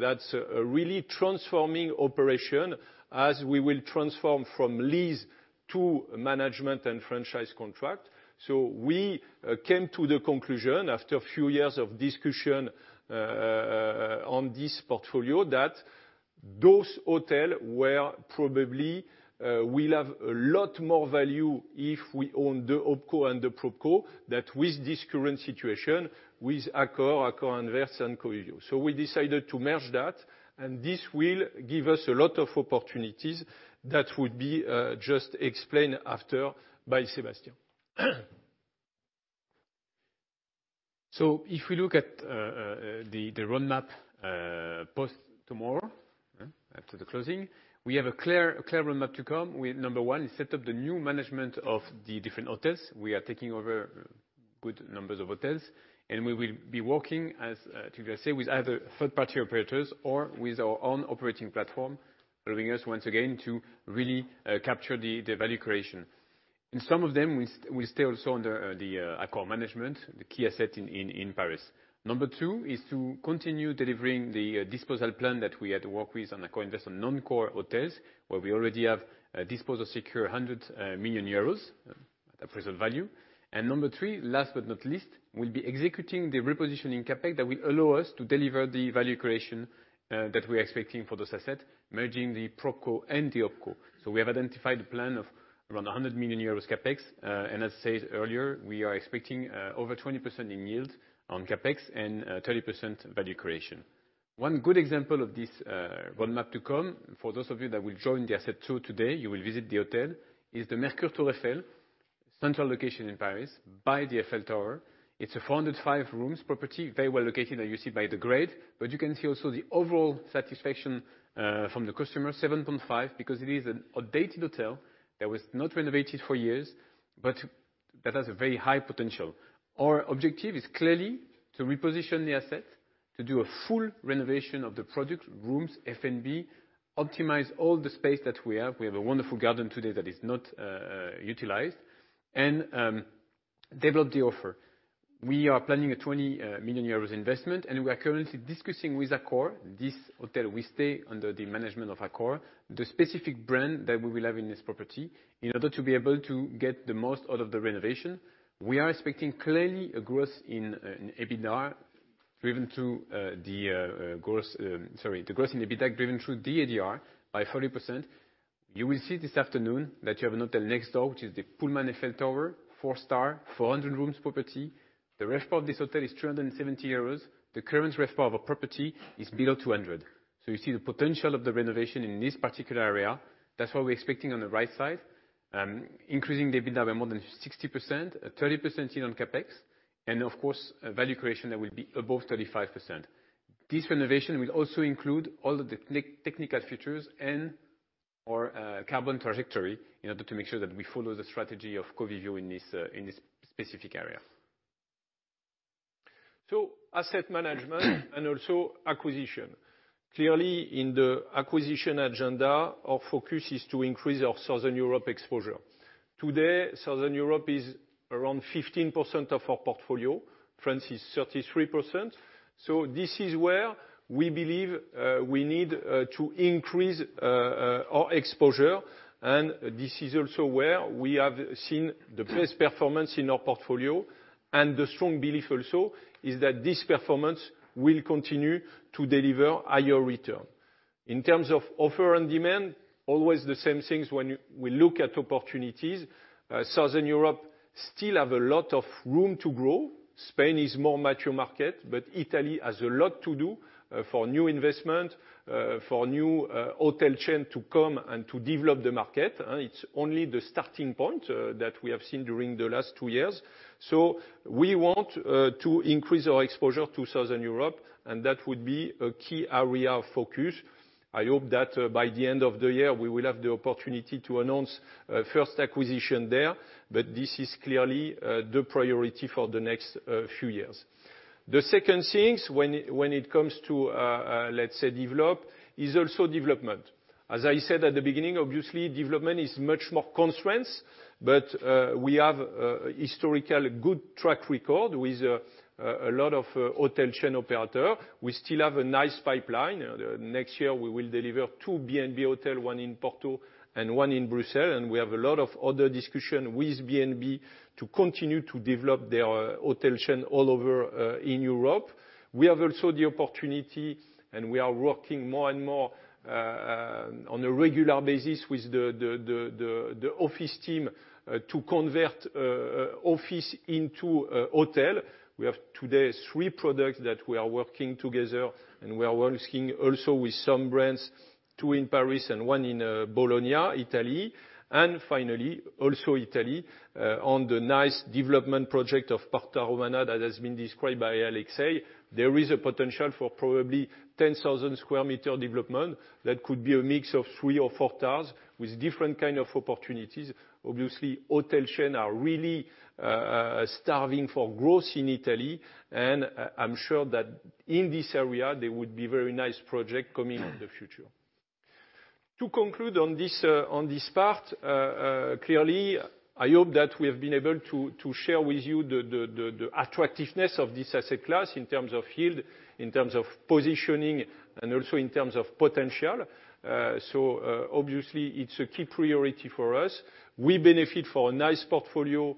that's a really transforming operation as we will transform from lease to management and franchise contract. So we came to the conclusion after a few years of discussion on this portfolio that those hotels were probably will have a lot more value if we own the OpCo and the PropCo than with this current situation with Accor, AccorInvest, and Covivio. So we decided to merge that. And this will give us a lot of opportunities that would be just explained after by Sébastien. So if we look at the roadmap post tomorrow after the closing, we have a clear roadmap to come with number one is set up the new management of the different hotels. We are taking over good numbers of hotels, and we will be working, as Tugdual said, with either third-party operators or with our own operating platform, allowing us once again to really capture the value creation. Some of them will stay also under the Accor management, the key asset in Paris. Number two is to continue delivering the disposal plan that we had worked with on AccorInvest on non-core hotels, where we already have disposal secure 100 million euros at a present value. Number three, last but not least, will be executing the repositioning CapEx that will allow us to deliver the value creation that we are expecting for those assets, merging the PropCo and the OpCo. We have identified a plan of around 100 million euros CapEx, and as I said earlier, we are expecting over 20% in yield on CapEx and 30% value creation. One good example of this, roadmap to come, for those of you that will join the asset tour today, you will visit the hotel, is the Mercure Tour Eiffel, central location in Paris by the Eiffel Tower. It's a 405-room property, very well located, as you see by the grade. But you can see also the overall satisfaction, from the customer, 7.5, because it is an outdated hotel that was not renovated for years, but that has a very high potential. Our objective is clearly to reposition the asset, to do a full renovation of the product rooms, FNB, optimize all the space that we have. We have a wonderful garden today that is not utilized, and develop the offer. We are planning a 20 million euros investment, and we are currently discussing with Accor this hotel. We stay under the management of Accor, the specific brand that we will have in this property in order to be able to get the most out of the renovation. We are expecting clearly a growth in EBITDA driven through the ADR by 40%. You will see this afternoon that you have a hotel next door, which is the Pullman Eiffel Tower, four-star, 400-room property. The RevPAR of this hotel is 370 euros. The current RevPAR of a property is below 200 EUR. So you see the potential of the renovation in this particular area. That's what we're expecting on the right side, increasing the EBITDA by more than 60%, a 30% yield on CapEx, and, of course, a value creation that will be above 35%. This renovation will also include all of the technical features and our carbon trajectory in order to make sure that we follow the strategy of Covivio in this specific area. So asset management and also acquisition. Clearly, in the acquisition agenda, our focus is to increase our Southern Europe exposure. Today, Southern Europe is around 15% of our portfolio. France is 33%. So this is where we believe we need to increase our exposure. And this is also where we have seen the best performance in our portfolio. And the strong belief also is that this performance will continue to deliver higher return. In terms of supply and demand, always the same things when we look at opportunities. Southern Europe still has a lot of room to grow. Spain is a more mature market, but Italy has a lot to do for new investment, for new hotel chain to come and to develop the market. It's only the starting point that we have seen during the last two years, so we want to increase our exposure to Southern Europe, and that would be a key area of focus. I hope that by the end of the year, we will have the opportunity to announce first acquisition there, but this is clearly the priority for the next few years. The second thing, when it comes to, let's say, develop, is also development. As I said at the beginning, obviously, development is much more constraints, but we have historical good track record with a lot of hotel chain operators. We still have a nice pipeline. Next year, we will deliver two B&B hotels, one in Porto and one in Brussels, and we have a lot of other discussions with B&B to continue to develop their hotel chain all over in Europe. We have also the opportunity, and we are working more and more on a regular basis with the office team to convert office into hotel. We have today three products that we are working together, and we are working also with some brands, two in Paris and one in Bologna, Italy, and finally also in Italy on the nice development project of Porta Romana that has been described by Alexei. There is a potential for probably 10,000 square meters development that could be a mix of three or four towers with different kinds of opportunities. Obviously, hotel chains are really starving for growth in Italy. I'm sure that in this area, there would be very nice projects coming in the future. To conclude on this, on this part, clearly, I hope that we have been able to to share with you the attractiveness of this asset class in terms of yield, in terms of positioning, and also in terms of potential. Obviously, it's a key priority for us. We benefit from a nice portfolio,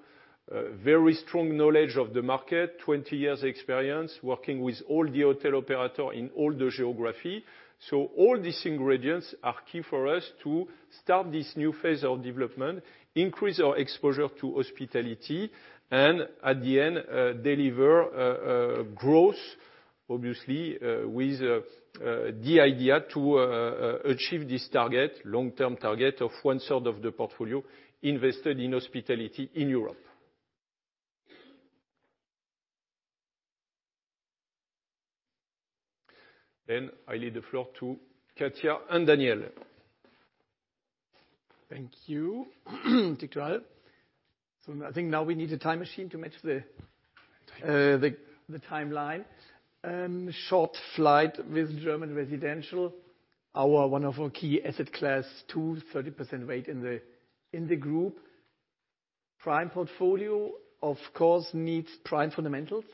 very strong knowledge of the market, 20 years experience working with all the hotel operators in all the geography. All these ingredients are key for us to start this new phase of development, increase our exposure to hospitality, and at the end, deliver growth, obviously, with the idea to achieve this target, long-term target of one-third of the portfolio invested in hospitality in Europe. I leave the floor to Katia and Daniel. Thank you, Tugdual. So I think now we need a time machine to match the timeline. Short flight with German residential, our one of our key asset class, two, 30% weight in the group. Prime portfolio, of course, needs prime fundamentals,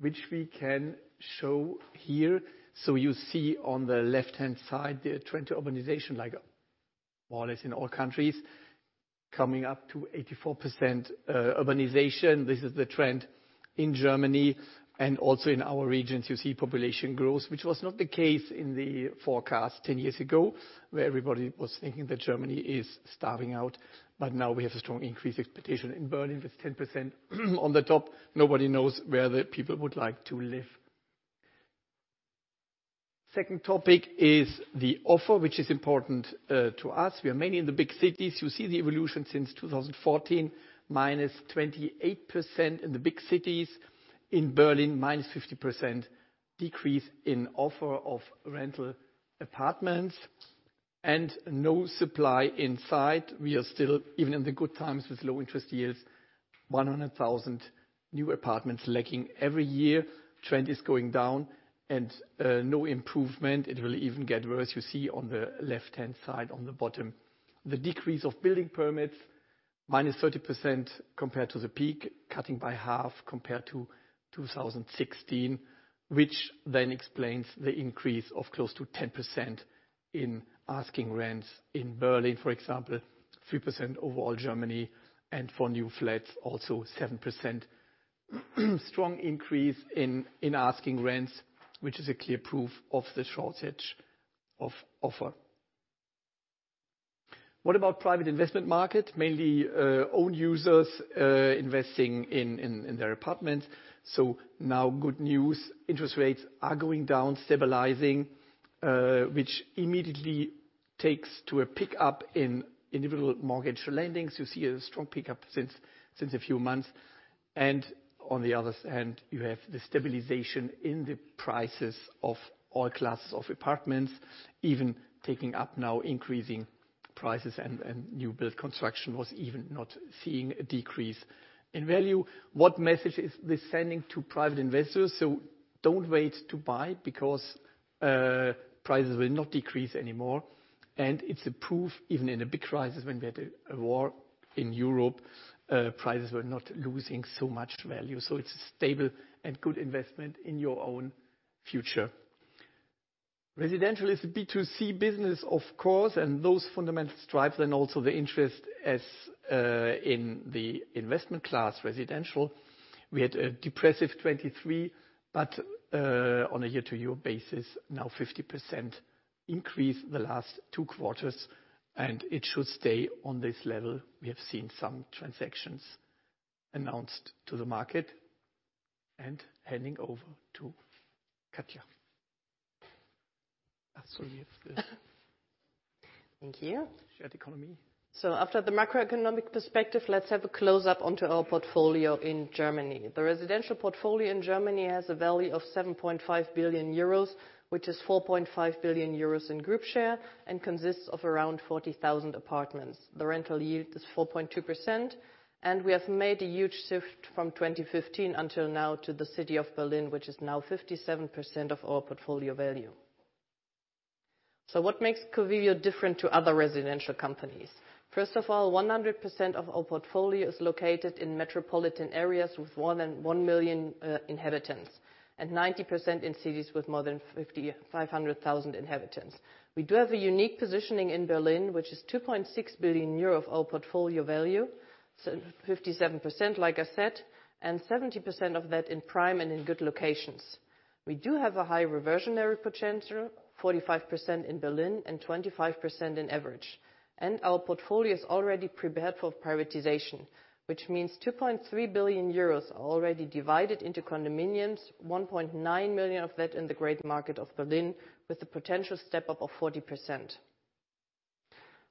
which we can show here. So you see on the left-hand side, the trend to urbanization, like more or less in all countries, coming up to 84% urbanization. This is the trend in Germany. And also in our regions, you see population growth, which was not the case in the forecast 10 years ago, where everybody was thinking that Germany is starving out. But now we have a strong increase expectation in Berlin with 10% on the top. Nobody knows where the people would like to live. Second topic is the offer, which is important to us. We are mainly in the big cities. You see the evolution since 2014, minus 28% in the big cities. In Berlin, minus 50% decrease in offer of rental apartments and no supply inside. We are still, even in the good times with low interest yields, 100,000 new apartments lacking every year. Trend is going down and no improvement. It will even get worse. You see on the left-hand side on the bottom, the decrease of building permits, minus 30% compared to the peak, cutting by half compared to 2016, which then explains the increase of close to 10% in asking rents in Berlin, for example, 3% overall Germany, and for new flats, also 7%. Strong increase in asking rents, which is a clear proof of the shortage of offer. What about private investment market? Mainly, own users, investing in their apartments. So now good news, interest rates are going down, stabilizing, which immediately takes to a pickup in individual mortgage lending. You see a strong pickup since a few months. And on the other hand, you have the stabilization in the prices of all classes of apartments, even taking up now increasing prices, and new build construction was even not seeing a decrease in value. What message is this sending to private investors? Don't wait to buy because prices will not decrease anymore. And it's a proof, even in a big crisis when we had a war in Europe, prices were not losing so much value. So it's a stable and good investment in your own future. Residential is a B2C business, of course, and those fundamentals drive then also the interest as in the investment class residential. We had a depressive 2023, but, on a year-to-year basis, now 50% increase the last two quarters, and it should stay on this level. We have seen some transactions announced to the market. Handing over to Katia. Thank you. Shared economy. After the macroeconomic perspective, let's have a close-up onto our portfolio in Germany. The residential portfolio in Germany has a value of 7.5 billion euros, which is 4.5 billion euros in group share, and consists of around 40,000 apartments. The rental yield is 4.2%, and we have made a huge shift from 2015 until now to the city of Berlin, which is now 57% of our portfolio value. What makes Covivio different to other residential companies? First of all, 100% of our portfolio is located in metropolitan areas with more than one million inhabitants, and 90% in cities with more than 500,000 inhabitants. We do have a unique positioning in Berlin, which is 2.6 billion euro of our portfolio value, so 57%, like I said, and 70% of that in prime and in good locations. We do have a high reversionary potential, 45% in Berlin and 25% in average, and our portfolio is already prepared for privatization, which means 2.3 billion euros are already divided into condominiums, 1.9 million of that in the great market of Berlin, with a potential step-up of 40%.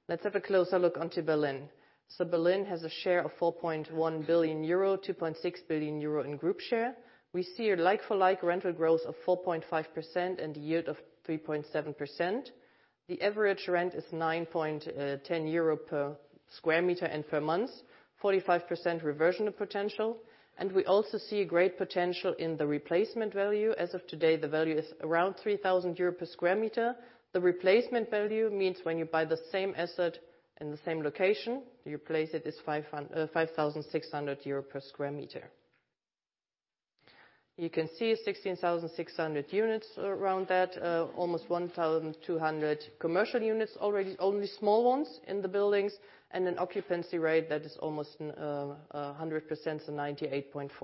Let's have a closer look onto Berlin, so Berlin has a share of 4.1 billion euro, 2.6 billion euro in group share. We see a like-for-like rental growth of 4.5% and a yield of 3.7%. The average rent is 9.10 euro per sq m and per month, 45% reversion potential, and we also see a great potential in the replacement value. As of today, the value is around 3,000 euros per sq m. The replacement value means when you buy the same asset in the same location, you replace it, it's 500 euro, EUR 5,600 per sq m. You can see 16,600 units around that, almost 1,200 commercial units already, only small ones in the buildings, and an occupancy rate that is almost 100%, so 98.4%.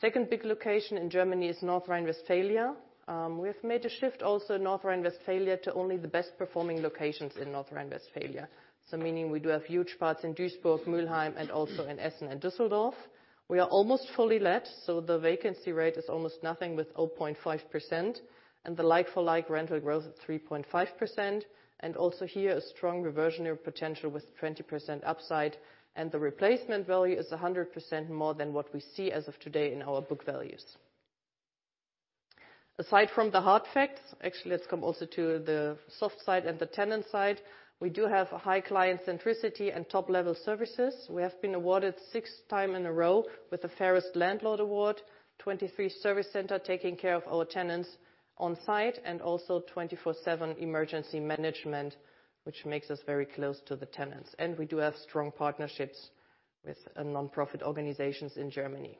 Second big location in Germany is North Rhine-Westphalia. We have made a shift also in North Rhine-Westphalia to only the best-performing locations in North Rhine-Westphalia. So meaning we do have huge parts in Duisburg, Mülheim, and also in Essen and Düsseldorf. We are almost fully let, so the vacancy rate is almost nothing with 0.5%, and the like-for-like rental growth of 3.5%. And also here, a strong reversionary potential with 20% upside, and the replacement value is 100% more than what we see as of today in our book values. Aside from the hard facts, actually, let's come also to the soft side and the tenant side. We do have a high client centricity and top-level services. We have been awarded six times in a row with the Fairest Landlord Award, 23 service centers taking care of our tenants on site, and also 24/7 emergency management, which makes us very close to the tenants. We do have strong partnerships with nonprofit organizations in Germany.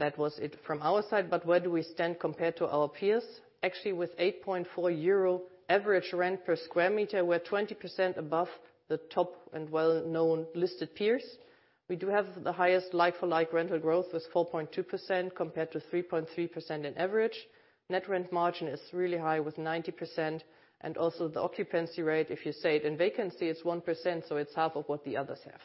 That was it from our side. Where do we stand compared to our peers? Actually, with 8.4 euro average rent per sq m, we're 20% above the top and well-known listed peers. We do have the highest like-for-like rental growth with 4.2% compared to 3.3% in average. Net rent margin is really high with 90%. Also the occupancy rate, if you say it in vacancy, it's 1%, so it's half of what the others have.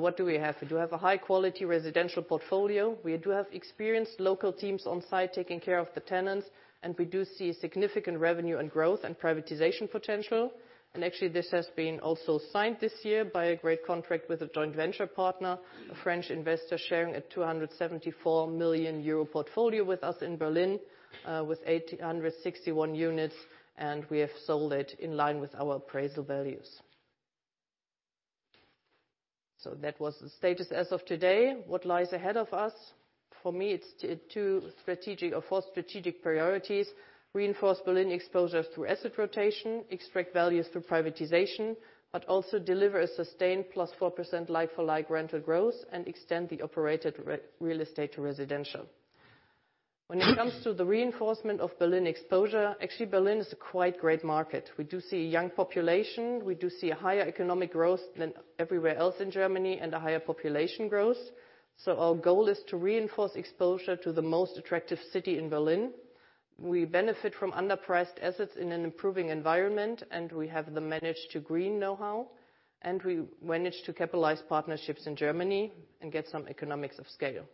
What do we have? We do have a high-quality residential portfolio. We do have experienced local teams on site taking care of the tenants, and we do see significant revenue and growth and privatization potential, and actually, this has been also signed this year by a great contract with a joint venture partner, a French investor sharing a 274 million euro portfolio with us in Berlin, with 861 units, and we have sold it in line with our appraisal values, so that was the status as of today. What lies ahead of us? For me, it's two strategic or four strategic priorities: reinforce Berlin exposure through asset rotation, extract values through privatization, but also deliver a sustained plus 4% like-for-like rental growth and extend the operated real estate to residential. When it comes to the reinforcement of Berlin exposure, actually, Berlin is a quite great market. We do see a young population. We do see a higher economic growth than everywhere else in Germany and a higher population growth. Our goal is to reinforce exposure to the most attractive city in Berlin. We benefit from underpriced assets in an improving environment, and we have the manage-to-green know-how, and we manage to capitalize partnerships in Germany and get some economies of scale.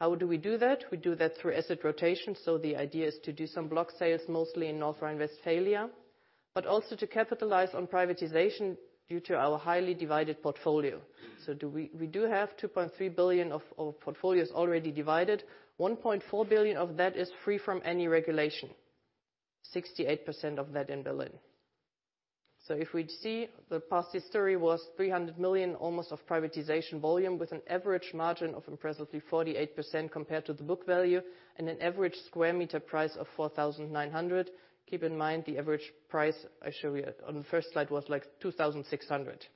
How do we do that? We do that through asset rotation. The idea is to do some block sales, mostly in North Rhine-Westphalia, but also to capitalize on privatization due to our highly divided portfolio. Do we? We do have 2.3 billion of our portfolios already divided. 1.4 billion of that is free from any regulation, 68% of that in Berlin. If we see the past history, it was almost 300 million of privatization volume with an average margin of impressively 48% compared to the book value and an average sq m price of 4,900. Keep in mind the average price I show you on the first slide was like 2,600.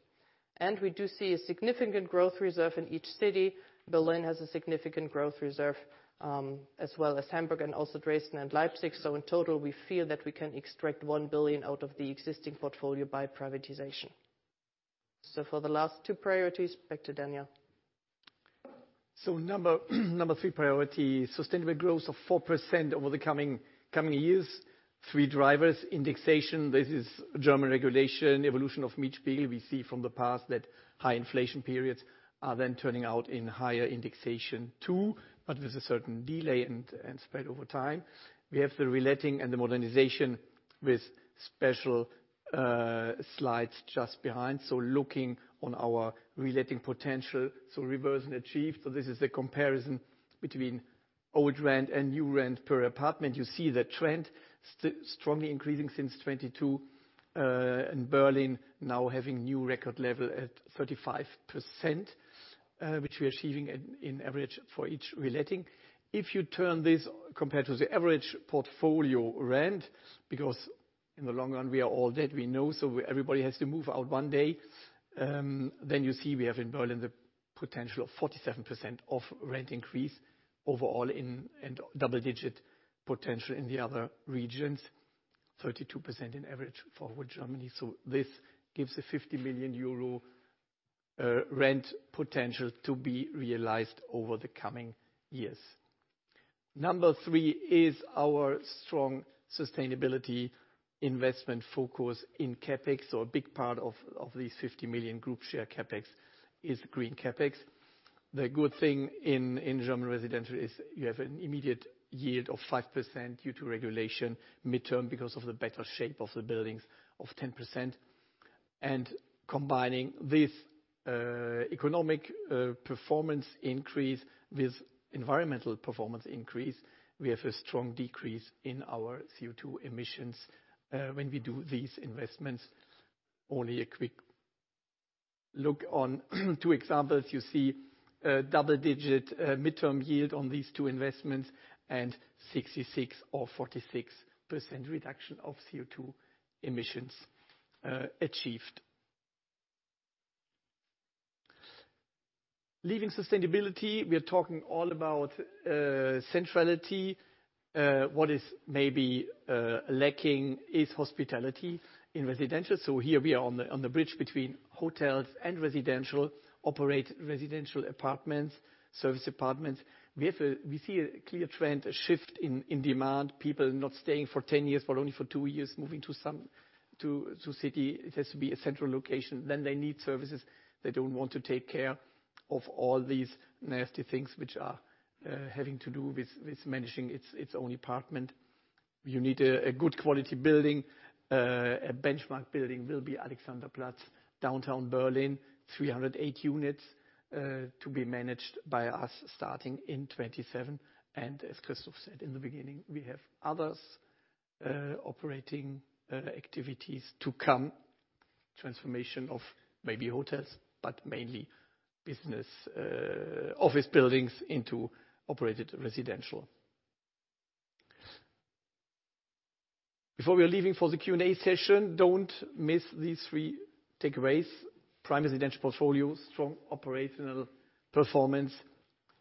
We do see a significant growth reserve in each city. Berlin has a significant growth reserve, as well as Hamburg and also Dresden and Leipzig. In total, we feel that we can extract 1 billion out of the existing portfolio by privatization. For the last two priorities, back to Daniel. Number three priority: sustainable growth of 4% over the coming years. Three drivers: indexation. This is German regulation, evolution of Mietspiegel. We see from the past that high inflation periods are then turning out in higher indexation too, but with a certain delay and spread over time. We have the reletting and the modernization with special slides just behind. Looking on our reletting potential, reversion achieved. This is the comparison between old rent and new rent per apartment. You see the trend strongly increasing since 2022, and Berlin now having new record level at 35%, which we are achieving in average for each reletting. If you turn this compared to the average portfolio rent, because in the long run, we are all dead, we know, so everybody has to move out one day, then you see we have in Berlin the potential of 47% of rent increase overall in, and double-digit potential in the other regions, 32% in average for Germany, so this gives a 50 million euro rent potential to be realized over the coming years. Number three is our strong sustainability investment focus in CapEx. So a big part of these 50 million group share CapEx is green CapEx. The good thing in German residential is you have an immediate yield of 5% due to regulation midterm because of the better shape of the buildings of 10%. Combining this economic performance increase with environmental performance increase, we have a strong decrease in our CO2 emissions when we do these investments. Only a quick look on two examples. You see double-digit midterm yield on these two investments and 66% or 46% reduction of CO2 emissions achieved. Leaving sustainability, we are talking all about centrality. What is maybe lacking is hospitality in residential. So here we are on the bridge between hotels and residential, operate residential apartments, service apartments. We see a clear trend, a shift in demand. People not staying for 10 years, but only for two years, moving to some city. It has to be a central location. Then they need services. They don't want to take care of all these nasty things which are having to do with managing its own apartment. You need a good quality building. A benchmark building will be Alexanderplatz, downtown Berlin, 308 units, to be managed by us starting in 2027. And as Christophe said in the beginning, we have others, operating, activities to come, transformation of maybe hotels, but mainly business, office buildings into operated residential. Before we are leaving for the Q&A session, don't miss these three takeaways: prime residential portfolio, strong operational performance,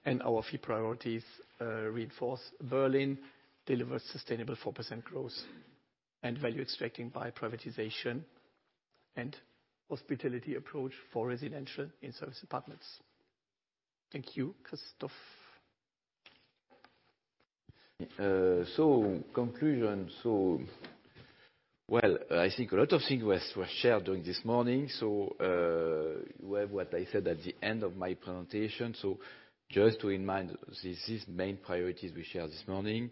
and our three priorities, reinforce Berlin, deliver sustainable 4% growth, and value extracting by privatization and hospitality approach for residential in service apartments. Thank you, Christophe. So, conclusion. So, well, I think a lot of things were shared during this morning. So, you have what I said at the end of my presentation. So just to remind, this is main priorities we share this morning.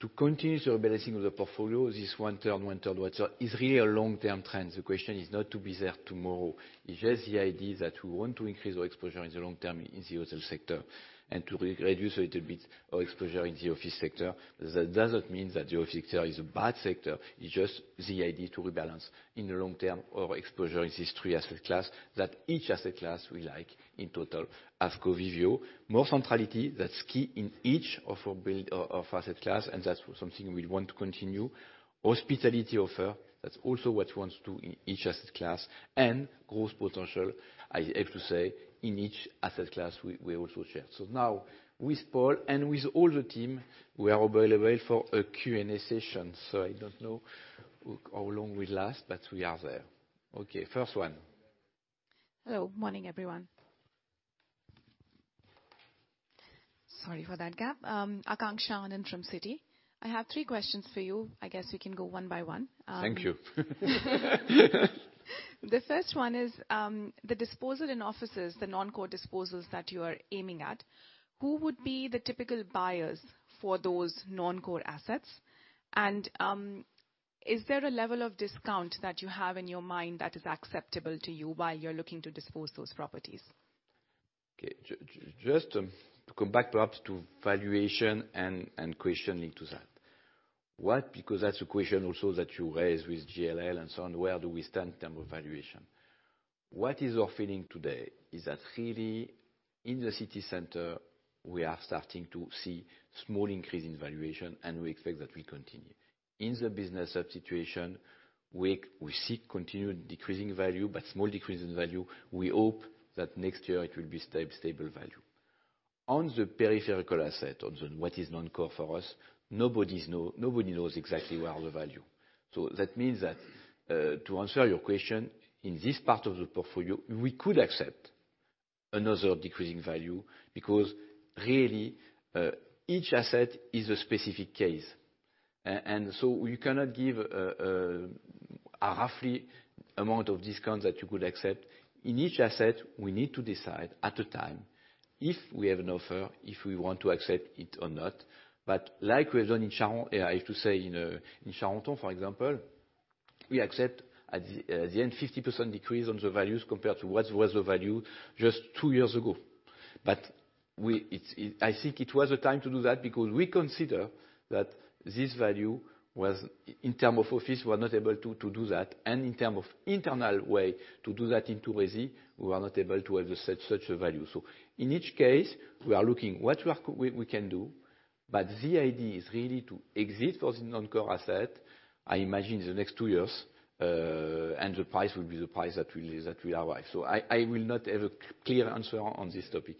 To continue the rebalancing of the portfolio, this one-third, one-third, one-third is really a long-term trend. The question is not to be there tomorrow. It's just the idea that we want to increase our exposure in the long term in the hotel sector and to reduce a little bit our exposure in the office sector. That doesn't mean that the office sector is a bad sector. It's just the idea to rebalance in the long term our exposure in these three asset classes that each asset class we like in total of Covivio. More centrality, that's key in each of our build of asset class, and that's something we want to continue. Hospitality offer, that's also what we want to do in each asset class. And growth potential, I have to say, in each asset class we, we also share. So now with Paul and with all the team, we are available for a Q&A session. So I don't know how long we last, but we are there. Okay. First one. Hello. Good morning, everyone. Sorry for that gap. Akanksha in Citi. I have three questions for you. I guess we can go one by one. Thank you. The first one is, the disposal in offices, the non-core disposals that you are aiming at. Who would be the typical buyers for those non-core assets? And, is there a level of discount that you have in your mind that is acceptable to you while you're looking to dispose those properties? Okay. Just, to come back perhaps to valuation and questioning to that. Because that's a question also that you raised with JLL and so on. Where do we stand in terms of valuation? What is our feeling today? Is that really in the city center, we are starting to see small increase in valuation, and we expect that we continue. In the business district situation, we see continued decreasing value, but small decrease in value. We hope that next year it will be stable value. On the peripheral asset, on the what is non-core for us, nobody knows exactly where the value. So that means that, to answer your question, in this part of the portfolio, we could accept another decreasing value because really, each asset is a specific case. You cannot give a roughly amount of discount that you could accept. In each asset, we need to decide at the time if we have an offer, if we want to accept it or not. But like we've done in Charenton, I have to say in Charenton, for example, we accept at the end 50% decrease on the values compared to what was the value just two years ago. But it's. I think it was the time to do that because we consider that this value was in terms of office, we were not able to do that. And in terms of rental way to do that in Italy, we were not able to have such a value. So in each case, we are looking what we can do, but the idea is really to exit for the non-core asset. I imagine in the next two years, and the price will be the price that will arrive. So I will not have a clear answer on this topic.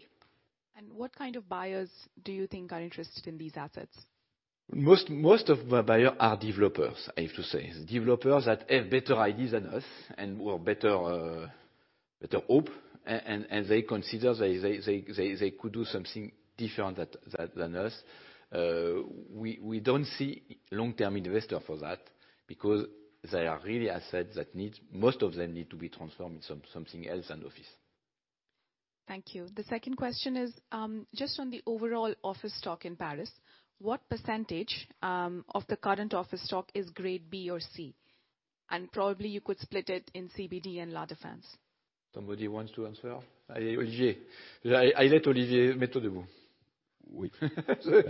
What kind of buyers do you think are interested in these assets? Most of the buyers are developers, I have to say. Developers that have better ideas than us and were better hope. And they consider they could do something different than us. We don't see long-term investors for that because they are really assets that most of them need to be transformed into something else than office. Thank you. The second question is, just on the overall office stock in Paris, what percentage of the current office stock is Grade B or C? And probably you could split it in CBD and La Défense. Somebody wants to answer? I'll let Olivier stand up. Oui. So.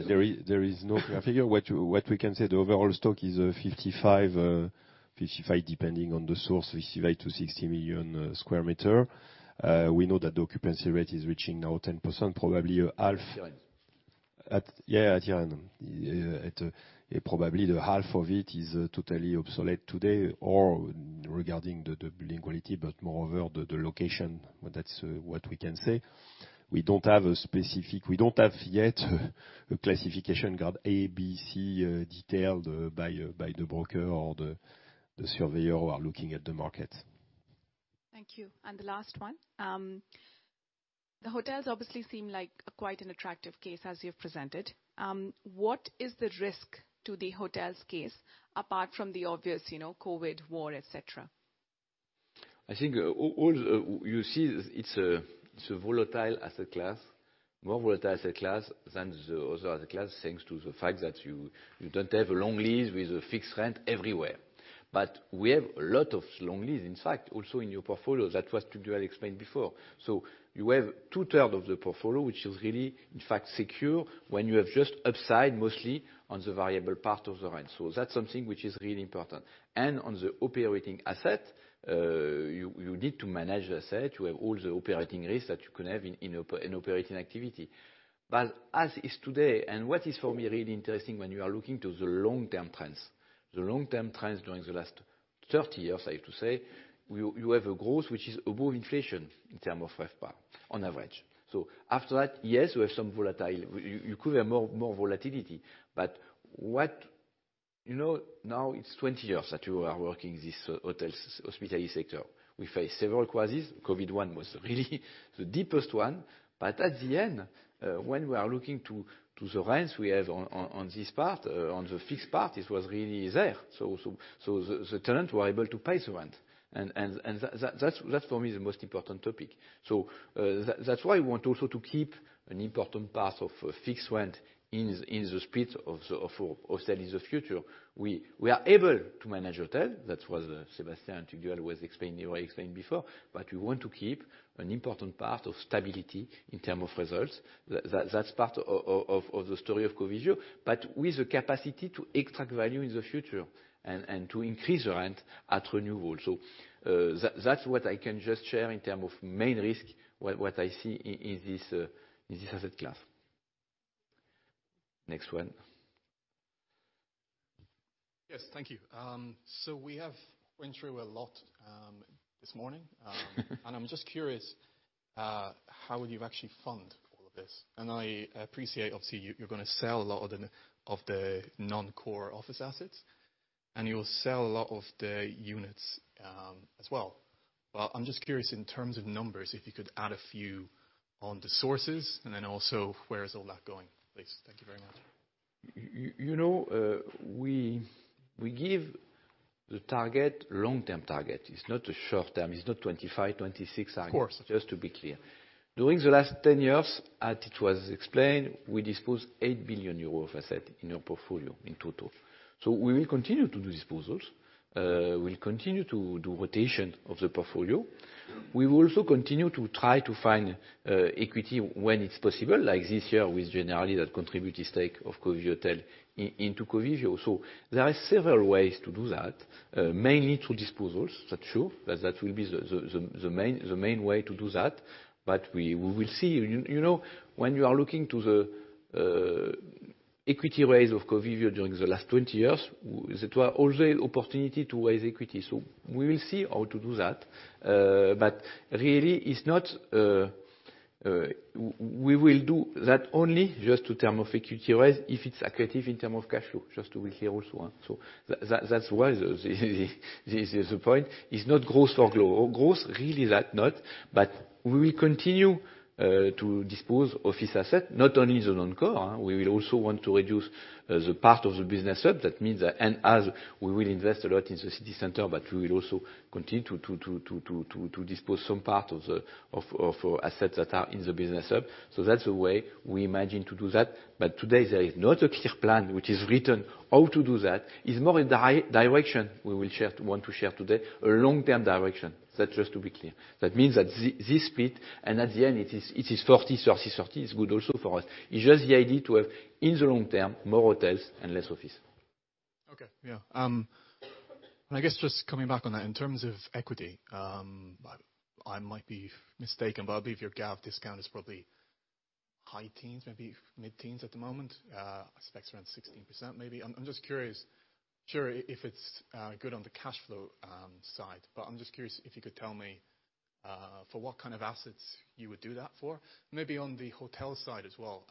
There is no clear figure. What we can say, the overall stock is 55-60 million square meters. We know that the occupancy rate is reaching now 10%, probably half. Tirrene. Yeah, at Tirrene. Probably the half of it is totally obsolete today or regarding the building quality, but moreover the location, but that's what we can say. We don't have yet a specific classification Grade A, B, C detailed by the broker or the surveyor who are looking at the market. Thank you. And the last one, the hotels obviously seem like quite an attractive case as you've presented. What is the risk to the hotels' case apart from the obvious, you know, COVID, war, etc.? I think all, you see it's a volatile asset class, more volatile asset class than the other asset class thanks to the fact that you don't have a long lease with a fixed rent everywhere. But we have a lot of long lease, in fact, also in your portfolio that was too well explained please. Thank you very much. You know, we give the target, long-term target. It's not a short-term. It's not 25, 26, and. Of course. Just to be clear. During the last 10 years, as it was explained, we disposed 8 billion euro of asset in our portfolio in total. So we will continue to do disposals. We'll continue to do rotation of the portfolio. We will also continue to try to find equity when it's possible, like this year with Generali that contributed stake of Covivio Hotels into Covivio. So there are several ways to do that, mainly through disposals. That's sure. That will be the main way to do that. But we will see, you know, when you are looking to the equity raise of Covivio during the last 20 years, what were also opportunities to raise equity. So we will see how to do that. But really, it's not. We will do that only just in terms of equity raise if it's accretive in terms of cash flow, just to be clear also. So that's why the point is not growth or growth, really. That's not. But we will continue to dispose office asset, not only the non-core. We will also want to reduce the part of the business hub. That means that, and as we will invest a lot in the city center, but we will also continue to dispose some part of the assets that are in the business hub. So that's the way we imagine to do that. But today, there is not a clear plan which is written how to do that. It's more in the direction we will share, want to share today, a long-term direction. That's just to be clear. That means that this split, and at the end, it is 40, 30, 30 is good also for us. It's just the idea to have in the long-term more hotels and less office. Okay. Yeah. I guess just coming back on that, in terms of equity, I might be mistaken, but I believe your GAV discount is probably high teens, maybe mid-teens at the moment. I suspect around 16% maybe. I'm just curious if it's good on the cash flow side. But I'm just curious if you could tell me for what kind of assets you would do that for. Maybe on the hotel side as well.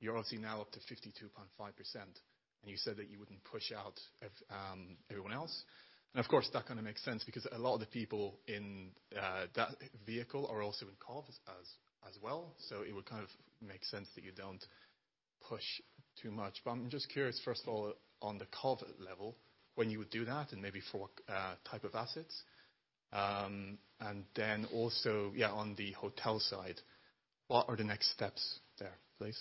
You're obviously now up to 52.5%, and you said that you wouldn't push out everyone else. And of course, that kinda makes sense because a lot of the people in that vehicle are also in COV as well. So it would kind of make sense that you don't push too much. But I'm just curious, first of all, on the Covivio level, when you would do that and maybe for what type of assets? And then also, yeah, on the hotel side, what are the next steps there, please?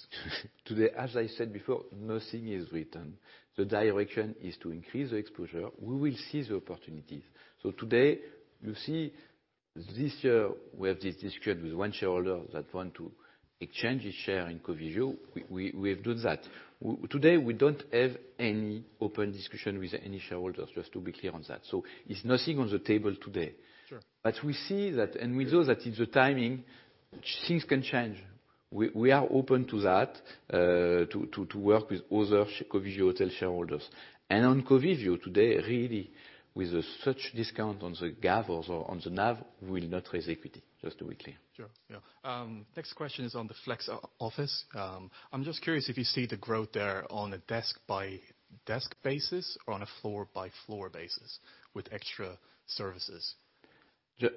Today, as I said before, nothing is written. The direction is to increase the exposure. We will seize the opportunities. So today, you see, this year, we have this discussion with one shareholder that want to exchange his share in Covivio. We have done that. Well today, we don't have any open discussion with any shareholders, just to be clear on that. So it's nothing on the table today. Sure. But we see that, and we know that it's a timing. Things can change. We are open to that, to work with other Covivio hotel shareholders. And on Covivio today, really, with such discount on the GAV or on the NAV, we'll not raise equity, just to be clear. Sure. Yeah. Next question is on the flex office. I'm just curious if you see the growth there on a desk-by-desk basis or on a floor-by-floor basis with extra services?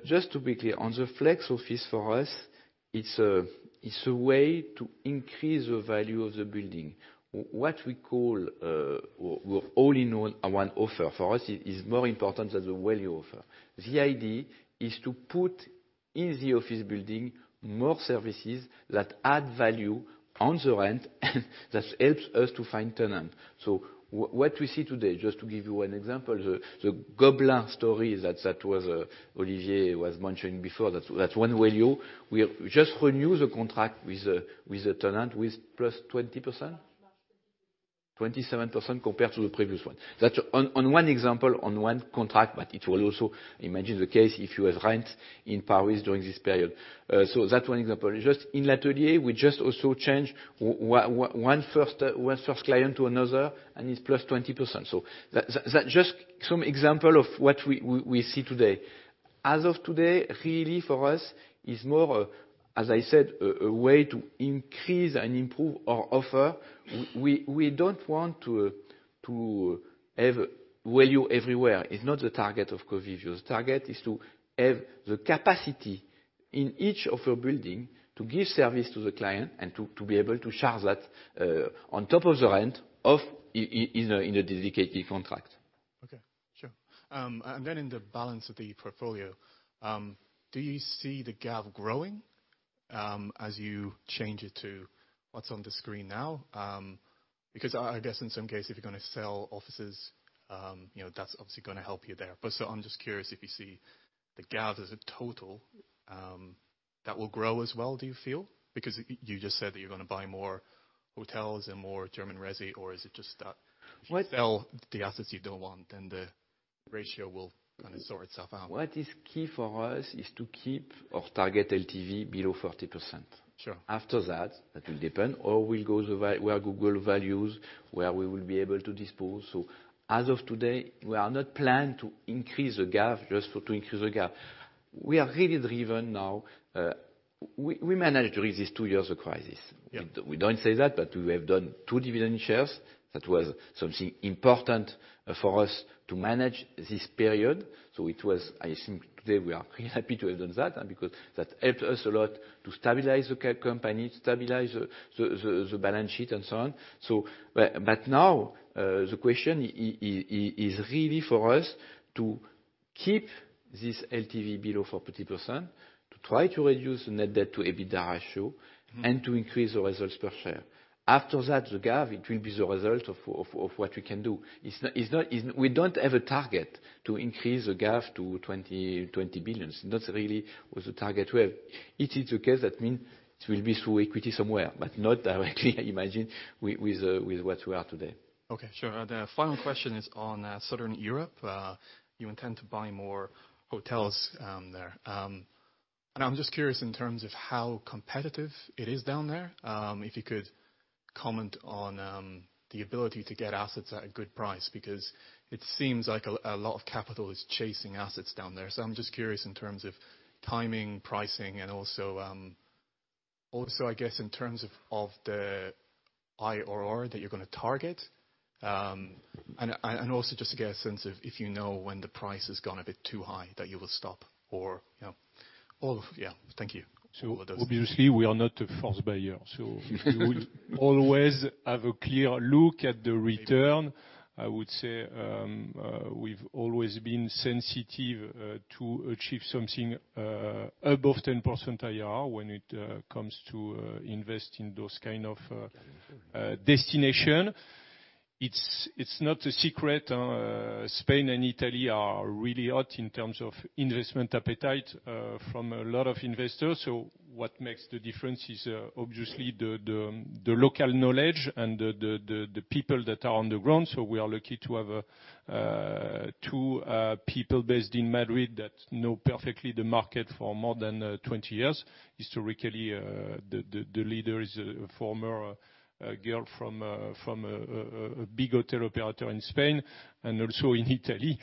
Just to be clear, on the flex office for us, it's a way to increase the value of the building. What we call all-in-one offer for us is more important than the value offer. The idea is to put in the office building more services that add value on the rent and that helps us to find tenant. So what we see today, just to give you an example, the Goujon story that Olivier was mentioning before, that one value, we just renew the contract with the tenant with plus 27% compared to the previous one. That's one example, one contract, but it will also imagine the case if you have rent in Paris during this period. So that one example. Just in L'Atelier, we just also change where first one first client to another, and it's plus 20%. So that just some example of what we see today. As of today, really for us, it's more, as I said, a way to increase and improve our offer. We don't want to have value everywhere. It's not the target of Covivio. The target is to have the capacity in each of our building to give service to the client and to be able to charge that on top of the rent in the dedicated contract. Okay. Sure. And then in the balance of the portfolio, do you see the GAV growing, as you change it to what's on the screen now? Because I guess in some case, if you're gonna sell offices, you know, that's obviously gonna help you there. But so I'm just curious if you see the GAV as a total, that will grow as well, do you feel? Because you just said that you're gonna buy more hotels and more German resi, or is it just that you sell the assets you don't want, and the ratio will kinda sort itself out? What is key for us is to keep our target LTV below 40%. Sure. After that, that will depend, or we'll go the way where Google values where we will be able to dispose. So as of today, we are not planning to increase the GAV just for to increase the GAV. We are really driven now. We managed during these two years of crisis. Yeah. We don't say that, but we have done two dividend shares. That was something important for us to manage this period. I think today we are pretty happy to have done that, because that helped us a lot to stabilize the company, stabilize the balance sheet and so on. But now, the question is really for us to keep this LTV below 40%, to try to reduce the net debt to EBITDA ratio and to increase the results per share. After that, the GAV, it will be the result of what we can do. It's not. We don't have a target to increase the GAV to 20 billion. It's not really the target we have. If it's the case, that means it will be through equity somewhere, but not directly, I imagine, with what we are today. Okay. Sure. The final question is on southern Europe. You intend to buy more hotels there. And I'm just curious in terms of how competitive it is down there, if you could comment on the ability to get assets at a good price because it seems like a lot of capital is chasing assets down there. So I'm just curious in terms of timing, pricing, and also, I guess, in terms of the IRR that you're gonna target. And also just to get a sense of if you know when the price has gone a bit too high that you will stop or, you know, all of yeah. Thank you. So what does? Obviously, we are not a force buyer. We will always have a clear look at the return. I would say, we've always been sensitive to achieve something above 10% IRR when it comes to invest in those kind of destination. It's not a secret, Spain and Italy are really hot in terms of investment appetite from a lot of investors. What makes the difference is, obviously, the local knowledge and the people that are on the ground. We are lucky to have two people based in Madrid that know perfectly the market for more than 20 years. Historically, the leader is a former GM from a big hotel operator in Spain and also in Italy.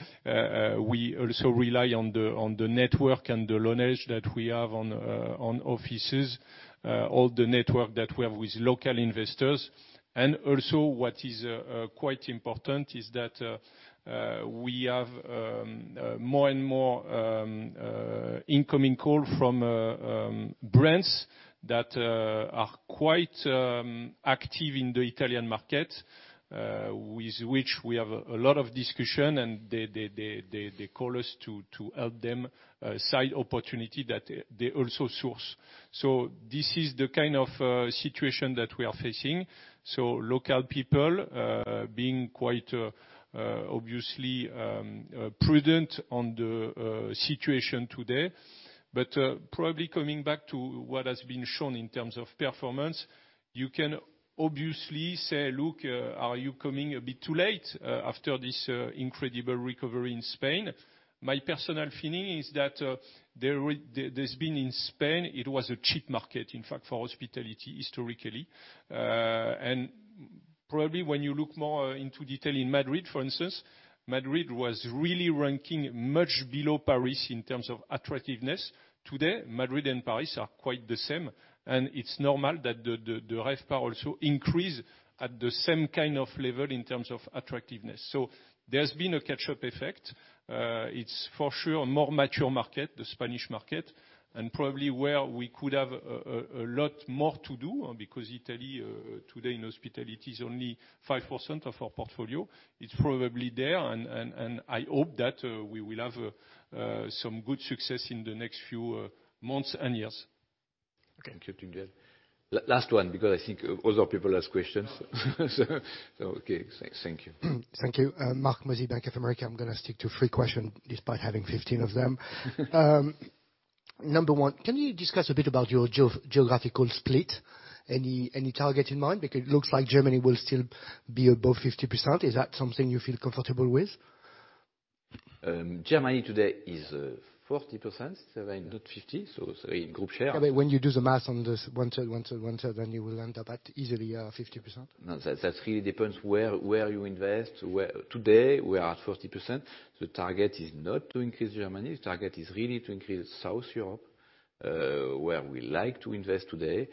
We also rely on the network and the knowledge that we have on offices, all the network that we have with local investors. And also, what is quite important is that we have more and more incoming calls from brands that are quite active in the Italian market, with which we have a lot of discussion, and they call us to help them find opportunities that they also source. This is the kind of situation that we are facing. Local people, being quite obviously prudent on the situation today. But, probably coming back to what has been shown in terms of performance, you can obviously say, "Look, are you coming a bit too late, after this incredible recovery in Spain?" My personal feeling is that there's been in Spain. It was a cheap market, in fact, for hospitality historically. And probably when you look more into detail in Madrid, for instance, Madrid was really ranking much below Paris in terms of attractiveness. Today, Madrid and Paris are quite the same, and it's normal that the RevPAR also increase at the same kind of level in terms of attractiveness. So there's been a catch-up effect. It's for sure a more mature market, the Spanish market, and probably where we could have a lot more to do, because Italy today in hospitality is only 5% of our portfolio. It's probably there, and I hope that we will have some good success in the next few months and years. Okay. Thank you, Tugdual. Last one because I think other people ask questions. So, okay. Thank you. Thank you. Marc Mozzi, Bank of America. I'm gonna stick to three questions despite having 15 of them. Number one, can you discuss a bit about your geo-geographical split? Any, any target in mind? Because it looks like Germany will still be above 50%. Is that something you feel comfortable with? Germany today is 40%, 7, not 50. So in group share. Okay. When you do the math on the one-third, one-third, one-third, then you will end up at easily 50%. No, that really depends where you invest. Where today, we are at 40%. The target is not to increase Germany. The target is really to increase South Europe, where we like to invest today.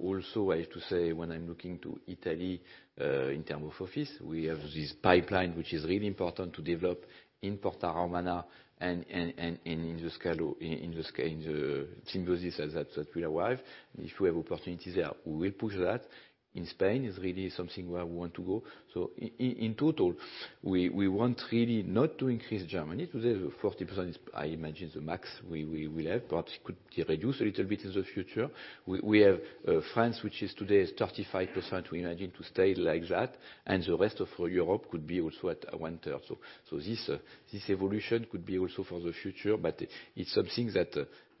Also, I have to say, when I'm looking to Italy, in terms of office, we have this pipeline which is really important to develop in Porta Romana,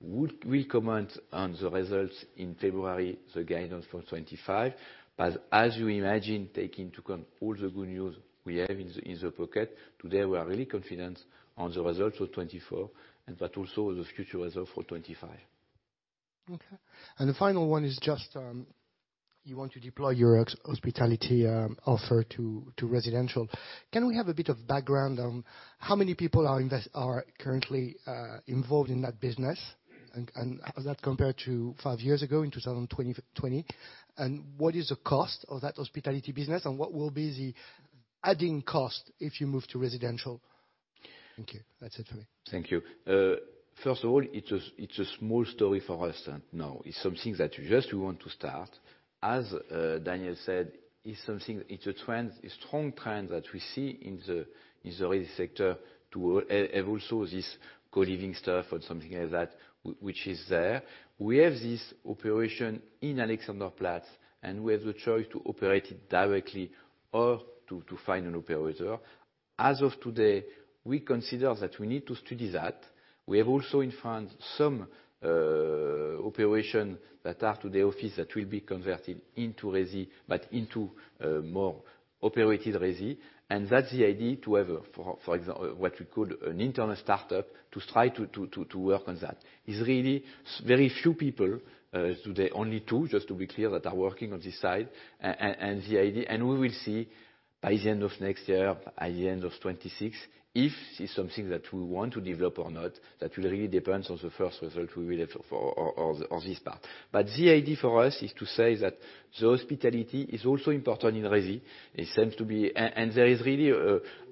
will comment on the results in February, the guidance for 2025. But as you imagine, taking into account all the good news we have in the pocket, today, we are really confident on the results for 2024 but also the future results for 2025. Okay. And the final one is just, you want to deploy your hospitality offering to residential. Can we have a bit of background on how many investors are currently involved in that business? And how's that compared to five years ago in 2020? And what is the cost of that hospitality business, and what will be the added cost if you move to residential? Thank you. That's it for me. Thank you. First of all, it's a small story for us right now. It's something that we just want to start. As Daniel said, it's a trend, a strong trend that we see in the resi sector to have also this co-living stuff or something like that, which is there. We have this operation in Alexanderplatz, and we have the choice to operate it directly or to find an operator. As of today, we consider that we need to study that. We have also in France some operations that are today offices that will be converted into resi, but into more operated resi. That's the idea to have, for example, what we call an internal startup to try to work on that. It's really very few people, today, only two, just to be clear, that are working on this side. And the idea is we will see by the end of next year, by the end of 2026, if it's something that we want to develop or not, that will really depends on the first result we will have for this part. But the idea for us is to say that the hospitality is also important in resi. It seems to be, and there is really,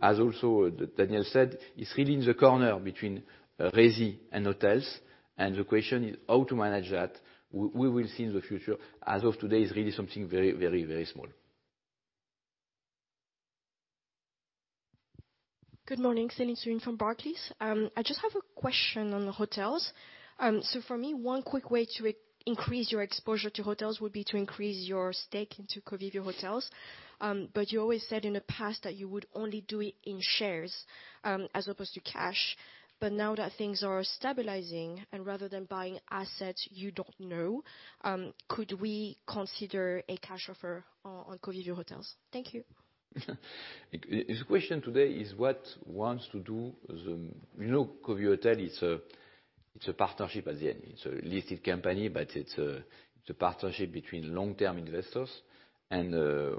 as also Daniel said, it's really in the corner between resi and hotels. And the question is how to manage that. We will see in the future. As of today, it's really something very small. Good morning. Céline Soo-Huynh from Barclays. I just have a question on hotels. So for me, one quick way to increase your exposure to hotels would be to increase your stake into Covivio Hotels. But you always said in the past that you would only do it in shares, as opposed to cash. But now that things are stabilizing, and rather than buying assets you don't know, could we consider a cash offer on Covivio Hotels? Thank you. It's a question today is what wants to do the, you know, Covivio Hotels, it's a, it's a partnership at the end. It's a listed company, but it's a, it's a partnership between long-term investors. And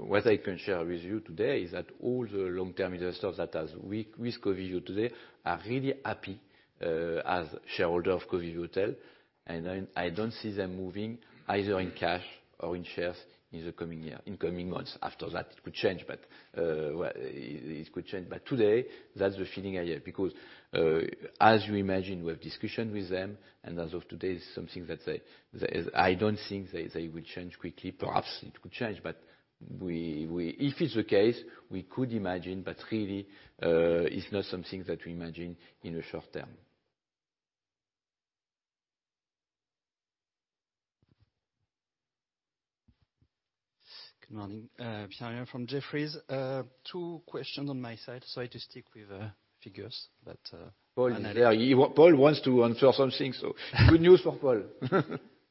what I can share with you today is that all the long-term investors that have with Covivio Hotels are really happy, as shareholders of Covivio Hotels. And I don't see them moving either in cash or in shares in the coming year, in coming months. After that, it could change, but well, it could change. But today, that's the feeling I have because, as you imagine, we have discussion with them, and as of today, it's something that they, I don't think they will change quickly. Perhaps it could change, but if it's the case, we could imagine, but really, it's not something that we imagine in the short term. Good morning. Pierre from Jefferies. Two questions on my side. Sorry to stick with figures, but, Paul is there. Paul wants to answer something, so good news for Paul.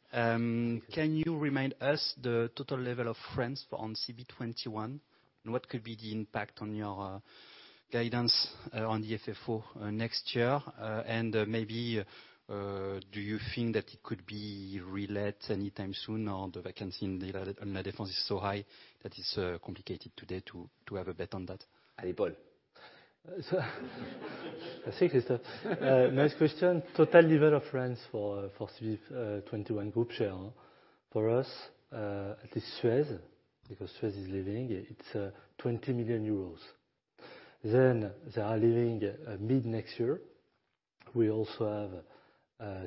Can you remind us the total vacancy level on CB21? What could be the impact on your guidance on the FFO next year? Maybe, do you think that it could be relet anytime soon or the vacancy in La Défense is so high that it's complicated today to have a bet on that? Hi, Paul. I see Christophe. Nice question. Total rental level in France for CB21 group share, for us, at least Suez, because Suez is leaving, it's 20 million euros. Then they are leaving mid next year. We also have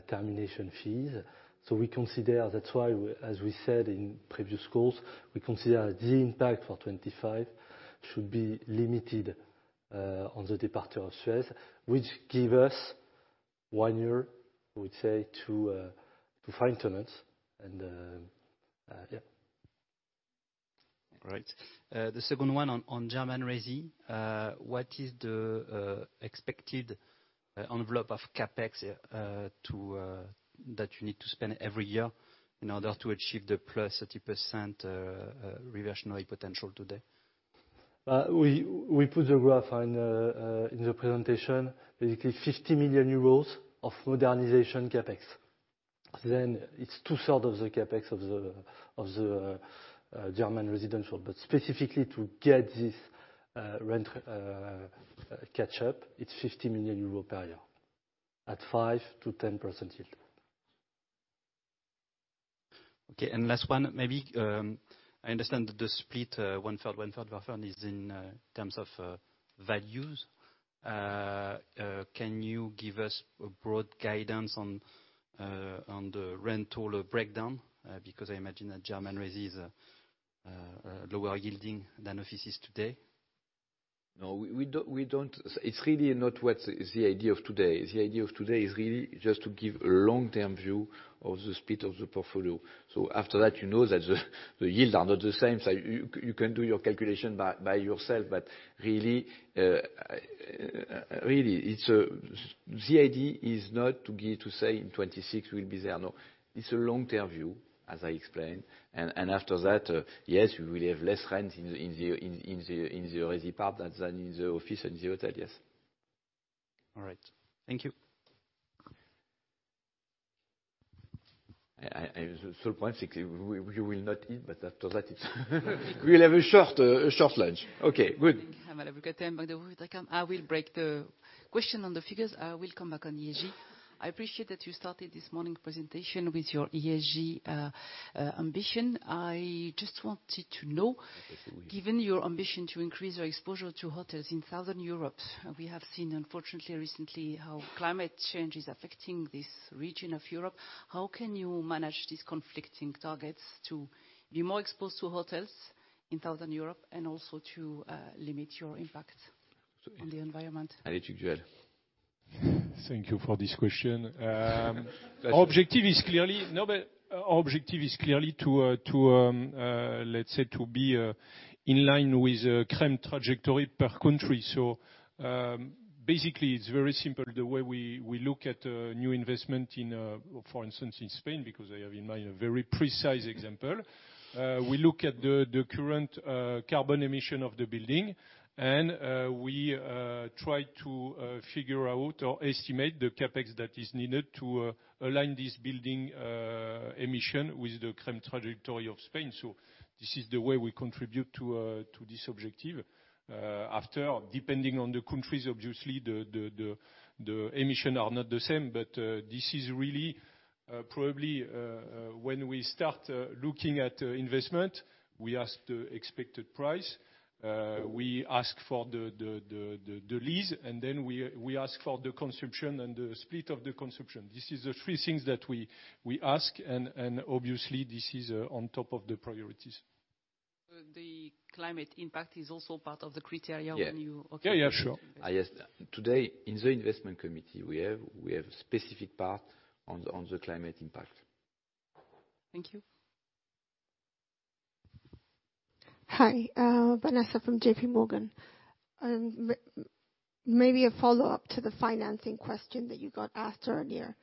termination fees. So we consider that's why, as we said in previous calls, we consider the impact for 2025 should be limited on the departure of Suez, which give us one year, I would say, to find tenants. And yeah. Great. The second one on German resi. What is the expected envelope of CapEx that you need to spend every year in order to achieve the +30% reversionary potential today? We put the graph in the presentation, basically 50 million euros of modernization CapEx. Then it is two-thirds of the CapEx of the German residential. But specifically to get this rent catch-up, it is 50 million euro per year at 5%-10% yield. Okay. And last one, maybe, I understand that the split, one-third, one-third, one-third is in terms of values. Can you give us a broad guidance on the rental breakdown, because I imagine that German resi is lower yielding than offices today? No, we don't. It's really not what's the idea of today. The idea of today is really just to give a long-term view of the split of the portfolio. So after that, you know that the yield are not the same. So you can do your calculation by yourself, but really, it's the idea is not to give to say in 2026 we'll be there. No. It's a long-term view, as I explained. And after that, yes, we will have less rent in the resi part than in the office and the hotel. Yes. All right. Thank you. The third point, we will not eat, but after that, it's we'll have a short lunch. Okay. Good. Thank you, Mr. Kullmann. I will break the question on the figures. I will come back on ESG. I appreciate that you started this morning presentation with your ESG ambition. I just wanted to know, given your ambition to increase your exposure to hotels in southern Europe, we have seen, unfortunately, recently how climate change is affecting this region of Europe. How can you manage these conflicting targets to be more exposed to hotels in southern Europe and also to limit your impact on the environment? I need to join. Thank you for this question. That's. Our objective is clearly no, but our objective is clearly to, let's say, to be in line with carbon trajectory per country. So, basically, it's very simple. The way we look at new investment in, for instance, in Spain, because I have in mind a very precise example, we look at the current carbon emission of the building, and we try to figure out or estimate the CapEx that is needed to align this building emission with the carbon trajectory of Spain. So this is the way we contribute to this objective. After, depending on the countries, obviously, the emission are not the same, but this is really, probably, when we start looking at investment, we ask the expected price. We ask for the lease, and then we ask for the consumption and the split of the consumption. This is the three things that we ask, and obviously, this is on top of the priorities. The climate impact is also part of the criteria when you okay. Yeah, yeah, sure. Yes. Today, in the investment committee, we have a specific part on the climate impact. Thank you. Hi. Vanessa from JPMorgan. Maybe a follow-up to the financing question that you got asked earlier.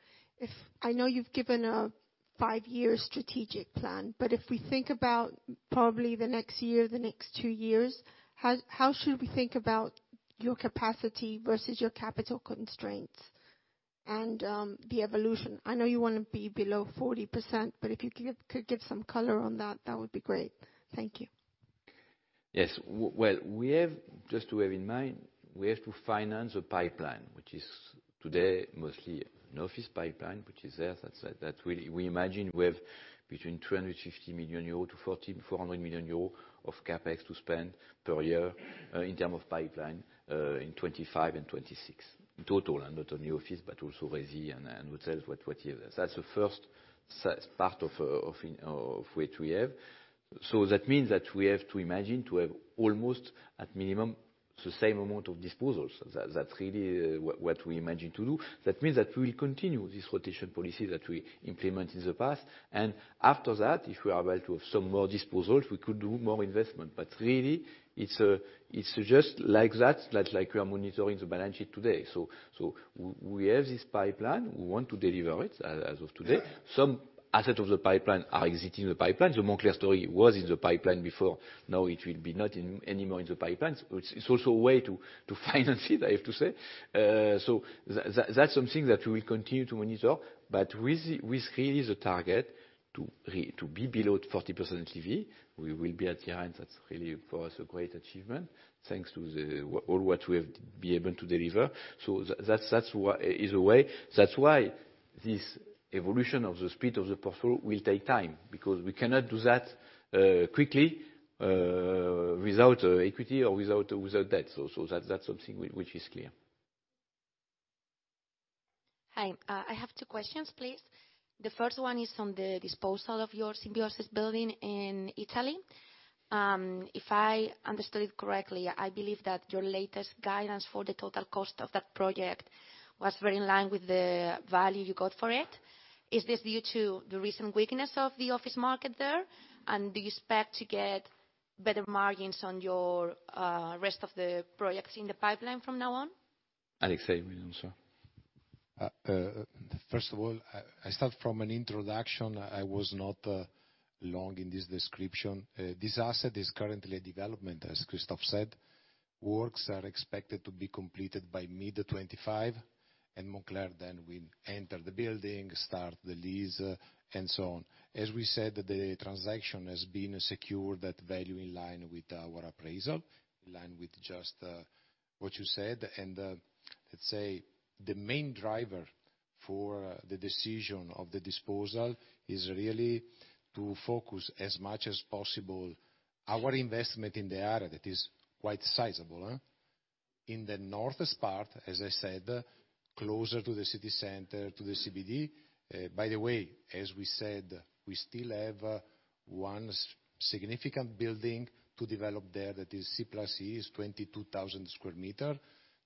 I know you've given a five-year strategic plan, but if we think about probably the next year, the next two years, how should we think about your capacity versus your capital constraints and the evolution? I know you want to be below 40%, but if you could give some color on that, that would be great. Thank you. Yes. Well, we have just to have in mind, we have to finance a pipeline, which is today mostly an office pipeline, which is there. That's really what we imagine we have between 250 million-400 million euros of CapEx to spend per year, in terms of pipeline, in 2025 and 2026. In total, and not only office, but also resi and hotels, whatever. That's the first part of what we have. That means that we have to imagine to have almost, at minimum, the same amount of disposals. That really what we imagine to do. That means that we will continue this rotation policy that we implement in the past. And after that, if we are able to have some more disposals, we could do more investment. But really, it's just like that, like we are monitoring the balance sheet today. So we have this pipeline. We want to deliver it, as of today. Some asset of the pipeline are existing in the pipeline. The Moncler story was in the pipeline before. Now it will be not in anymore in the pipeline. So it's also a way to finance it, I have to say. So that's something that we will continue to monitor, but with really the target to be below 40% LTV, we will be at the end. That's really for us a great achievement thanks to the all what we have been able to deliver. So that's what is a way. That's why this evolution of the split of the portfolio will take time because we cannot do that quickly without equity or without debt. So that's something which is clear. Hi. I have two questions, please. The first one is on the disposal of your Symbiosis building in Italy. If I understood it correctly, I believe that your latest guidance for the total cost of that project was very in line with the value you got for it. Is this due to the recent weakness of the office market there? And do you expect to get better margins on your, rest of the projects in the pipeline from now on? Alexei Dal Pastro. First of all, I start from an introduction. I was not long in this description. This asset is currently a development, as Christophe said. Works are expected to be completed by mid-2025, and Moncler then will enter the building, start the lease, and so on. As we said, the transaction has been secured at value in line with our appraisal, in line with just what you said. And let's say the main driver for the decision of the disposal is really to focus as much as possible our investment in the area that is quite sizable, in the northeast part, as I said, closer to the city center, to the CBD. By the way, as we said, we still have one significant building to develop there that is C+E, is 22,000 square meters,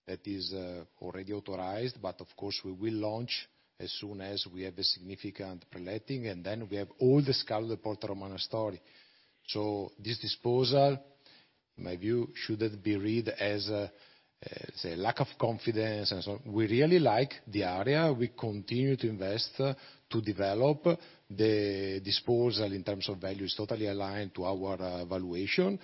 that is already authorized. But of course, we will launch as soon as we have a significant pre-letting and then we have all the scale of the Porta Romana story. So this disposal, in my view, shouldn't be read as, say, lack of confidence and so on. We really like the area. We continue to invest to develop. The disposal in terms of value is totally aligned to our valuation,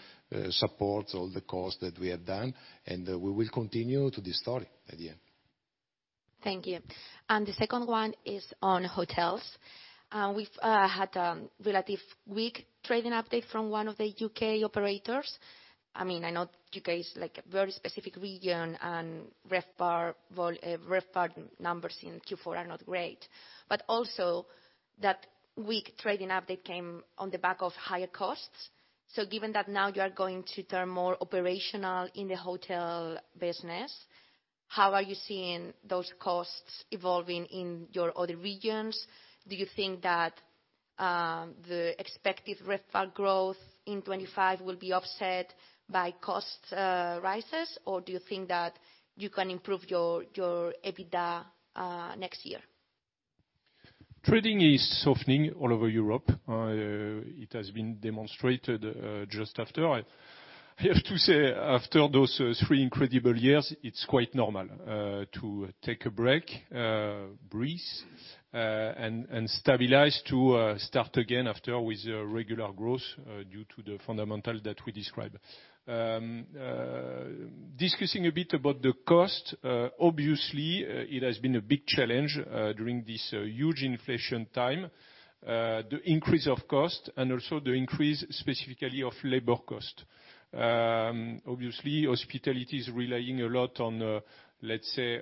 supports all the costs that we have done. And we will continue this story at the end. Thank you. The second one is on hotels. We've had a relatively weak trading update from one of the U.K. operators. I mean, I know UK is like a very specific region, and RevPAR vol, RevPAR numbers in Q4 are not great. Also, that weak trading update came on the back of higher costs. Given that now you are going to turn more operational in the hotel business, how are you seeing those costs evolving in your other regions? Do you think that the expected RevPAR growth in 2025 will be offset by cost rises, or do you think that you can improve your EBITDA next year? Trading is softening all over Europe. It has been demonstrated just after. I have to say, after those three incredible years, it's quite normal to take a break, breathe, and stabilize to start again after with regular growth, due to the fundamental that we described. Discussing a bit about the cost, obviously, it has been a big challenge during this huge inflation time, the increase of cost and also the increase specifically of labor cost. Obviously, hospitality is relying a lot on, let's say,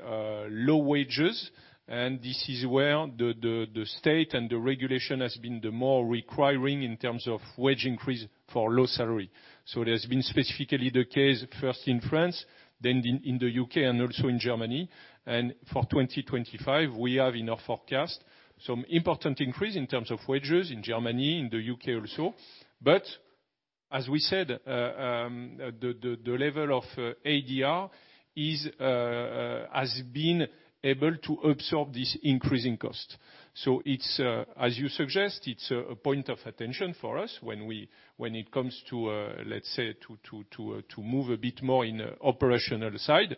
low wages, and this is where the state and the regulation has been the more requiring in terms of wage increase for low salary, so it has been specifically the case first in France, then in the U.K., and also in Germany. And for 2025, we have in our forecast some important increase in terms of wages in Germany, in the U.K. also. But as we said, the level of ADR has been able to absorb this increasing cost. So it's, as you suggest, it's a point of attention for us when it comes to, let's say, to move a bit more in operational side.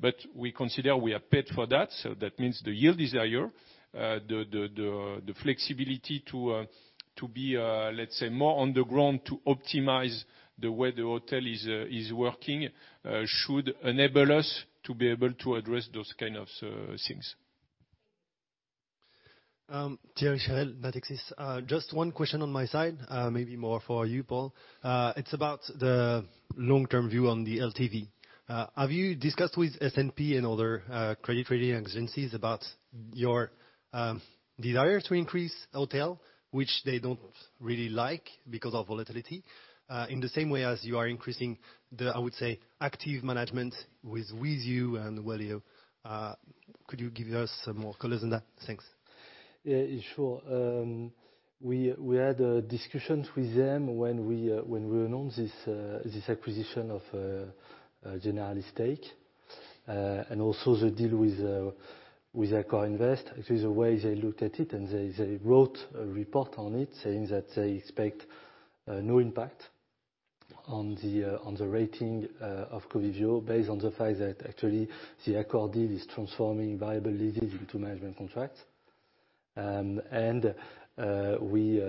But we consider we are paid for that. So that means the yield is higher. The flexibility to be, let's say, more on the ground to optimize the way the hotel is working should enable us to be able to address those kind of things. Thank you. Thierry Garcia, at SG. Just one question on my side, maybe more for you, Paul. It's about the long-term view on the LTV. Have you discussed with S&P and other credit rating agencies about your desire to increase hotel, which they don't really like because of volatility, in the same way as you are increasing the, I would say, active management with you? Could you give us some more colors on that? Thanks. Yeah, sure. We had discussions with them when we announced this acquisition of Generali, and also the deal with AccorInvest. Actually, the way they looked at it and they wrote a report on it saying that they expect no impact on the rating of Covivio based on the fact that actually the Accor deal is transforming variable leases into management contracts. And we,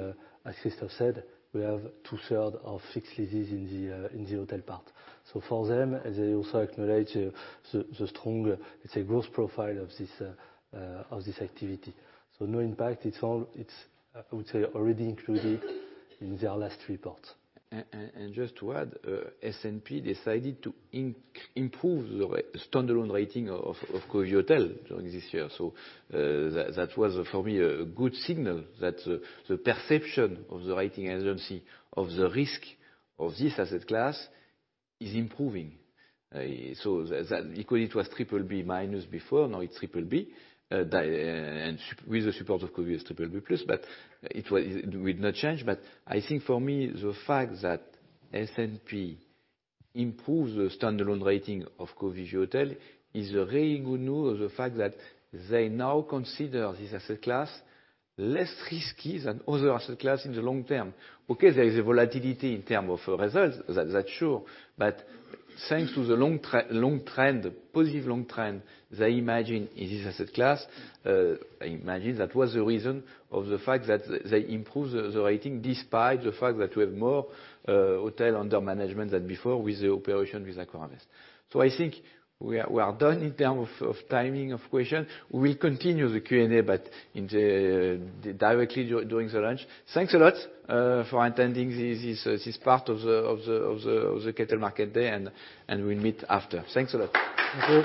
as Christophe said, we have two-thirds of fixed leases in the hotel part. So for them, they also acknowledge the strong, let's say, growth profile of this activity. So no impact. It's all, I would say, already included in their last report. Just to add, S&P decided to improve the standalone rating of Covivio Hotels during this year. That was, for me, a good signal that the perception of the rating agency of the risk of this asset class is improving. That quality was BBB- before. Now it's BBB, and with the support of Covivio it's BBB+, but it would not change. But I think for me, the fact that S&P improves the standalone rating of Covivio Hotels is a really good news, the fact that they now consider this asset class less risky than other asset class in the long term. There is a volatility in terms of results. That's sure. But thanks to the long-term positive long trend they imagine in this asset class, I imagine that was the reason for the fact that they improved the rating despite the fact that we have more hotels under management than before with the operation with AccorInvest. So I think we are done in terms of timing of questions. We will continue the Q&A, but directly during the lunch. Thanks a lot for attending this part of the Covivio Market Day, and we'll meet after. Thanks a lot. Thank you.